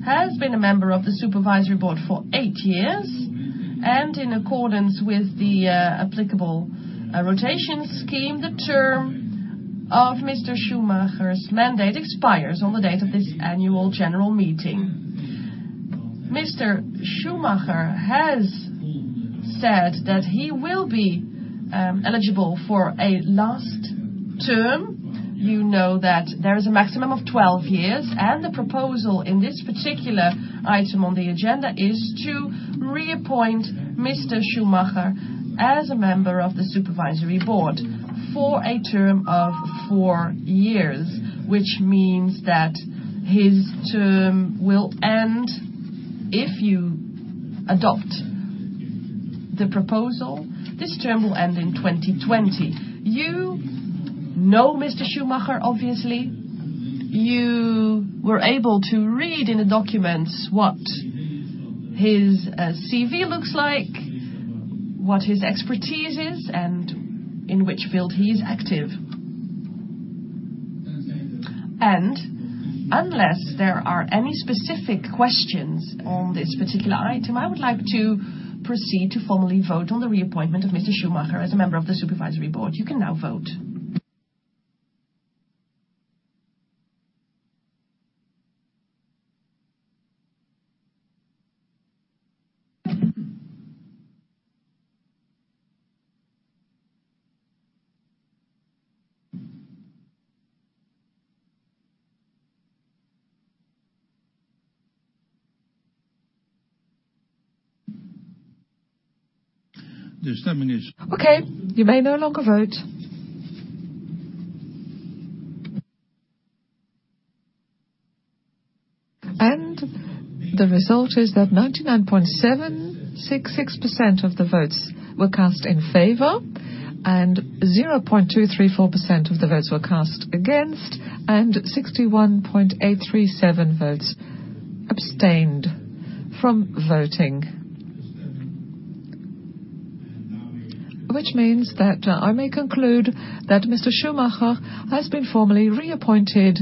has been a member of the supervisory board for eight years, and in accordance with the applicable rotation scheme, the term of Mr. Schumacher's mandate expires on the date of this annual general meeting. Mr. Schumacher has said that he will be eligible for a last term. You know that there is a maximum of 12 years. The proposal in this particular item on the agenda is to reappoint Mr. Schumacher as a member of the supervisory board for a term of 4 years, which means that his term will end, if you adopt the proposal, this term will end in 2020. You know Mr. Schumacher, obviously. You were able to read in the documents what his CV looks like, what his expertise is, and in which field he is active. Unless there are any specific questions on this particular item, I would like to proceed to formally vote on the reappointment of Mr. Schumacher as a member of the supervisory board. You can now vote. Okay, you may no longer vote. The result is that 99.766% of the votes were cast in favor, 0.234% of the votes were cast against, and 61,837 votes abstained from voting. This means that I may conclude that Mr. Schumacher has been formally reappointed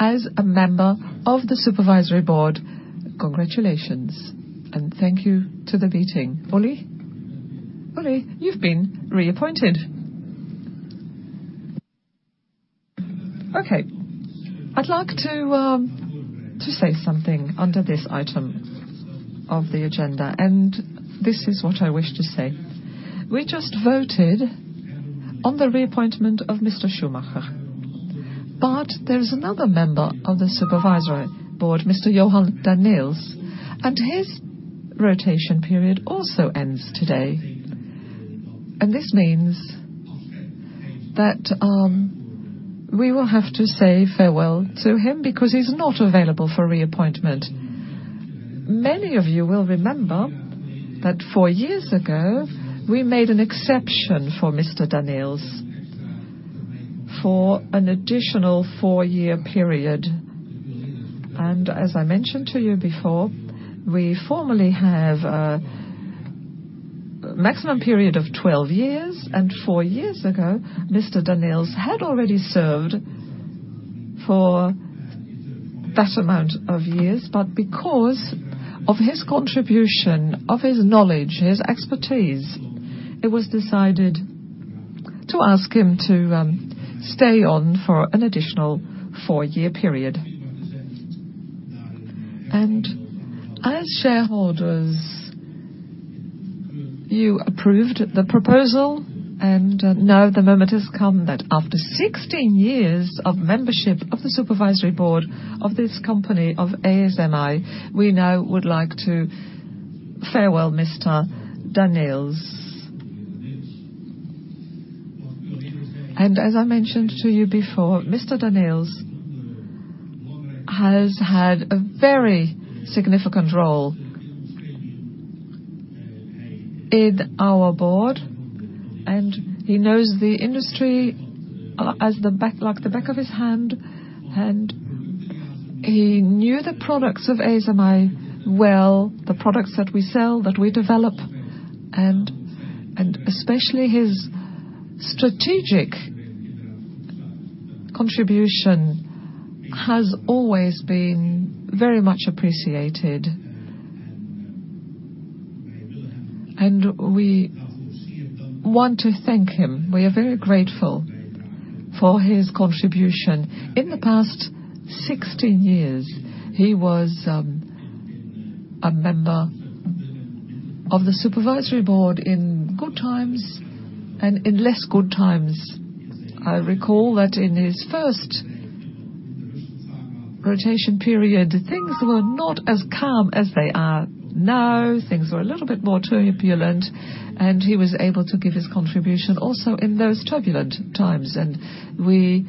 as a member of the supervisory board. Congratulations, and thank you to the meeting. Uli? Uli, you've been reappointed. Okay. I'd like to say something under this item of the agenda, and this is what I wish to say. We just voted on the reappointment of Mr. Schumacher. There's another member of the supervisory board, Mr. Johan Danneels. His rotation period also ends today. This means that we will have to say farewell to him because he's not available for reappointment. Many of you will remember that 4 years ago, we made an exception for Mr. Danneels for an additional 4-year period. As I mentioned to you before, we formally have a maximum period of 12 years, and 4 years ago, Mr. Danneels had already served for that amount of years. Because of his contribution, of his knowledge, his expertise, it was decided to ask him to stay on for an additional 4-year period. As shareholders, you approved the proposal. Now the moment has come that after 16 years of membership of the supervisory board of this company, of ASMI, we now would like to farewell Mr. Danneels. As I mentioned to you before, Mr. Danneels has had a very significant role in our board. He knows the industry like the back of his hand. He knew the products of ASMI well, the products that we sell, that we develop. Especially his strategic contribution has always been very much appreciated. We want to thank him. We are very grateful for his contribution. In the past 16 years, he was a member of the supervisory board in good times and in less good times. I recall that in his first rotation period, things were not as calm as they are now. Things were a little bit more turbulent. He was able to give his contribution also in those turbulent times. We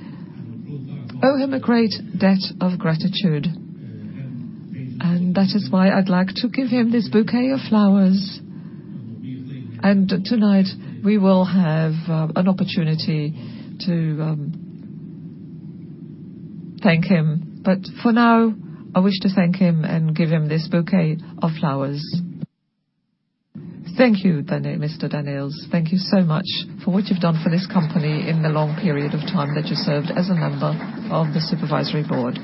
owe him a great debt of gratitude, and that is why I'd like to give him this bouquet of flowers. Tonight, we will have an opportunity to thank him. For now, I wish to thank him and give him this bouquet of flowers. Thank you, Mr. Danneels. Thank you so much for what you've done for this company in the long period of time that you served as a member of the Supervisory Board.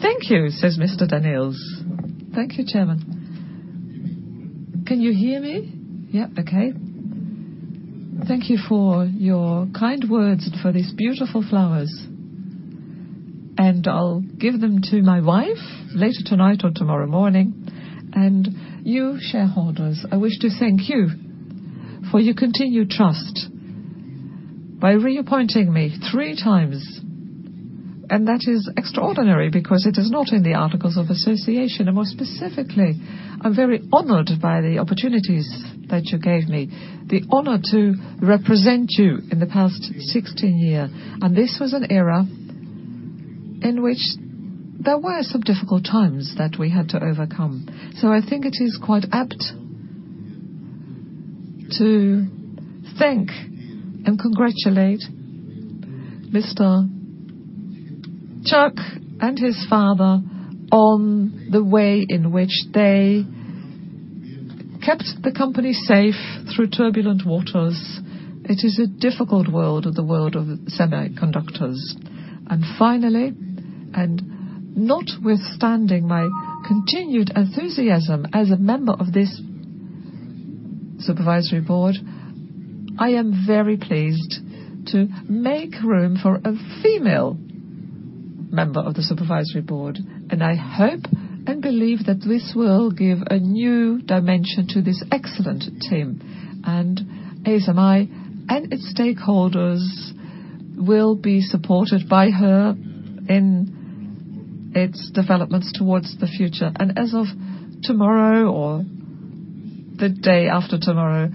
"Thank you," says Mr. Danneels. Thank you, Chairman. Can you hear me? Yeah, okay. Thank you for your kind words and for these beautiful flowers. I'll give them to my wife later tonight or tomorrow morning. You, shareholders, I wish to thank you for your continued trust by reappointing me three times. That is extraordinary because it is not in the Articles of Association. More specifically, I'm very honored by the opportunities that you gave me. The honor to represent you in the past 16 year. This was an era in which there were some difficult times that we had to overcome. I think it is quite apt to thank and congratulate Mr. Chuck and his father on the way in which they kept the company safe through turbulent waters. It is a difficult world, the world of semiconductors. Finally, and notwithstanding my continued enthusiasm as a member of this Supervisory Board, I am very pleased to make room for a female member of the Supervisory Board. I hope and believe that this will give a new dimension to this excellent team, and ASMI and its stakeholders will be supported by her in its developments towards the future. As of tomorrow or the day after tomorrow,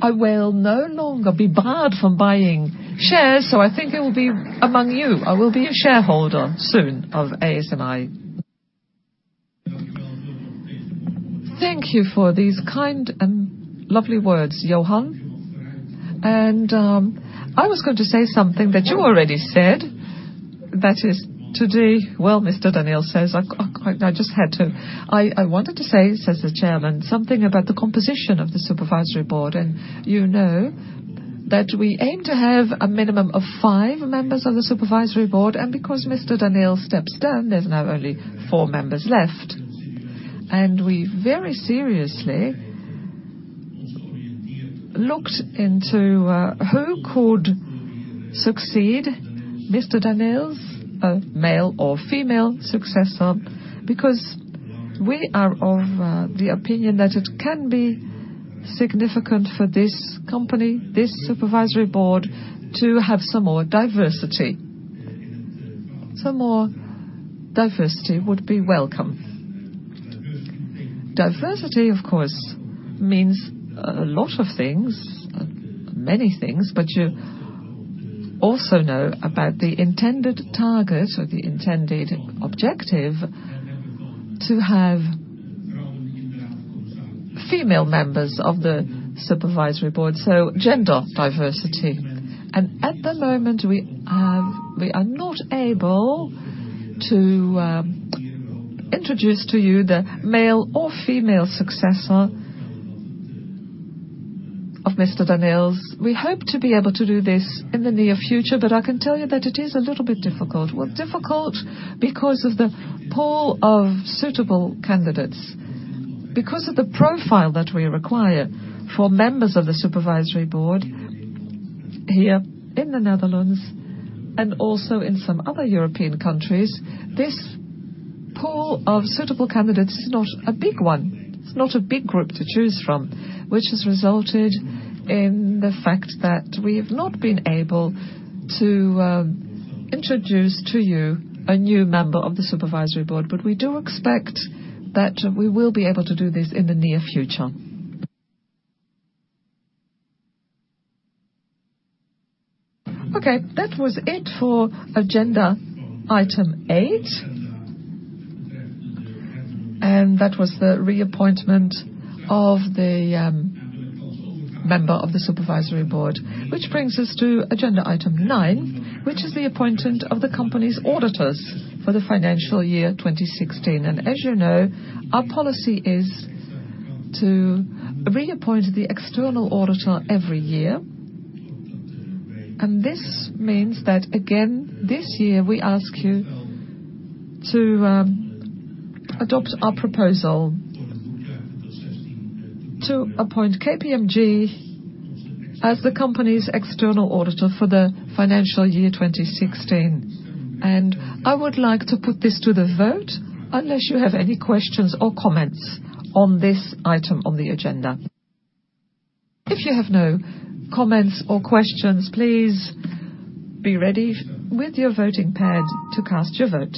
I will no longer be barred from buying shares. I think I will be among you. I will be a shareholder soon of ASMI. Thank you for these kind and lovely words, Johan. I was going to say something that you already said, that is, today, well, Mr. Danneels says, "I just had to." "I wanted to say," says the Chairman, "something about the composition of the Supervisory Board." You know that we aim to have a minimum of five members on the Supervisory Board. Because Mr. Danneels steps down, there's now only four members left. We very seriously looked into who could succeed Mr. Danneels', a male or female successor, because we are of the opinion that it can be significant for this company, this Supervisory Board, to have some more diversity. Some more diversity would be welcome. Diversity, of course, means a lot of things, many things, you also know about the intended target or the intended objective to have female members of the Supervisory Board, so gender diversity. At the moment, we are not able to introduce to you the male or female successor of Mr. Danneels'. We hope to be able to do this in the near future, but I can tell you that it is a little bit difficult. Well, difficult because of the pool of suitable candidates. Because of the profile that we require for members of the Supervisory Board here in the Netherlands and also in some other European countries, this pool of suitable candidates is not a big one. It's not a big group to choose from, which has resulted in the fact that we have not been able to introduce to you a new member of the supervisory board. We do expect that we will be able to do this in the near future. Okay, that was it for agenda item eight. That was the reappointment of the member of the supervisory board. Which brings us to agenda item nine, which is the appointment of the company's auditors for the financial year 2016. As you know, our policy is to reappoint the external auditor every year. This means that again, this year, we ask you to adopt our proposal to appoint KPMG as the company's external auditor for the financial year 2016. I would like to put this to the vote, unless you have any questions or comments on this item on the agenda. If you have no comments or questions, please be ready with your voting pad to cast your vote.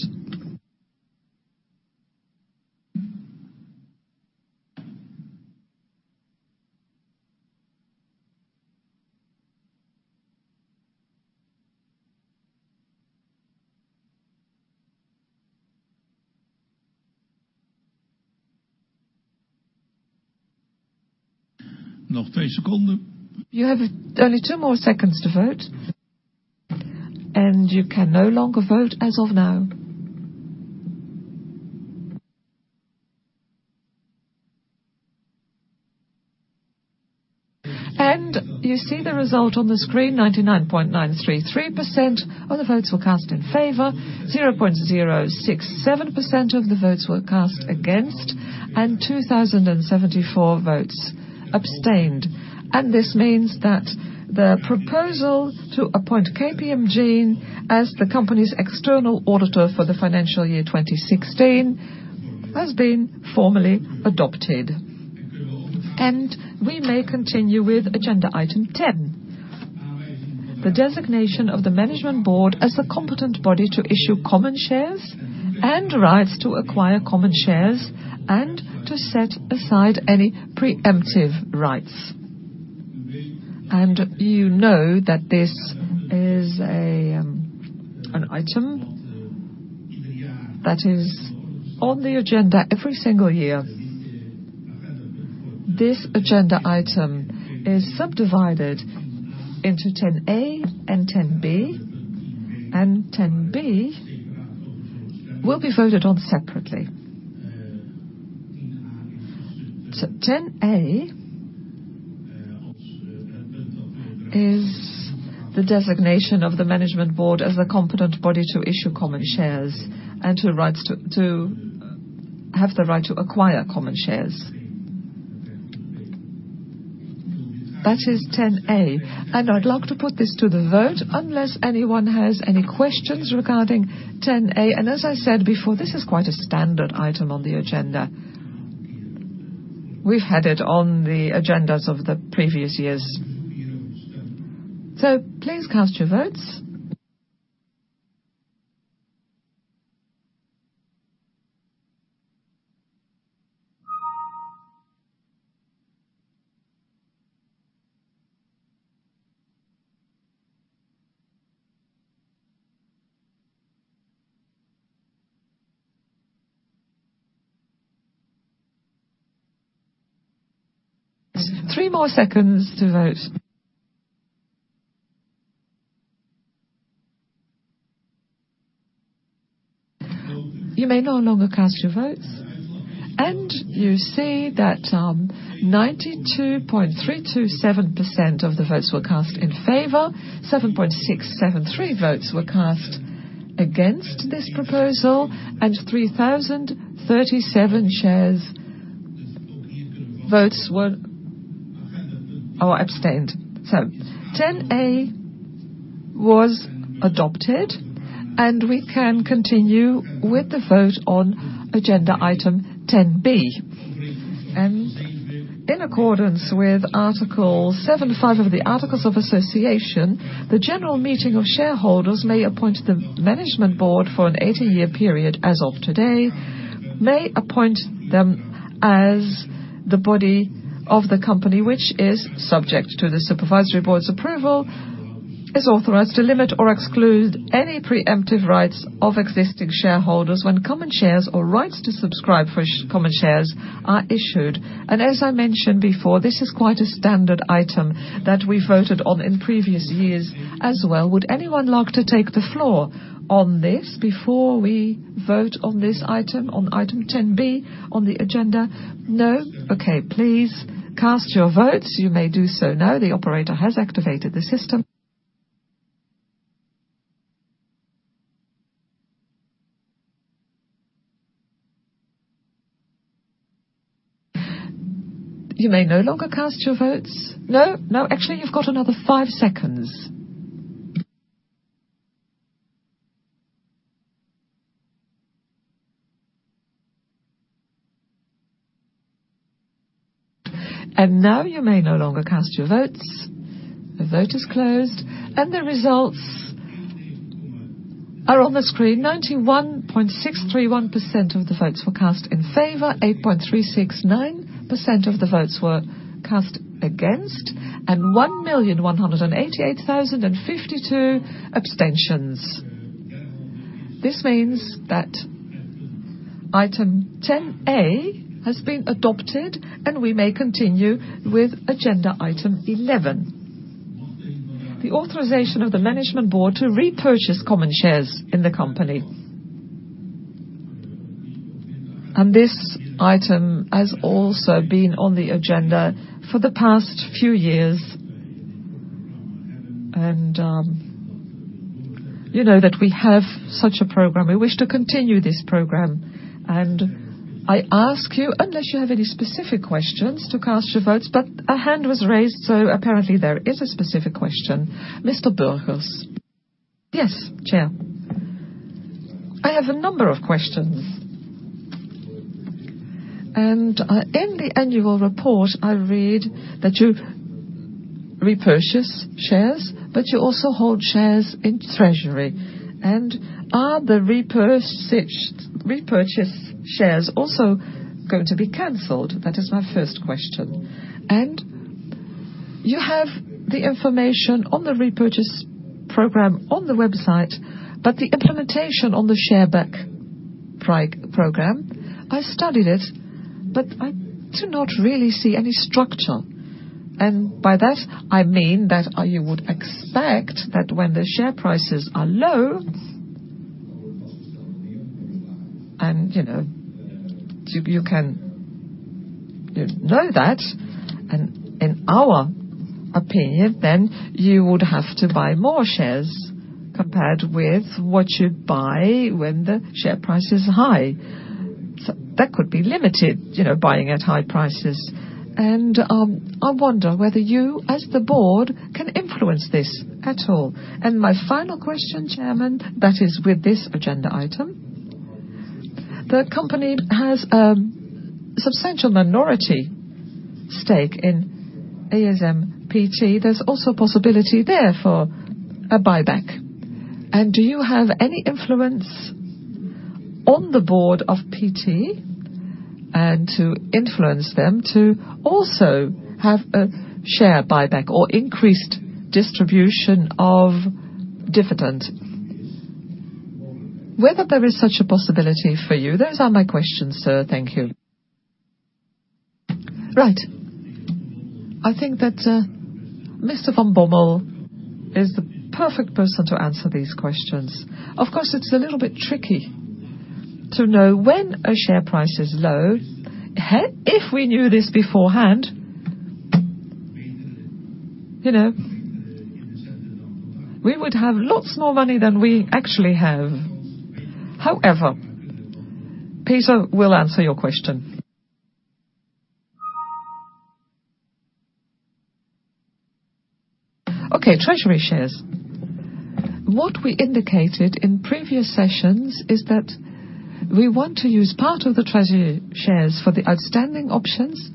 You have only two more seconds to vote. You can no longer vote as of now. You see the result on the screen, 99.933% of the votes were cast in favor, 0.067% of the votes were cast against, and 2,074 votes abstained. This means that the proposal to appoint KPMG as the company's external auditor for the financial year 2016 has been formally adopted. We may continue with agenda item 10, the designation of the management board as a competent body to issue common shares and rights to acquire common shares and to set aside any preemptive rights. You know that this is an item That is on the agenda every single year. This agenda item is subdivided into 10A and 10B, and 10B will be voted on separately. 10A is the designation of the management board as a competent body to issue common shares and to have the right to acquire common shares. That is 10A, and I'd like to put this to the vote unless anyone has any questions regarding 10A. As I said before, this is quite a standard item on the agenda. We've had it on the agendas of the previous years. Please cast your votes. Three more seconds to vote. You may no longer cast your votes. You see that 92.327% of the votes were cast in favor, 7.673% were cast against this proposal, and 3,037 votes were abstained. 10A was adopted, and we can continue with the vote on agenda item 10B. In accordance with Article 75 of the Articles of Association, the general meeting of shareholders may appoint the management board for an 18-year period as of today, may appoint them as the body of the company, which is subject to the supervisory board's approval, is authorized to limit or exclude any preemptive rights of existing shareholders when common shares or rights to subscribe for common shares are issued. As I mentioned before, this is quite a standard item that we voted on in previous years as well. Would anyone like to take the floor on this before we vote on this item, on item 10B on the agenda? No. Okay. Please cast your votes. You may do so now. The operator has activated the system. You may no longer cast your votes. No, actually, you've got another five seconds. Now you may no longer cast your votes. The vote is closed, and the results are on the screen. 91.631% of the votes were cast in favor, 8.369% of the votes were cast against, and 1,188,052 abstentions. This means that item 10B has been adopted, and we may continue with agenda item 11. The authorization of the management board to repurchase common shares in the company. This item has also been on the agenda for the past few years. You know that we have such a program. We wish to continue this program. I ask you, unless you have any specific questions, to cast your votes, a hand was raised, so apparently there is a specific question. Mr. Burgers. Yes, Chair. I have a number of questions. In the annual report, I read that you repurchase shares, you also hold shares in treasury. Are the repurchased shares also going to be canceled? That is my first question. You have the information on the repurchase program on the website, the implementation on the share buyback program, I studied it, I do not really see any structure. By that, I mean that you would expect that when the share prices are low, you know that, in our opinion, then you would have to buy more shares compared with what you buy when the share price is high. That could be limited, buying at high prices. I wonder whether you, as the board, can influence this at all. My final question, Chairman, that is with this agenda item, the company has a substantial minority stake in ASM PT. There's also a possibility there for a buyback. Do you have any influence on the board of PT? To influence them to also have a share buyback or increased distribution of dividend. Whether there is such a possibility for you, those are my questions, sir. Thank you. Right. I think that Mr. Van Bommel is the perfect person to answer these questions. Of course, it's a little bit tricky to know when a share price is low. If we knew this beforehand, we would have lots more money than we actually have. However, Peter will answer your question. Okay, treasury shares. What we indicated in previous sessions is that we want to use part of the treasury shares for the outstanding options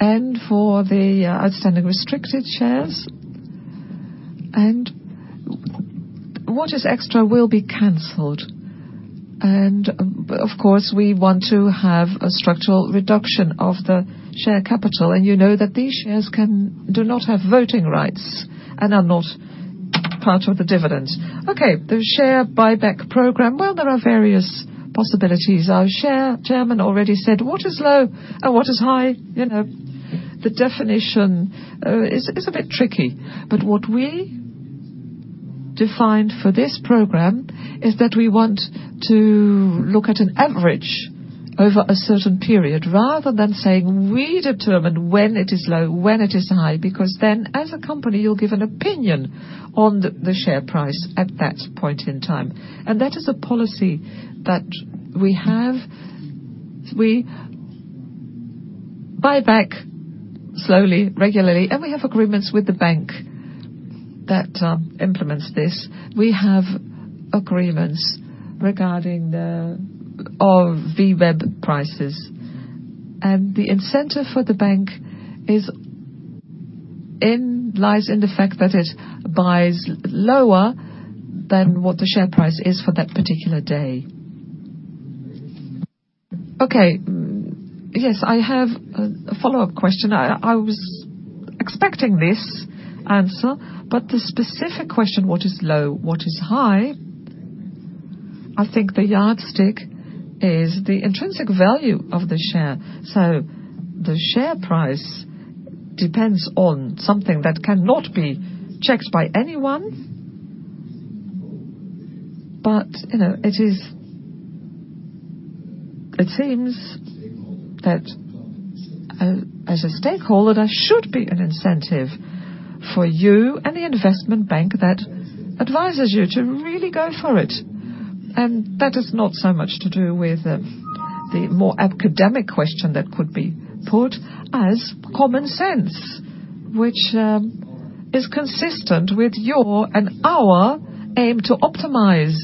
and for the outstanding restricted shares. What is extra will be canceled. Of course, we want to have a structural reduction of the share capital. You know that these shares do not have voting rights and are not part of the dividend. Okay, the share buyback program. Well, there are various possibilities. Our chairman already said what is low and what is high. The definition is a bit tricky, what we defined for this program is that we want to look at an average over a certain period rather than saying we determine when it is low, when it is high, because then as a company, you'll give an opinion on the share price at that point in time. That is a policy that we have. We buy back slowly, regularly, and we have agreements with the bank that implements this. We have agreements regarding all VWAP prices. The incentive for the bank lies in the fact that it buys lower than what the share price is for that particular day. Okay. Yes, I have a follow-up question. I was expecting this answer, but the specific question, what is low, what is high, I think the yardstick is the intrinsic value of the share. The share price depends on something that cannot be checked by anyone. It seems that as a stakeholder, there should be an incentive for you and the investment bank that advises you to really go for it. That is not so much to do with the more academic question that could be put as common sense, which is consistent with your and our aim to optimize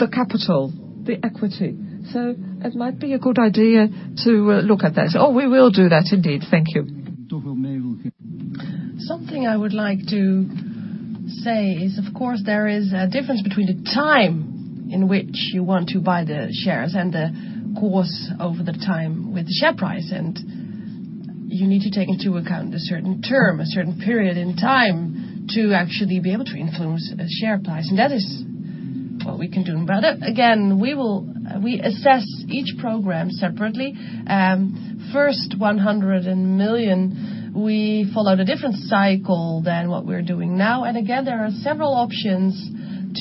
the capital, the equity. It might be a good idea to look at that. Oh, we will do that indeed. Thank you. Something I would like to say is, of course, there is a difference between the time in which you want to buy the shares and the course over the time with the share price. You need to take into account a certain term, a certain period in time to actually be able to influence a share price. That is what we can do. But again, we assess each program separately. First 100 million, we followed a different cycle than what we're doing now. Again, there are several options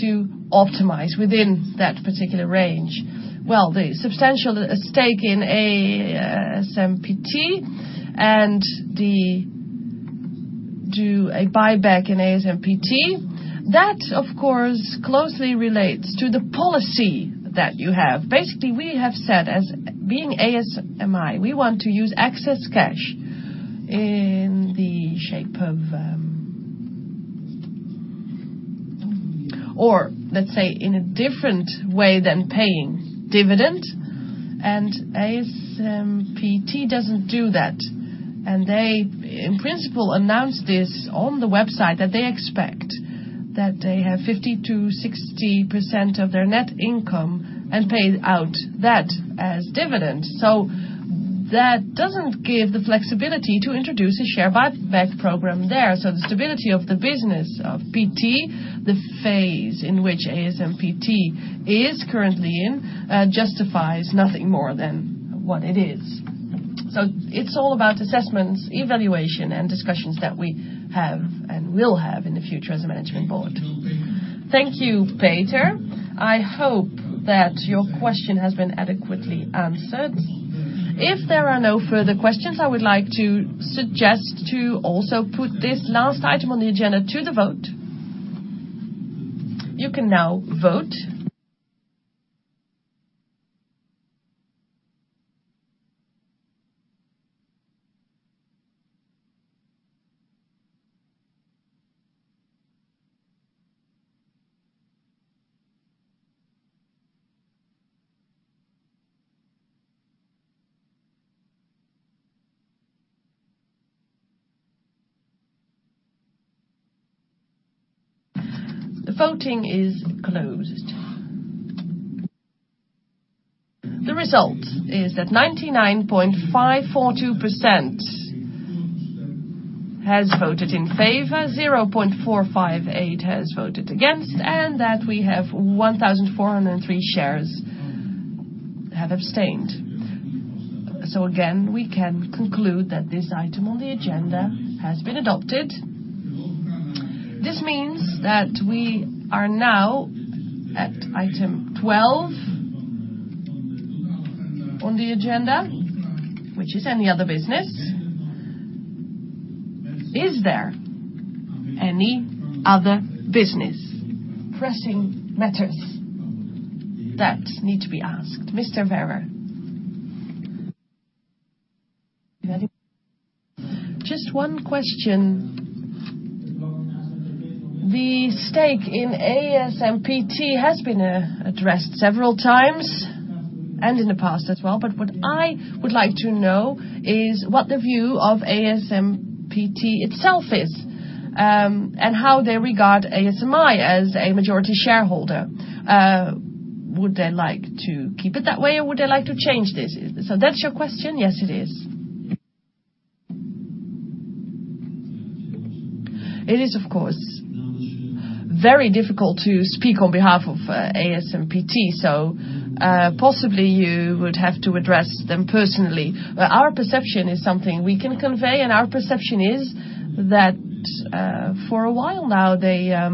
to optimize within that particular range. Well, the substantial stake in ASMPT and do a buyback in ASMPT, that of course closely relates to the policy that you have. Basically, we have said as being ASMI, we want to use excess cash in a different way than paying dividend, and ASMPT doesn't do that. They, in principle, announced this on the website that they expect that they have 50%-60% of their net income and pay out that as dividends. That doesn't give the flexibility to introduce a share buyback program there. The stability of the business of PT, the phase in which ASMPT is currently in, justifies nothing more than what it is. It's all about assessments, evaluation, and discussions that we have and will have in the future as a management board. Thank you, Peter. I hope that your question has been adequately answered. If there are no further questions, I would like to suggest to also put this last item on the agenda to the vote. You can now vote. The voting is closed. The result is that 99.542% has voted in favor, 0.458% has voted against, and that we have 1,403 shares have abstained. Again, we can conclude that this item on the agenda has been adopted. This means that we are now at item 12 on the agenda, which is any other business. Is there any other business? Pressing matters that need to be asked? Mr. Werre. Just one question. The stake in ASMPT has been addressed several times, and in the past as well, but what I would like to know is what the view of ASMPT itself is, and how they regard ASMI as a majority shareholder. Would they like to keep it that way, or would they like to change this? That's your question? Yes, it is. It is, of course, very difficult to speak on behalf of ASMPT, possibly you would have to address them personally. Our perception is something we can convey, and our perception is that for a while now, they have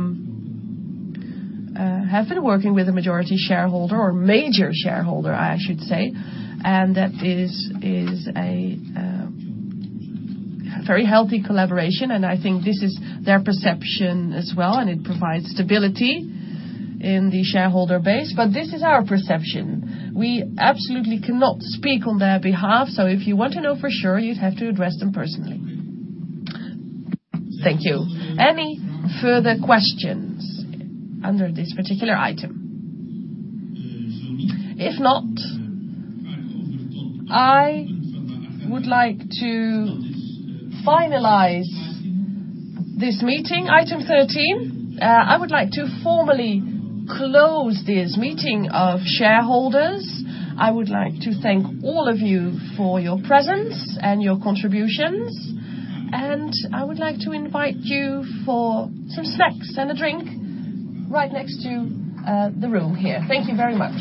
been working with a majority shareholder or major shareholder, I should say, and that is a very healthy collaboration, and I think this is their perception as well, and it provides stability in the shareholder base. This is our perception. We absolutely cannot speak on their behalf. If you want to know for sure, you'd have to address them personally. Thank you. Any further questions under this particular item? If not, I would like to finalize this meeting, item 13. I would like to formally close this meeting of shareholders. I would like to thank all of you for your presence and your contributions, and I would like to invite you for some snacks and a drink right next to the room here. Thank you very much